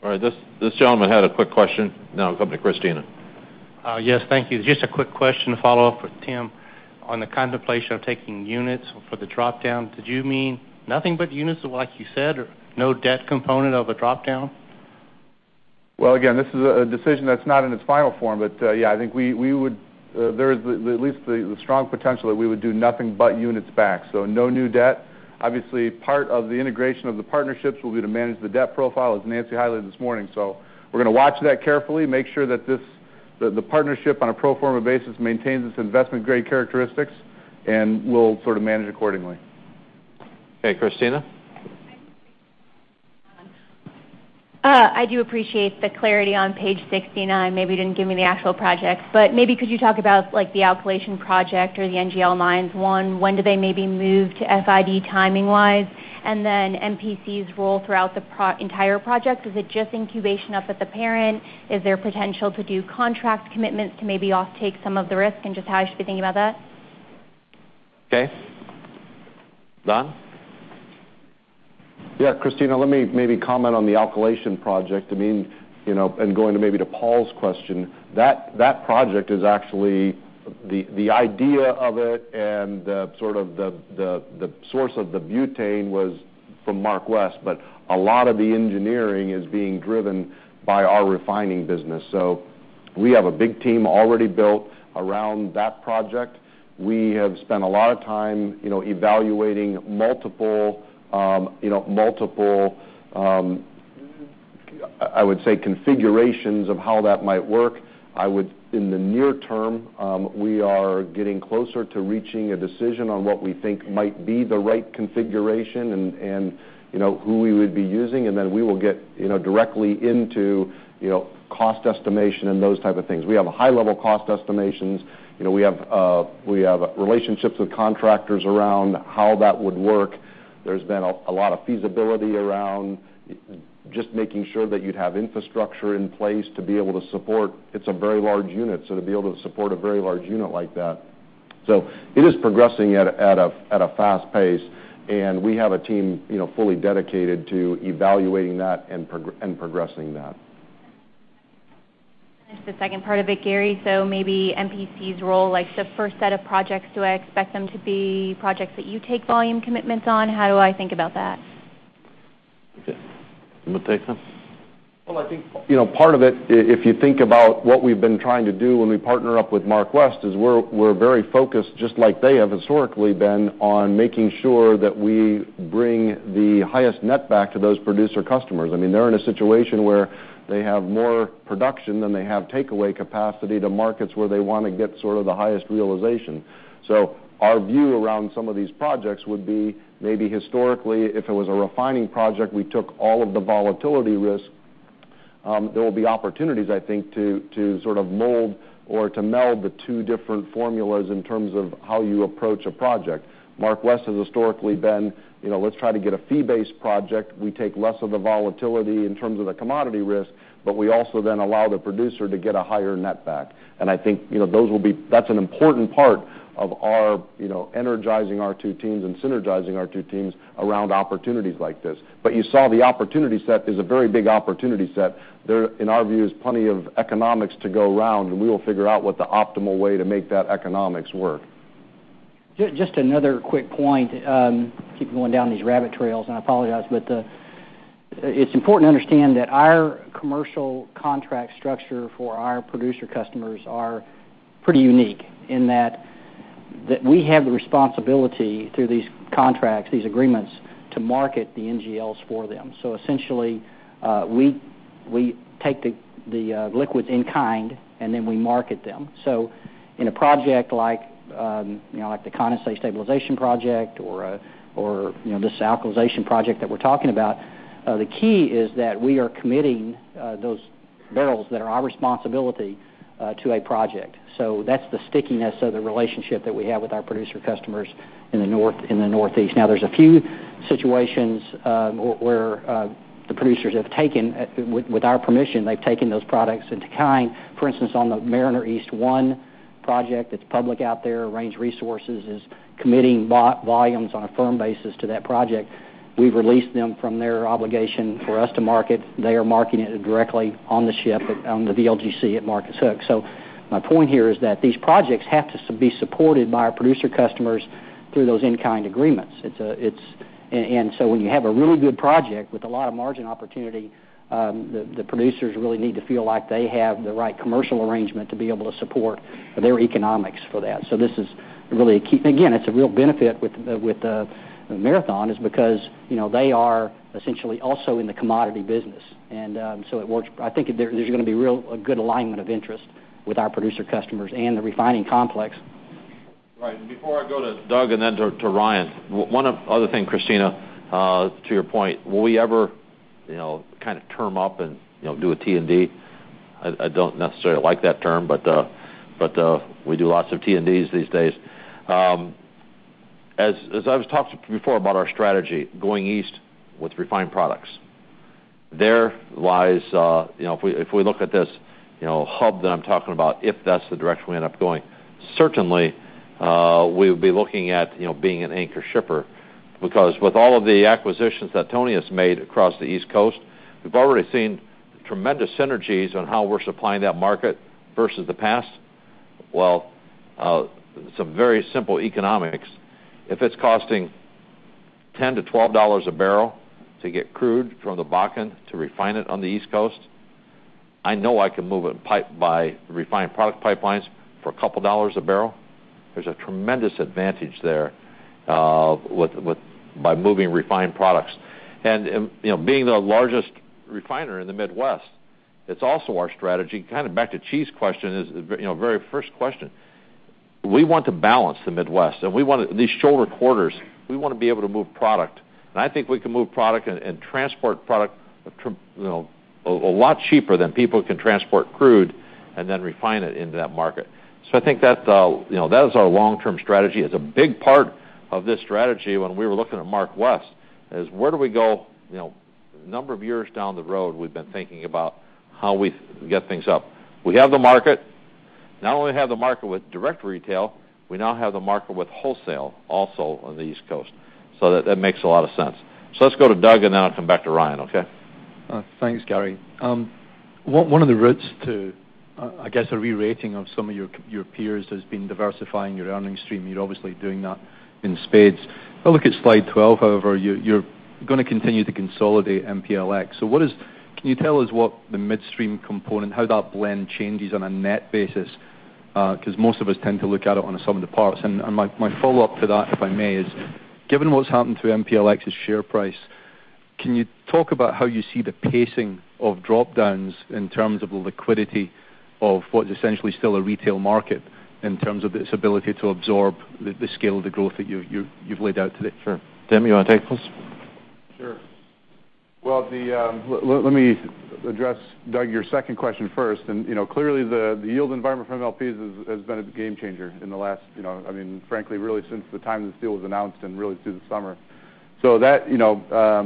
All right. This gentleman had a quick question, now we'll come to Kristina. Yes, thank you. Just a quick question to follow up with Tim on the contemplation of taking units for the drop-down. Did you mean nothing but units, like you said, or no debt component of a drop-down? Well, again, this is a decision that's not in its final form. Yeah, I think there is at least the strong potential that we would do nothing but units back, so no new debt. Obviously, part of the integration of the partnerships will be to manage the debt profile, as Nancy highlighted this morning. We're going to watch that carefully, make sure that the partnership on a pro forma basis maintains its investment-grade characteristics, and we'll manage accordingly. Okay, Christina? I do appreciate the clarity on page 69. Maybe you didn't give me the actual projects, but maybe could you talk about the Alkylation project or the NGL mines one, when do they maybe move to FID timing-wise? MPC's role throughout the entire project, is it just incubation up at the parent? Is there potential to do contract commitments to maybe off take some of the risk and just how I should be thinking about that? Okay. Don? Yeah, Christina, let me maybe comment on the Alkylation project and going maybe to Paul's question. That project is actually the idea of it and the source of the butane was from MarkWest, a lot of the engineering is being driven by our refining business. We have a big team already built around that project. We have spent a lot of time evaluating multiple, I would say configurations of how that might work. In the near term, we are getting closer to reaching a decision on what we think might be the right configuration and who we would be using, we will get directly into cost estimation and those type of things. We have high-level cost estimations. We have relationships with contractors around how that would work. There's been a lot of feasibility around just making sure that you'd have infrastructure in place to be able to support, it's a very large unit, so to be able to support a very large unit like that. It is progressing at a fast pace, and we have a team fully dedicated to evaluating that and progressing that. That's the second part of it, Gary. Maybe MPC's role, like the first set of projects, do I expect them to be projects that you take volume commitments on? How do I think about that? Okay. You want to take this? Well, I think part of it, if you think about what we've been trying to do when we partner up with MarkWest, is we're very focused, just like they have historically been, on making sure that we bring the highest net back to those producer customers. They're in a situation where they have more production than they have takeaway capacity to markets where they want to get sort of the highest realization. Our view around some of these projects would be maybe historically, if it was a refining project, we took all of the volatility risk. There will be opportunities, I think, to sort of mold or to meld the two different formulas in terms of how you approach a project. MarkWest has historically been, let's try to get a fee-based project. We take less of the volatility in terms of the commodity risk, we also then allow the producer to get a higher net back. I think that's an important part of our energizing our two teams and synergizing our two teams around opportunities like this. You saw the opportunity set is a very big opportunity set. There, in our view, is plenty of economics to go around, we will figure out what the optimal way to make that economics work. Just another quick point. Keep going down these rabbit trails, I apologize, but it's important to understand that our commercial contract structure for our producer customers are pretty unique in that we have the responsibility through these contracts, these agreements, to market the NGLs for them. Essentially, we take the liquids in kind, then we market them. In a project like the condensate stabilization project or this alkylization project that we're talking about, the key is that we are committing those barrels that are our responsibility to a project. That's the stickiness of the relationship that we have with our producer customers in the Northeast. There's a few situations where the producers have taken, with our permission, they've taken those products into kind. For instance, on the Mariner East 1 project that's public out there, Range Resources is committing volumes on a firm basis to that project. We've released them from their obligation for us to market. They are marketing it directly on the ship, on the VLGC at Marcus Hook. My point here is that these projects have to be supported by our producer customers through those in-kind agreements. When you have a really good project with a lot of margin opportunity, the producers really need to feel like they have the right commercial arrangement to be able to support their economics for that. This is really a key. Again, it's a real benefit with Marathon is because they are essentially also in the commodity business. It works. I think there's going to be a good alignment of interest with our producer customers and the refining complex. Right. Before I go to Doug and then to Ryan, one other thing, Kristina, to your point, will we ever term up and do a T&D? I don't necessarily like that term, but we do lots of T&Ds these days. As I've talked before about our strategy going east with refined products. If we look at this hub that I'm talking about, if that's the direction we end up going, certainly, we'll be looking at being an anchor shipper because with all of the acquisitions that Tony has made across the East Coast, we've already seen tremendous synergies on how we're supplying that market versus the past. Well, some very simple economics. If it's costing $10-$12 a barrel to get crude from the Bakken to refine it on the East Coast, I know I can move it by refined product pipelines for a couple of dollars a barrel. There's a tremendous advantage there by moving refined products. Being the largest refiner in the Midwest, it's also our strategy, back to Chi's question, very first question. We want to balance the Midwest, and these shoulder quarters, we want to be able to move product, and I think we can move product and transport product a lot cheaper than people can transport crude and then refine it into that market. I think that is our long-term strategy. It's a big part of this strategy when we were looking at MarkWest is where do we go a number of years down the road, we've been thinking about how we get things up. We have the market. Not only do we have the market with direct retail, we now have the market with wholesale also on the East Coast. That makes a lot of sense. Let's go to Doug, and then I'll come back to Ryan, okay? Thanks, Gary. One of the routes to, I guess, a re-rating of some of your peers has been diversifying your earnings stream. You're obviously doing that in spades. If I look at slide 12, however, you're going to continue to consolidate MPLX. Can you tell us what the midstream component, how that blend changes on a net basis? Because most of us tend to look at it on a sum of the parts. My follow-up to that, if I may, is given what's happened to MPLX's share price, can you talk about how you see the pacing of drop-downs in terms of the liquidity of what is essentially still a retail market in terms of its ability to absorb the scale of the growth that you've laid out today? Sure. Tim, you want to take this? Sure. Well, let me address, Doug, your second question first. Clearly, the yield environment for MLPs has been a game changer frankly, really since the time this deal was announced and really through the summer. That,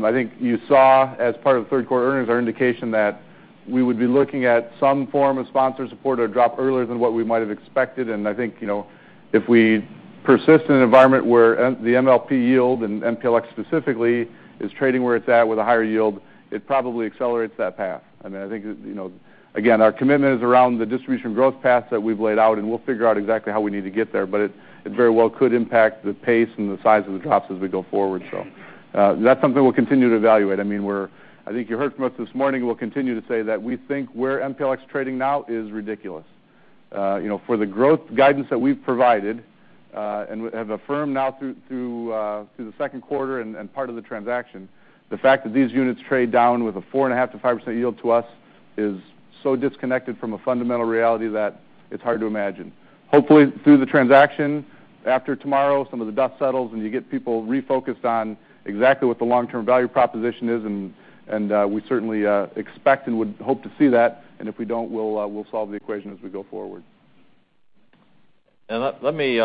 I think you saw as part of the third quarter earnings, our indication that we would be looking at some form of sponsor support or drop earlier than what we might have expected. I think if we persist in an environment where the MLP yield and MPLX specifically is trading where it's at with a higher yield. It probably accelerates that path. Again, our commitment is around the distribution growth path that we've laid out, and we'll figure out exactly how we need to get there, but it very well could impact the pace and the size of the drops as we go forward. That's something we'll continue to evaluate. I think you heard from us this morning, we'll continue to say that we think where MPLX is trading now is ridiculous. For the growth guidance that we've provided, and have affirmed now through the second quarter and part of the transaction, the fact that these units trade down with a 4.5%-5% yield to us is so disconnected from a fundamental reality that it's hard to imagine. Hopefully, through the transaction, after tomorrow, some of the dust settles and you get people refocused on exactly what the long-term value proposition is, and we certainly expect and would hope to see that, and if we don't, we'll solve the equation as we go forward. Let me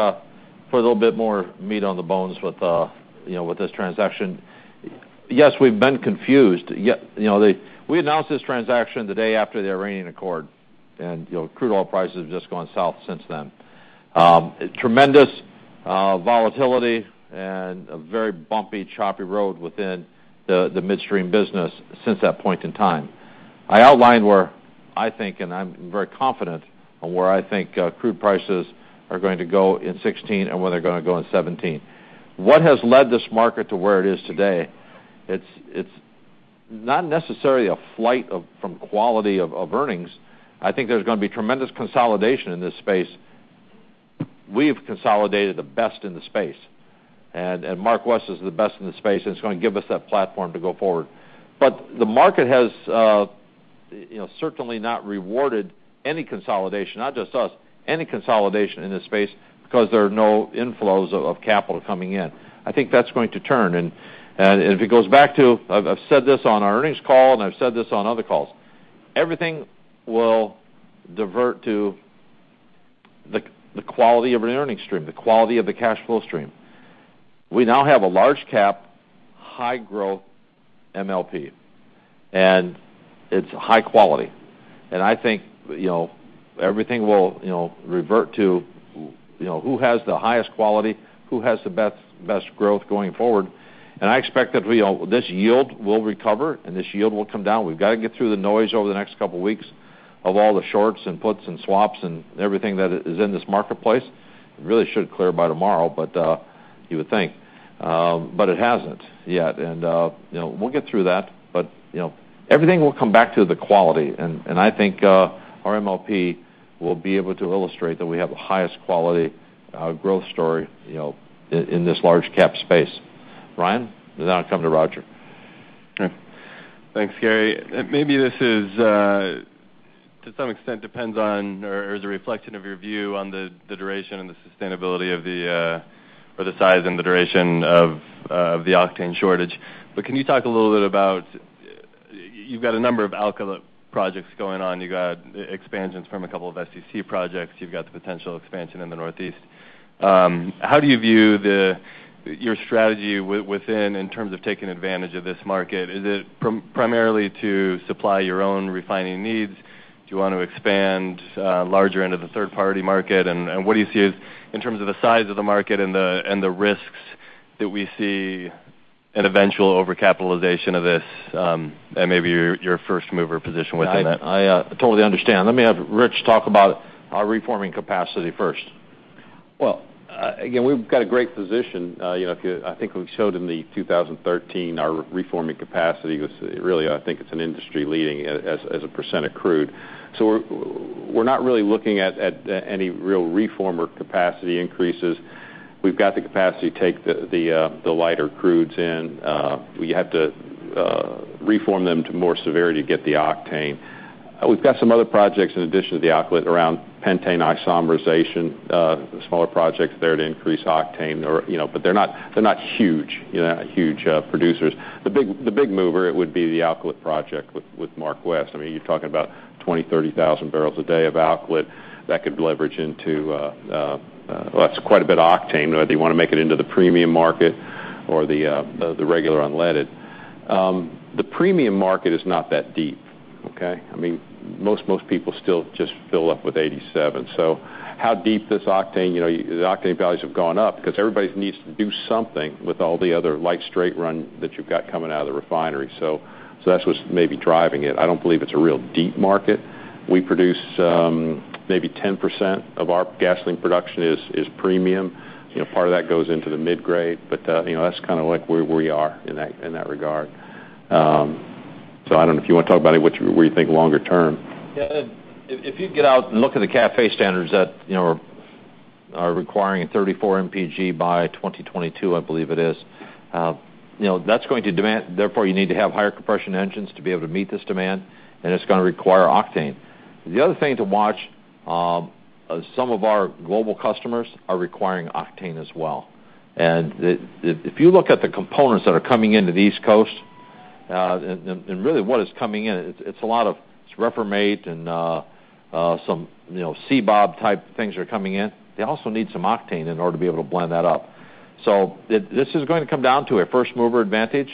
put a little bit more meat on the bones with this transaction. Yes, we've been confused. We announced this transaction the day after the Iranian accord. Crude oil prices have just gone south since then. Tremendous volatility and a very bumpy, choppy road within the midstream business since that point in time. I outlined where I think, and I'm very confident on where I think crude prices are going to go in 2016 and where they're going to go in 2017. What has led this market to where it is today, it's not necessarily a flight from quality of earnings. I think there's going to be tremendous consolidation in this space. We have consolidated the best in the space. MarkWest is the best in the space, and it's going to give us that platform to go forward. The market has certainly not rewarded any consolidation, not just us, any consolidation in this space because there are no inflows of capital coming in. I think that's going to turn. I've said this on our earnings call, and I've said this on other calls. Everything will divert to the quality of an earning stream, the quality of the cash flow stream. We now have a large-cap, high-growth MLP, and it's high quality. I think everything will revert to who has the highest quality, who has the best growth going forward. I expect that this yield will recover, and this yield will come down. We've got to get through the noise over the next couple of weeks of all the shorts and puts and swaps and everything that is in this marketplace. It really should clear by tomorrow, you would think. It hasn't yet, and we'll get through that. Everything will come back to the quality, and I think our MLP will be able to illustrate that we have the highest quality growth story in this large cap space. Ryan, and then I'll come to Roger. Okay. Thanks, Gary. Maybe this to some extent depends on or is a reflection of your view on the duration and the sustainability of the size and the duration of the octane shortage. Can you talk a little bit about, you've got a number of alkylate projects going on. You got expansions from a couple of SEC projects. You've got the potential expansion in the Northeast. How do you view your strategy within, in terms of taking advantage of this market? Is it primarily to supply your own refining needs? Do you want to expand larger into the third-party market? What do you see as in terms of the size of the market and the risks that we see an eventual over-capitalization of this, and maybe your first-mover position within that? I totally understand. Let me have Rich talk about our reforming capacity first. Again, we've got a great position. I think we showed in the 2013 our reforming capacity was really, I think it's an industry leading as a percent of crude. We're not really looking at any real reformer capacity increases. We've got the capacity to take the lighter crudes in. We have to reform them to more severity to get the octane. We've got some other projects in addition to the Alkylate around pentane isomerization, smaller projects there to increase octane, but they're not huge producers. The big mover, it would be the Alkylate project with MarkWest. You're talking about 20,000, 30,000 barrels a day of Alkylate that could leverage into. Well, that's quite a bit of octane. Do you want to make it into the premium market or the regular unleaded? The premium market is not that deep, okay? Most people still just fill up with 87. The octane values have gone up because everybody needs to do something with all the other light straight run that you've got coming out of the refinery. That's what's maybe driving it. I don't believe it's a real deep market. We produce maybe 10% of our gasoline production is premium. Part of that goes into the mid-grade, but that's where we are in that regard. I don't know if you want to talk about it, where you think longer term. If you get out and look at the CAFE standards that are requiring a 34 MPG by 2022, I believe it is. That's going to demand, therefore you need to have higher compression engines to be able to meet this demand, and it's going to require octane. The other thing to watch, some of our global customers are requiring octane as well. If you look at the components that are coming into the East Coast, and really what is coming in, it's a lot of reformate and some CBOB type things are coming in. They also need some octane in order to be able to blend that up. This is going to come down to a first-mover advantage.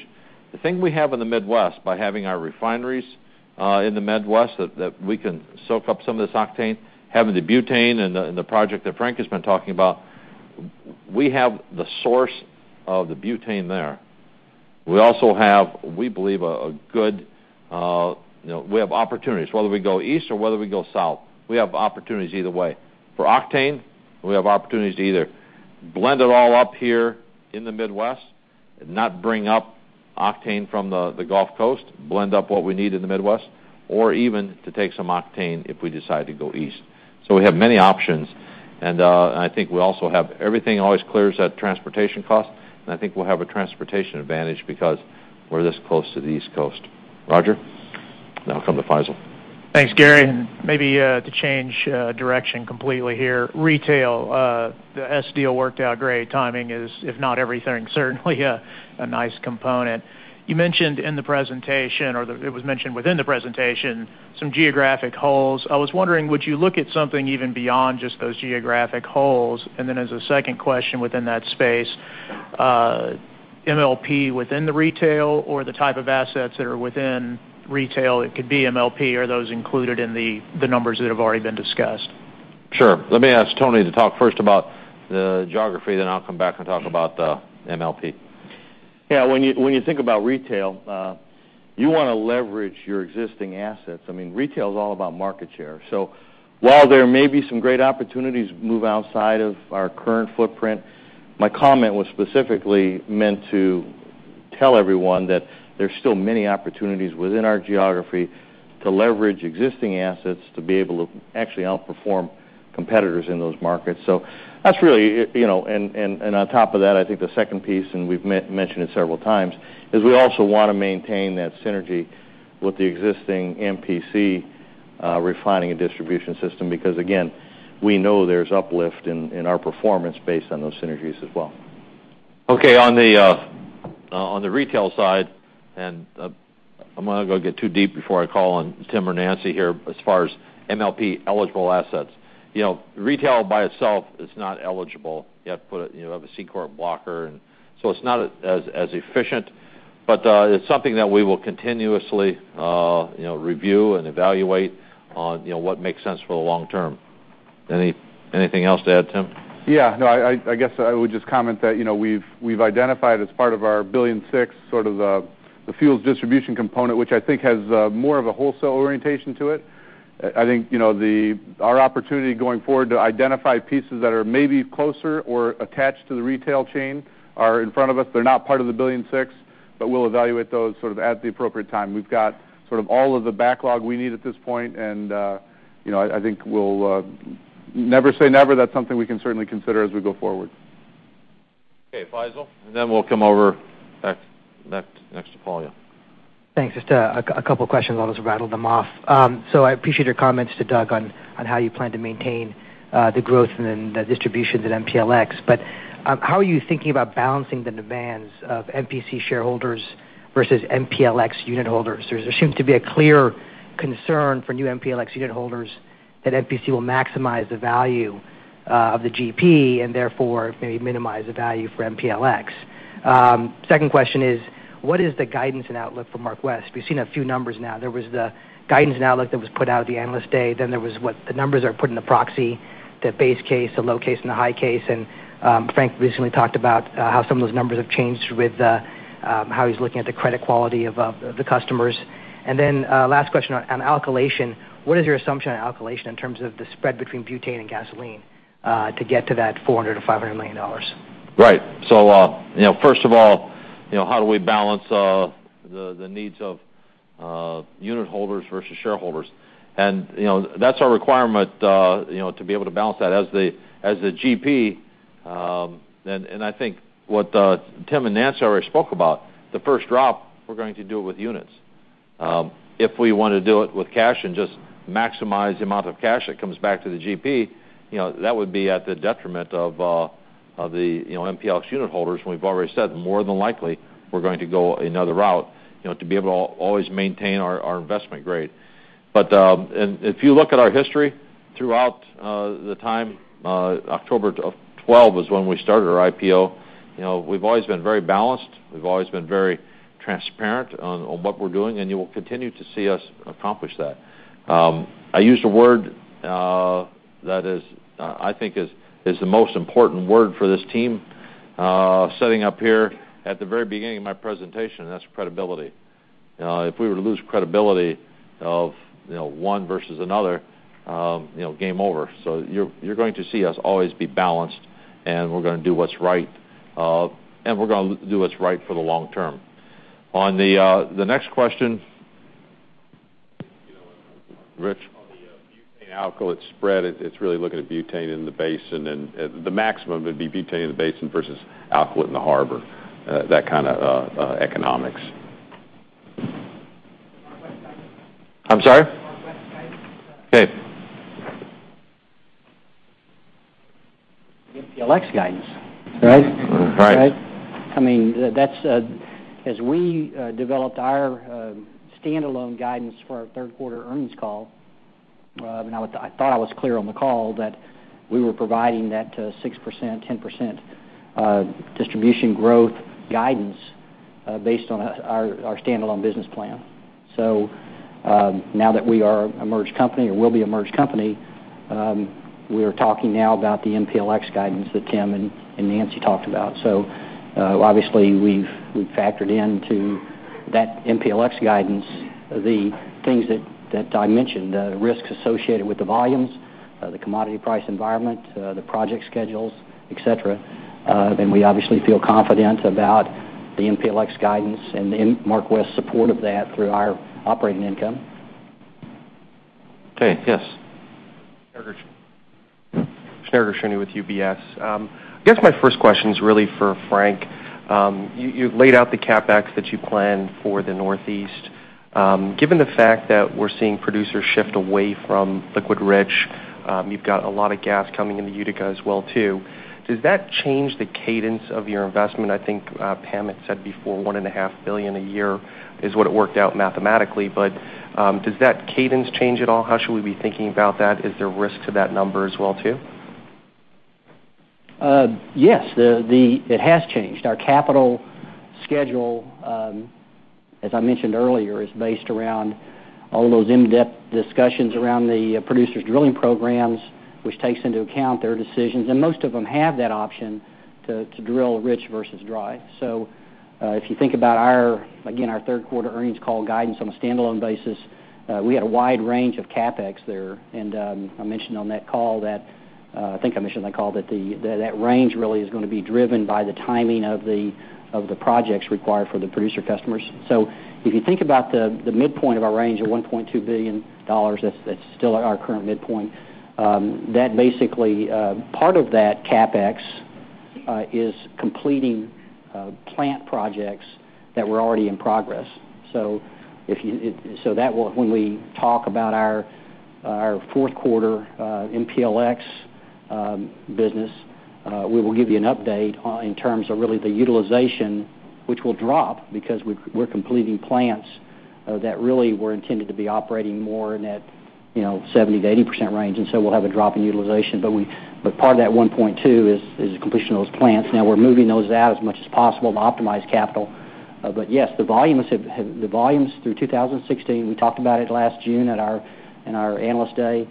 The thing we have in the Midwest, by having our refineries in the Midwest, that we can soak up some of this octane, having the butane and the project that Frank has been talking about. We have the source of the butane there. We also have, we believe, we have opportunities, whether we go east or whether we go south. We have opportunities either way. For octane, we have opportunities to either blend it all up here in the Midwest and not bring up octane from the Gulf Coast, blend up what we need in the Midwest, or even to take some octane if we decide to go east. We have many options, and I think we also have everything always clears at transportation cost, and I think we'll have a transportation advantage because we're this close to the East Coast. Roger, now come to Faisal. Thanks, Gary, and maybe to change direction completely here. Retail, the Hess deal worked out great. Timing is, if not everything, certainly a nice component. You mentioned in the presentation or it was mentioned within the presentation, some geographic holes. I was wondering, would you look at something even beyond just those geographic holes? And then as a second question within that space, MLP within the retail or the type of assets that are within retail, it could be MLP, are those included in the numbers that have already been discussed? Sure. Let me ask Tony to talk first about the geography, then I'll come back and talk about the MLP. Yeah, when you think about retail, you want to leverage your existing assets. Retail is all about market share. While there may be some great opportunities to move outside of our current footprint, my comment was specifically meant to tell everyone that there's still many opportunities within our geography to leverage existing assets to be able to actually outperform competitors in those markets. On top of that, I think the second piece, and we've mentioned it several times, is we also want to maintain that synergy with the existing MPC refining and distribution system, because again, we know there's uplift in our performance based on those synergies as well. Okay, on the retail side, I'm not going to go get too deep before I call on Tim or Nancy here as far as MLP eligible assets. Retail by itself is not eligible. You have to have a C corp blocker, so it's not as efficient. It's something that we will continuously review and evaluate on what makes sense for the long term. Anything else to add, Tim? Yeah. No, I guess I would just comment that we've identified as part of our $1.6 billion sort of the fuels distribution component, which I think has more of a wholesale orientation to it. I think our opportunity going forward to identify pieces that are maybe closer or attached to the retail chain are in front of us. They're not part of the $1.6 billion, we'll evaluate those sort of at the appropriate time. We've got sort of all of the backlog we need at this point, I think we'll never say never. That's something we can certainly consider as we go forward. Okay, Faisel, then we'll come over next to Paul, yeah. Thanks. Just a couple of questions. I'll just rattle them off. I appreciate your comments to Doug on how you plan to maintain the growth and the distribution to MPLX. How are you thinking about balancing the demands of MPC shareholders versus MPLX unit holders? There seems to be a clear concern for new MPLX unit holders that MPC will maximize the value of the GP and therefore maybe minimize the value for MPLX. Second question is, what is the guidance and outlook for MarkWest? We've seen a few numbers now. There was the guidance and outlook that was put out at the Analyst Day. There was what the numbers are put in the proxy, the base case, the low case, and the high case, Frank recently talked about how some of those numbers have changed with how he's looking at the credit quality of the customers. Last question on Alkylate, what is your assumption on Alkylate in terms of the spread between butane and gasoline to get to that $400 million-$500 million? First of all, how do we balance the needs of unit holders versus shareholders? That's our requirement to be able to balance that as a GP. I think what Tim and Nancy already spoke about, the first drop, we're going to do it with units. If we want to do it with cash and just maximize the amount of cash that comes back to the GP, that would be at the detriment of the MPLX unit holders. We've already said, more than likely, we're going to go another route to be able to always maintain our investment grade. If you look at our history throughout the time, October of 2012 is when we started our IPO. We've always been very balanced. We've always been very transparent on what we're doing, and you will continue to see us accomplish that. I used a word that I think is the most important word for this team, sitting up here at the very beginning of my presentation, that's credibility. If we were to lose credibility of one versus another, game over. You're going to see us always be balanced, and we're going to do what's right, and we're going to do what's right for the long term. On the next question, Rich? On the butane Alkylate spread, it's really looking at butane in the basin and the maximum would be butane in the basin versus Alkylate in the harbor. That kind of economics. MarkWest guidance? I'm sorry? MarkWest guidance? Dave. MPLX guidance, right? Right. As we developed our standalone guidance for our third quarter earnings call, I thought I was clear on the call that we were providing that 6%-10% distribution growth guidance based on our standalone business plan. Now that we are a merged company or will be a merged company, we are talking now about the MPLX guidance that Tim and Nancy talked about. Obviously, we've factored into that MPLX guidance the things that I mentioned, the risks associated with the volumes, the commodity price environment, the project schedules, et cetera. We obviously feel confident about the MPLX guidance and MarkWest's support of that through our operating income. Okay. Yes. Shneur Gershuni with UBS. I guess my first question's really for Frank. You've laid out the CapEx that you plan for the Northeast. Given the fact that we're seeing producers shift away from liquid rich, you've got a lot of gas coming into Utica as well, too. Does that change the cadence of your investment? I think Pam had said before $1.5 billion a year is what it worked out mathematically. Does that cadence change at all? How should we be thinking about that? Is there risk to that number as well, too? Yes. It has changed. Our capital schedule, as I mentioned earlier, is based around all those in-depth discussions around the producers' drilling programs, which takes into account their decisions. Most of them have that option to drill rich versus dry. If you think about our third quarter earnings call guidance on a standalone basis, we had a wide range of CapEx there, and I think I mentioned on that call that that range really is going to be driven by the timing of the projects required for the producer customers. If you think about the midpoint of our range of $1.2 billion, that's still our current midpoint. Part of that CapEx is completing plant projects that were already in progress. When we talk about our fourth quarter MPLX business, we will give you an update in terms of really the utilization, which will drop because we're completing plants that really were intended to be operating more in that 70%-80% range. We'll have a drop in utilization. Part of that 1.2 is the completion of those plants. Now we're moving those out as much as possible to optimize capital. Yes, the volumes through 2016, we talked about it last June in our Analyst Day.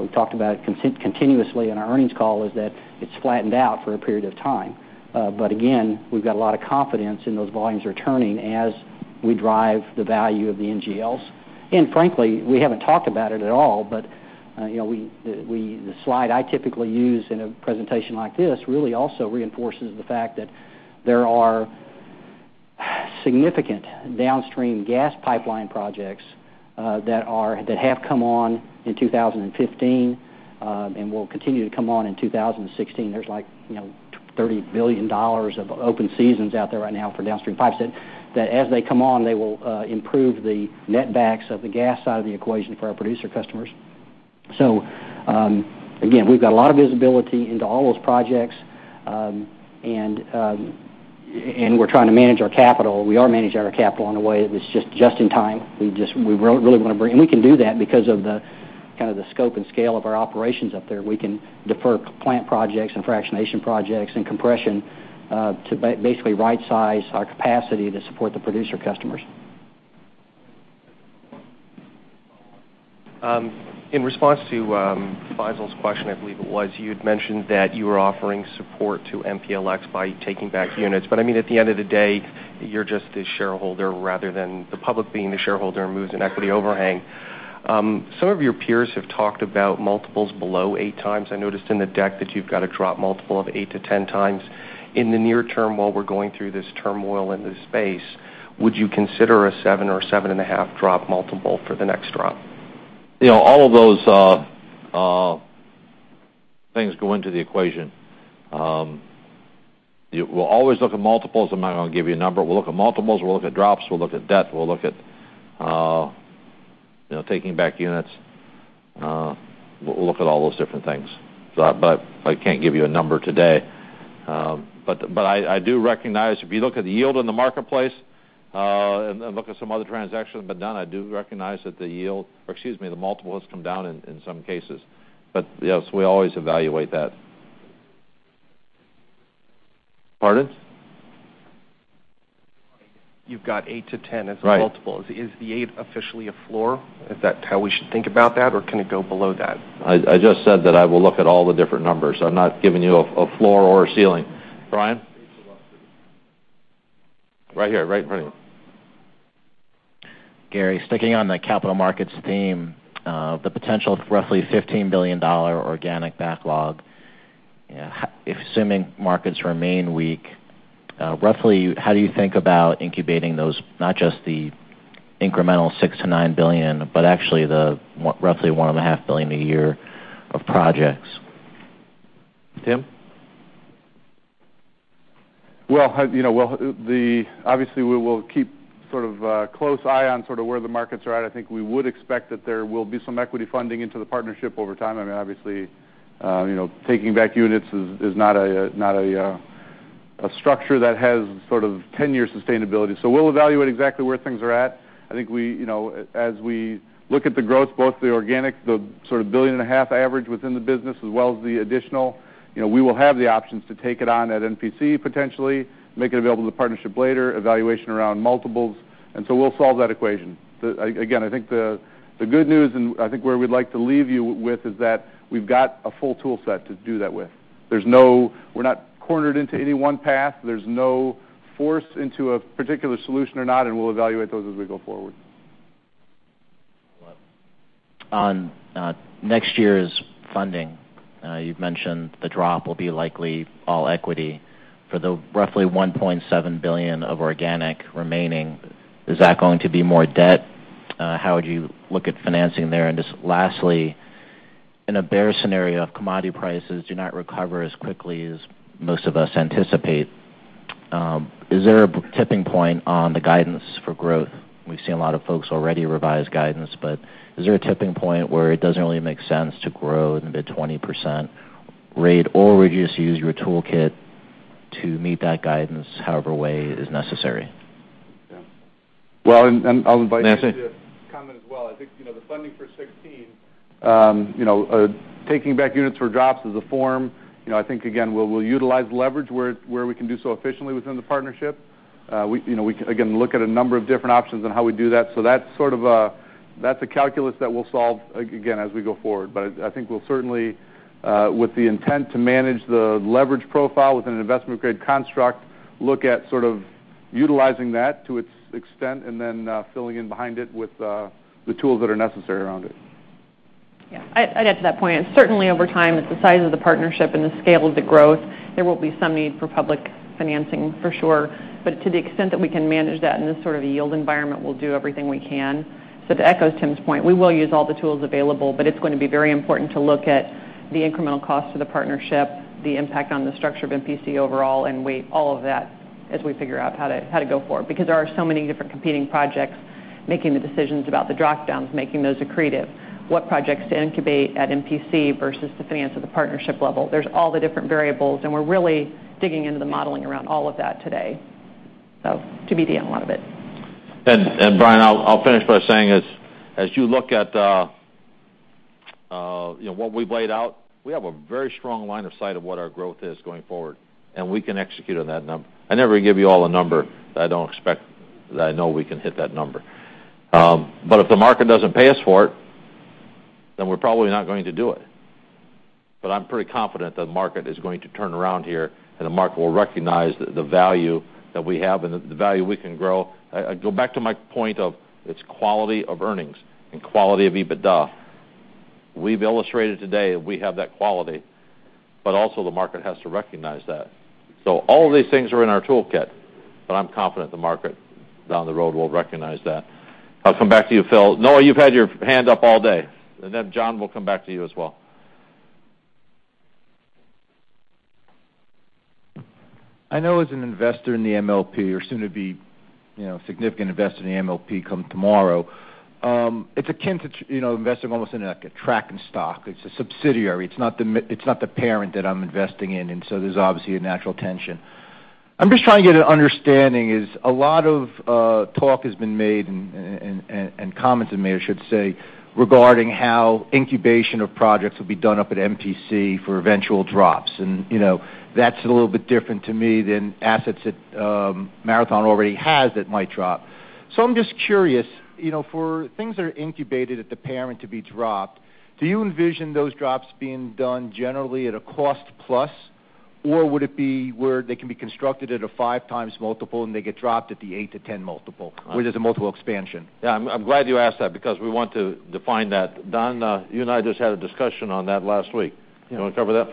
We talked about it continuously on our earnings call is that it's flattened out for a period of time. Again, we've got a lot of confidence in those volumes returning as we drive the value of the NGLs. Frankly, we haven't talked about it at all, the slide I typically use in a presentation like this really also reinforces the fact that there are significant downstream gas pipeline projects that have come on in 2015. Will continue to come on in 2016. There's like $30 billion of open seasons out there right now for downstream pipes, that as they come on, they will improve the net backs of the gas side of the equation for our producer customers. Again, we've got a lot of visibility into all those projects. We're trying to manage our capital. We are managing our capital in a way that's just in time. We really want to bring, and we can do that because of the scope and scale of our operations up there. We can defer plant projects and fractionation projects and compression to basically right-size our capacity to support the producer customers. In response to Faisel's question, I believe it was, you had mentioned that you were offering support to MPLX by taking back units. At the end of the day, you're just a shareholder rather than the public being the shareholder and moves in equity overhang. Some of your peers have talked about multiples below 8 times. I noticed in the deck that you've got a drop multiple of 8 to 10 times. In the near term, while we're going through this turmoil in this space, would you consider a seven or 7.5 drop multiple for the next drop? All of those things go into the equation. We'll always look at multiples. I'm not going to give you a number. We'll look at multiples, we'll look at drops, we'll look at debt, we'll look at taking back units. We'll look at all those different things. I can't give you a number today. I do recognize, if you look at the yield in the marketplace, and look at some other transactions that have been done, I do recognize that the multiples come down in some cases. Yes, we always evaluate that. Pardon? You've got 8 to 10 as the multiple. Right. Is the 8 officially a floor? Is that how we should think about that, or can it go below that? I just said that I will look at all the different numbers. I'm not giving you a floor or a ceiling. Brian? Right here. Right in front of you. Gary, sticking on the capital markets theme, the potential of roughly $15 billion organic backlog. Assuming markets remain weak, roughly how do you think about incubating those, not just the incremental $6 billion-$9 billion, but actually the roughly one and a half billion a year of projects? Tim? Well, obviously, we will keep a close eye on where the markets are at. I think we would expect that there will be some equity funding into the partnership over time. Obviously, taking back units is not a A structure that has sort of 10-year sustainability. We'll evaluate exactly where things are at. I think as we look at the growth, both the organic, the sort of billion and a half average within the business, as well as the additional, we will have the options to take it on at MPC potentially, make it available to partnership later, evaluation around multiples. We'll solve that equation. Again, I think the good news, and I think where we'd like to leave you with is that we've got a full tool set to do that with. We're not cornered into any one path. There's no force into a particular solution or not, and we'll evaluate those as we go forward. On next year's funding, you've mentioned the drop will be likely all equity. For the roughly $1.7 billion of organic remaining, is that going to be more debt? How would you look at financing there? Just lastly, in a bear scenario of commodity prices do not recover as quickly as most of us anticipate, is there a tipping point on the guidance for growth? We've seen a lot of folks already revise guidance, but is there a tipping point where it doesn't really make sense to grow the mid-20% rate or would you just use your toolkit to meet that guidance however way is necessary? Well, I'll invite Nancy to comment as well. I think the funding for 2016, taking back units for drops is a form. I think again, we'll utilize leverage where we can do so efficiently within the partnership. We can again, look at a number of different options on how we do that. That's a calculus that we'll solve again, as we go forward. I think we'll certainly, with the intent to manage the leverage profile within an investment grade construct, look at sort of utilizing that to its extent and then filling in behind it with the tools that are necessary around it. I'd add to that point. Certainly over time, with the size of the partnership and the scale of the growth, there will be some need for public financing for sure. To the extent that we can manage that in this sort of a yield environment, we'll do everything we can. To echo Tim's point, we will use all the tools available, but it's going to be very important to look at the incremental cost to the partnership, the impact on the structure of MPC overall, and weigh all of that as we figure out how to go forward. There are so many different competing projects, making the decisions about the drop-downs, making those accretive. What projects to incubate at MPC versus to finance at the partnership level. There's all the different variables, and we're really digging into the modeling around all of that today. TBD on a lot of it. Brian, I'll finish by saying is, as you look at what we've laid out, we have a very strong line of sight of what our growth is going forward, and we can execute on that number. I never give you all a number that I don't expect that I know we can hit that number. If the market doesn't pay us for it, then we're probably not going to do it. I'm pretty confident that the market is going to turn around here, and the market will recognize the value that we have and the value we can grow. I go back to my point of it's quality of earnings and quality of EBITDA. We've illustrated today we have that quality, but also the market has to recognize that. All of these things are in our toolkit, but I'm confident the market down the road will recognize that. I'll come back to you, Phil. Noah, you've had your hand up all day. Then John, we'll come back to you as well. I know as an investor in the MLP or soon to be significant investor in the MLP come tomorrow, it's akin to investing almost in like a tracking stock. It's a subsidiary. It's not the parent that I'm investing in, so there's obviously a natural tension. I'm just trying to get an understanding is a lot of talk has been made, and comments have been made, I should say, regarding how incubation of projects will be done up at MPC for eventual drops. That's a little bit different to me than assets that Marathon already has that might drop. I'm just curious, for things that are incubated at the parent to be dropped, do you envision those drops being done generally at a cost plus, or would it be where they can be constructed at a five times multiple and they get dropped at the 8 multiple-10 multiple, where there's a multiple expansion? Yeah, I'm glad you asked that because we want to define that. Don, you and I just had a discussion on that last week. You want to cover that?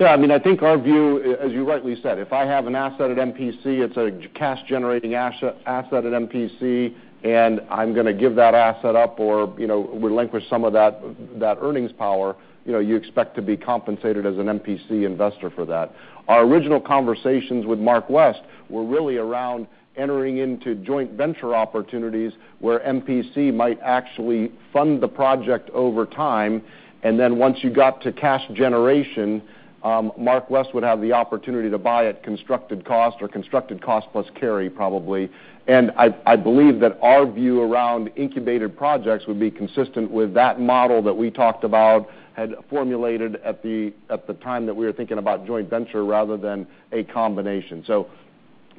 Yeah. I mean, I think our view, as you rightly said, if I have an asset at MPC, it's a cash-generating asset at MPC, and I'm going to give that asset up or relinquish some of that earnings power, you expect to be compensated as an MPC investor for that. Our original conversations with MarkWest were really around entering into joint venture opportunities where MPC might actually fund the project over time, and then once you got to cash generation, MarkWest would have the opportunity to buy at constructed cost or constructed cost plus carry, probably. I believe that our view around incubated projects would be consistent with that model that we talked about, had formulated at the time that we were thinking about joint venture rather than a combination.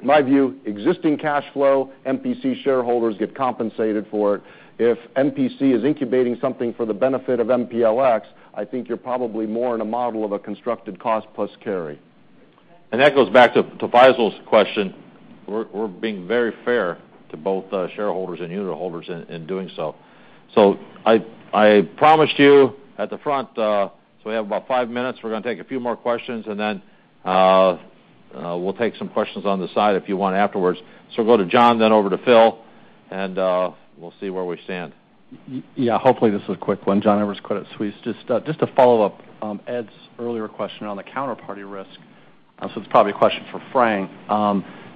My view, existing cash flow, MPC shareholders get compensated for it. If MPC is incubating something for the benefit of MPLX, I think you're probably more in a model of a constructed cost plus carry. That goes back to Faisel's question. We're being very fair to both shareholders and unitholders in doing so. I promised you at the front, so we have about five minutes. We're going to take a few more questions, then we'll take some questions on the side if you want afterwards. Go to John, then over to Phil, we'll see where we stand. Yeah, hopefully this is a quick one. John Edwards, Credit Suisse. Just to follow up Ed's earlier question on the counterparty risk, it's probably a question for Frank.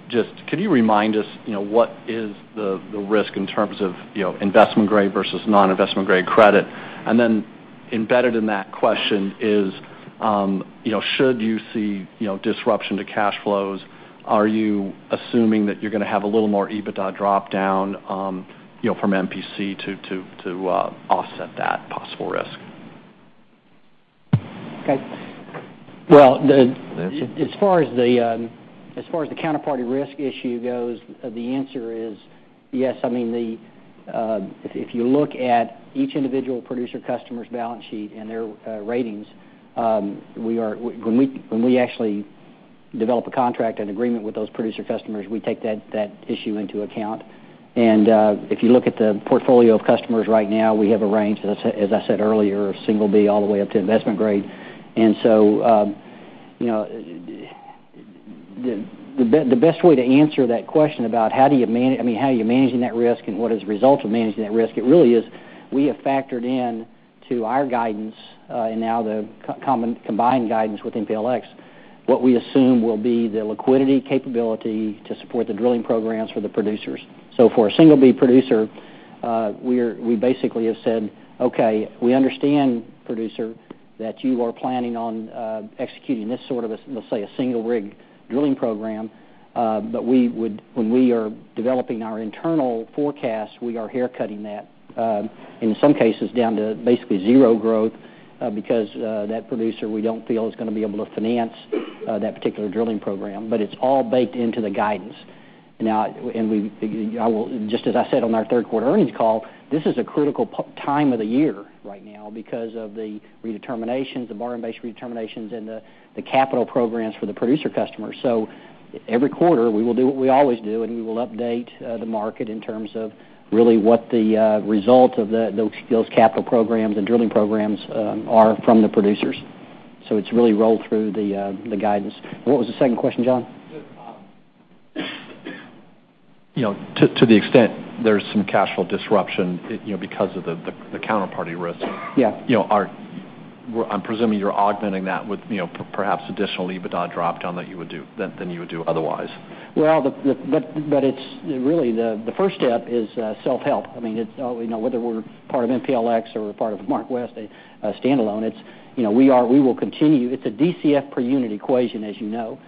Just could you remind us what is the risk in terms of investment grade versus non-investment grade credit? Then- Embedded in that question is, should you see disruption to cash flows, are you assuming that you're going to have a little more EBITDA drop down from MPC to offset that possible risk? Okay. Well, as far as the counterparty risk issue goes, the answer is yes. If you look at each individual producer customer's balance sheet and their ratings, when we actually develop a contract and agreement with those producer customers, we take that issue into account. If you look at the portfolio of customers right now, we have a range, as I said earlier, single B all the way up to investment grade. The best way to answer that question about how you're managing that risk and what is the result of managing that risk, it really is, we have factored in to our guidance, and now the combined guidance with MPLX, what we assume will be the liquidity capability to support the drilling programs for the producers. For a single B producer, we basically have said, "Okay, we understand, producer, that you are planning on executing this sort of, let's say, a single rig drilling program." When we are developing our internal forecast, we are haircutting that, in some cases, down to basically zero growth because that producer, we don't feel is going to be able to finance that particular drilling program. It's all baked into the guidance. Now, just as I said on our third quarter earnings call, this is a critical time of the year right now because of the redeterminations, the borrowing base redeterminations, and the capital programs for the producer customers. Every quarter, we will do what we always do, and we will update the market in terms of really what the result of those capital programs and drilling programs are from the producers. It's really rolled through the guidance. What was the second question, John? To the extent there's some cash flow disruption because of the counterparty risk. Yeah I'm presuming you're augmenting that with perhaps additional EBITDA drop down than you would do otherwise. Well, really, the first step is self-help. Whether we're part of MPLX or part of MarkWest standalone, we will continue. It's a DCF per unit equation, as you know.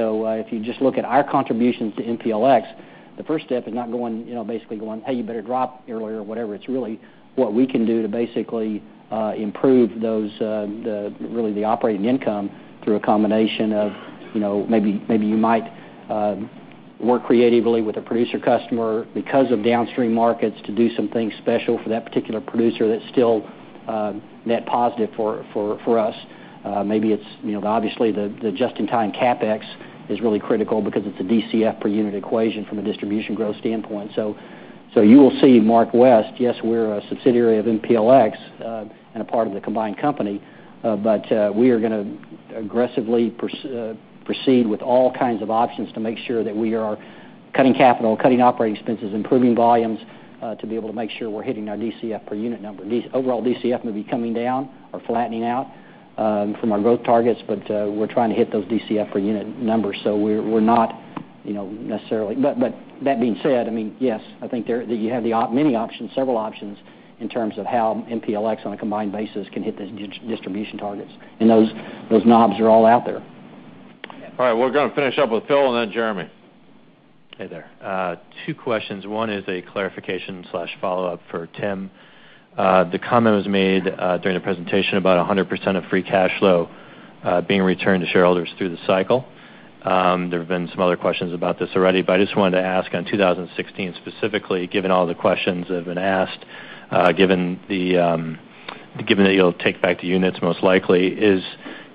If you just look at our contributions to MPLX, the first step is not basically going, "Hey, you better drop your oil" or whatever. It's really what we can do to basically improve really the operating income through a combination of maybe you might work creatively with a producer customer because of downstream markets to do something special for that particular producer that's still net positive for us. Obviously, the just-in-time CapEx is really critical because it's a DCF per unit equation from a distribution growth standpoint. You will see MarkWest. Yes, we're a subsidiary of MPLX and a part of the combined company. We are going to aggressively proceed with all kinds of options to make sure that we are cutting capital, cutting operating expenses, improving volumes to be able to make sure we're hitting our DCF per unit number. Overall DCF may be coming down or flattening out from our growth targets, but we're trying to hit those DCF per unit numbers. That being said, yes, I think that you have many options, several options in terms of how MPLX on a combined basis can hit those distribution targets, and those knobs are all out there. All right. We're going to finish up with Phil and then Jeremy. Hey there. Two questions. One is a clarification/follow-up for Tim. The comment was made during the presentation about 100% of free cash flow being returned to shareholders through the cycle. There have been some other questions about this already, but I just wanted to ask on 2016 specifically, given all the questions that have been asked, given that you'll take back the units most likely, is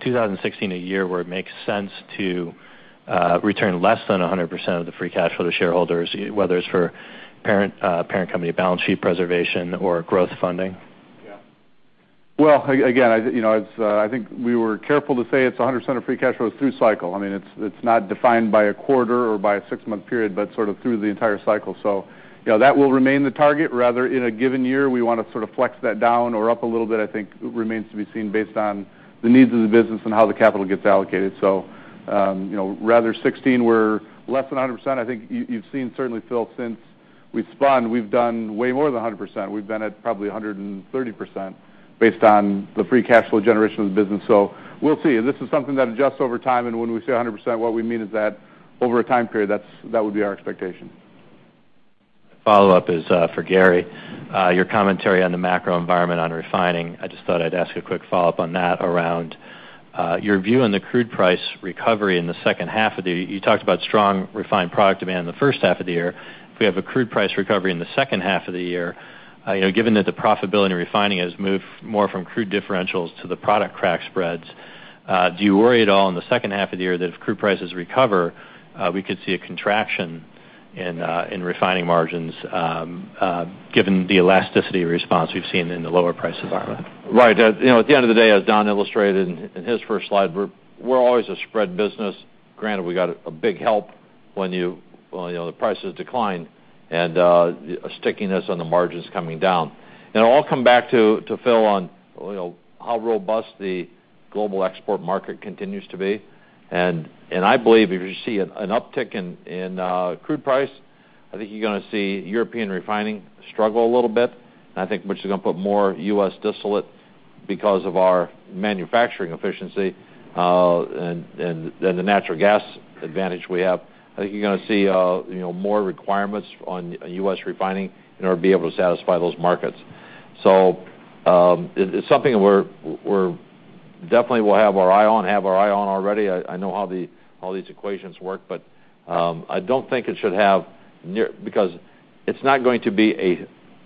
2016 a year where it makes sense to return less than 100% of the free cash flow to shareholders, whether it's for parent company balance sheet preservation or growth funding? Well, again, I think we were careful to say it's 100% of free cash flow through cycle. It's not defined by a quarter or by a six-month period, but sort of through the entire cycle. That will remain the target. Rather, in a given year, we want to sort of flex that down or up a little bit, I think remains to be seen based on the needs of the business and how the capital gets allocated. Rather '16, we're less than 100%. I think you've seen certainly, Phil, since we've spun, we've done way more than 100%. We've been at probably 130% based on the free cash flow generation of the business. We'll see. This is something that adjusts over time, and when we say 100%, what we mean is that over a time period, that would be our expectation. Follow-up is for Gary. Your commentary on the macro environment on refining. I just thought I'd ask a quick follow-up on that around your view on the crude price recovery in the second half of the year. You talked about strong refined product demand in the first half of the year. If we have a crude price recovery in the second half of the year, given that the profitability in refining has moved more from crude differentials to the product crack spreads, do you worry at all in the second half of the year that if crude prices recover, we could see a contraction in refining margins given the elasticity response we've seen in the lower price environment? Right. At the end of the day, as Don illustrated in his first slide, we're always a spread business. Granted, we got a big help when the prices decline and a stickiness on the margins coming down. I'll come back to Phil on how robust the global export market continues to be. I believe if you see an uptick in crude price I think you're going to see European refining struggle a little bit, and I think which is going to put more U.S. distillate because of our manufacturing efficiency and then the natural gas advantage we have. I think you're going to see more requirements on U.S. refining in order to be able to satisfy those markets. It's something we definitely will have our eye on, have our eye on already. I know how all these equations work, but I don't think it should have near. It's not going to be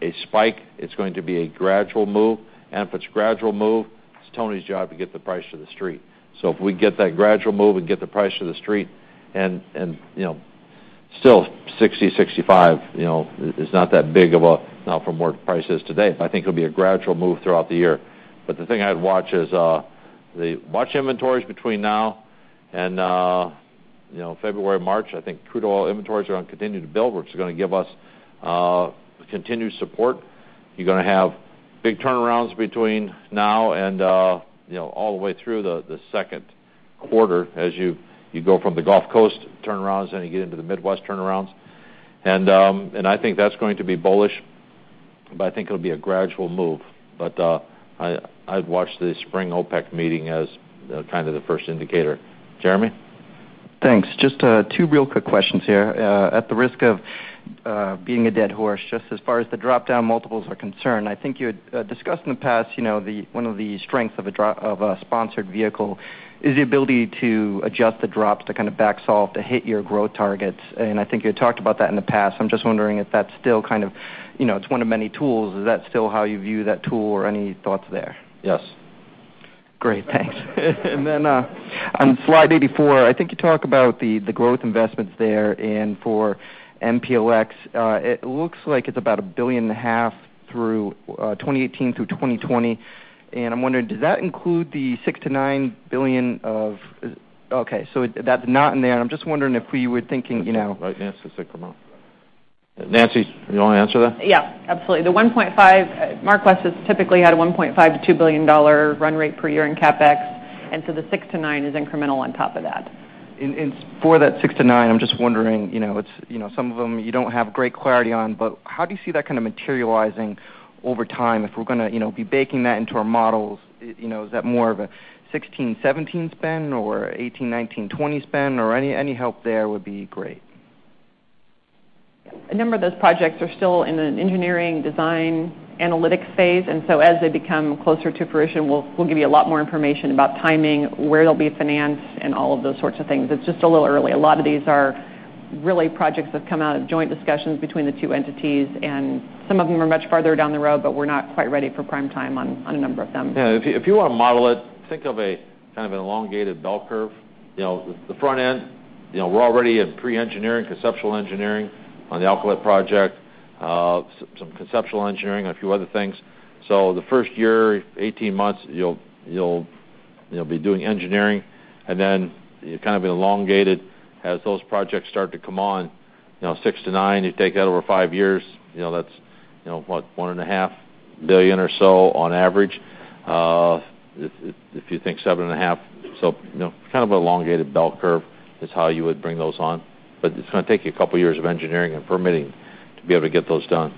a spike, it's going to be a gradual move. If it's a gradual move, it's Tony's job to get the price to the street. If we get that gradual move and get the price to the street, and still $60, $65 is not that big of a Not from where price is today. I think it'll be a gradual move throughout the year. The thing I'd watch is watch inventories between now and February, March. I think crude oil inventories are going to continue to build, which is going to give us continued support. You're going to have big turnarounds between now and all the way through the second quarter as you go from the Gulf Coast turnarounds, then you get into the Midwest turnarounds. I think that's going to be bullish, but I think it'll be a gradual move. I'd watch the spring OPEC meeting as kind of the first indicator. Jeremy? Thanks. Just two real quick questions here. At the risk of beating a dead horse, just as far as the drop-down multiples are concerned, I think you had discussed in the past one of the strengths of a sponsored vehicle is the ability to adjust the drops to kind of back solve to hit your growth targets. I think you had talked about that in the past. I'm just wondering if that's still kind of. It's one of many tools. Is that still how you view that tool, or any thoughts there? Yes. Great. Thanks. Then on slide 84, I think you talk about the growth investments there. For MPLX, it looks like it's about a billion and a half through 2018 through 2020. I'm wondering, does that include the $6 billion-$9 billion of Okay, that's not in there. I'm just wondering if we were thinking. I can ask Nancy to come out. Nancy, you want to answer that? Yeah, absolutely. MarkWest has typically had a $1.5 billion-$2 billion run rate per year in CapEx, the $6 billion-$9 billion is incremental on top of that. For that $6 billion-$9 billion, I'm just wondering, some of them you don't have great clarity on, but how do you see that kind of materializing over time if we're going to be baking that into our models? Is that more of a 2016, 2017 spend or 2018, 2019, 2020 spend? Any help there would be great. A number of those projects are still in an engineering design analytics phase. As they become closer to fruition, we'll give you a lot more information about timing, where they'll be financed, and all of those sorts of things. It's just a little early. A lot of these are really projects that have come out of joint discussions between the two entities. Some of them are much farther down the road, we're not quite ready for prime time on a number of them. Yeah, if you want to model it, think of a kind of an elongated bell curve. The front end, we're already in pre-engineering, conceptual engineering on the Alkylate project, some conceptual engineering on a few other things. The first year, 18 months, you'll be doing engineering, then you're kind of elongated as those projects start to come on. Six to nine, you take that over five years, that's what? One and a half billion or so on average. If you think seven and a half. Kind of an elongated bell curve is how you would bring those on. It's going to take you a couple of years of engineering and permitting to be able to get those done.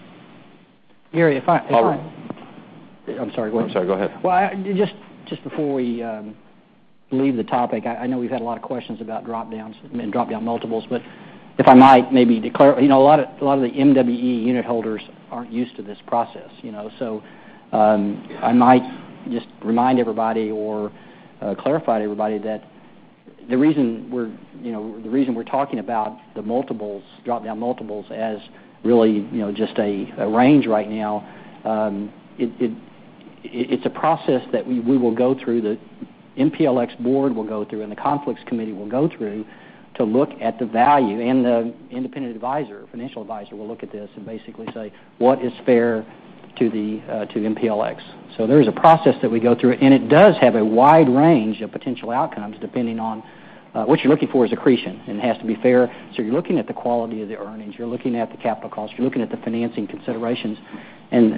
Gary. Paul. I'm sorry, go ahead. I'm sorry, go ahead. Well, just before we leave the topic, I know we've had a lot of questions about drop-downs, I mean, drop-down multiples. If I might maybe declare, a lot of the MWE unit holders aren't used to this process. I might just remind everybody or clarify to everybody that the reason we're talking about the multiples, drop-down multiples as really just a range right now, it's a process that we will go through, the MPLX board will go through, and the conflicts committee will go through to look at the value. The independent advisor, financial advisor will look at this and basically say, what is fair to MPLX? There is a process that we go through, and it does have a wide range of potential outcomes, depending on what you're looking for is accretion, and it has to be fair. You're looking at the quality of the earnings, you're looking at the capital cost, you're looking at the financing considerations, and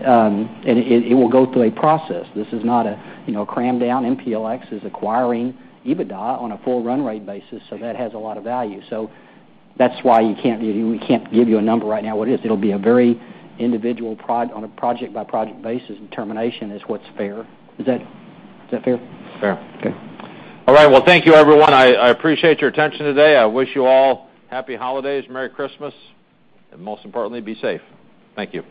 it will go through a process. This is not a cram down. MPLX is acquiring EBITDA on a full run rate basis, that has a lot of value. That's why we can't give you a number right now what it is. It'll be a very individual on a project-by-project basis determination is what's fair. Is that fair? Fair. Okay. All right. Well, thank you everyone. I appreciate your attention today. I wish you all happy holidays, Merry Christmas, and most importantly, be safe. Thank you.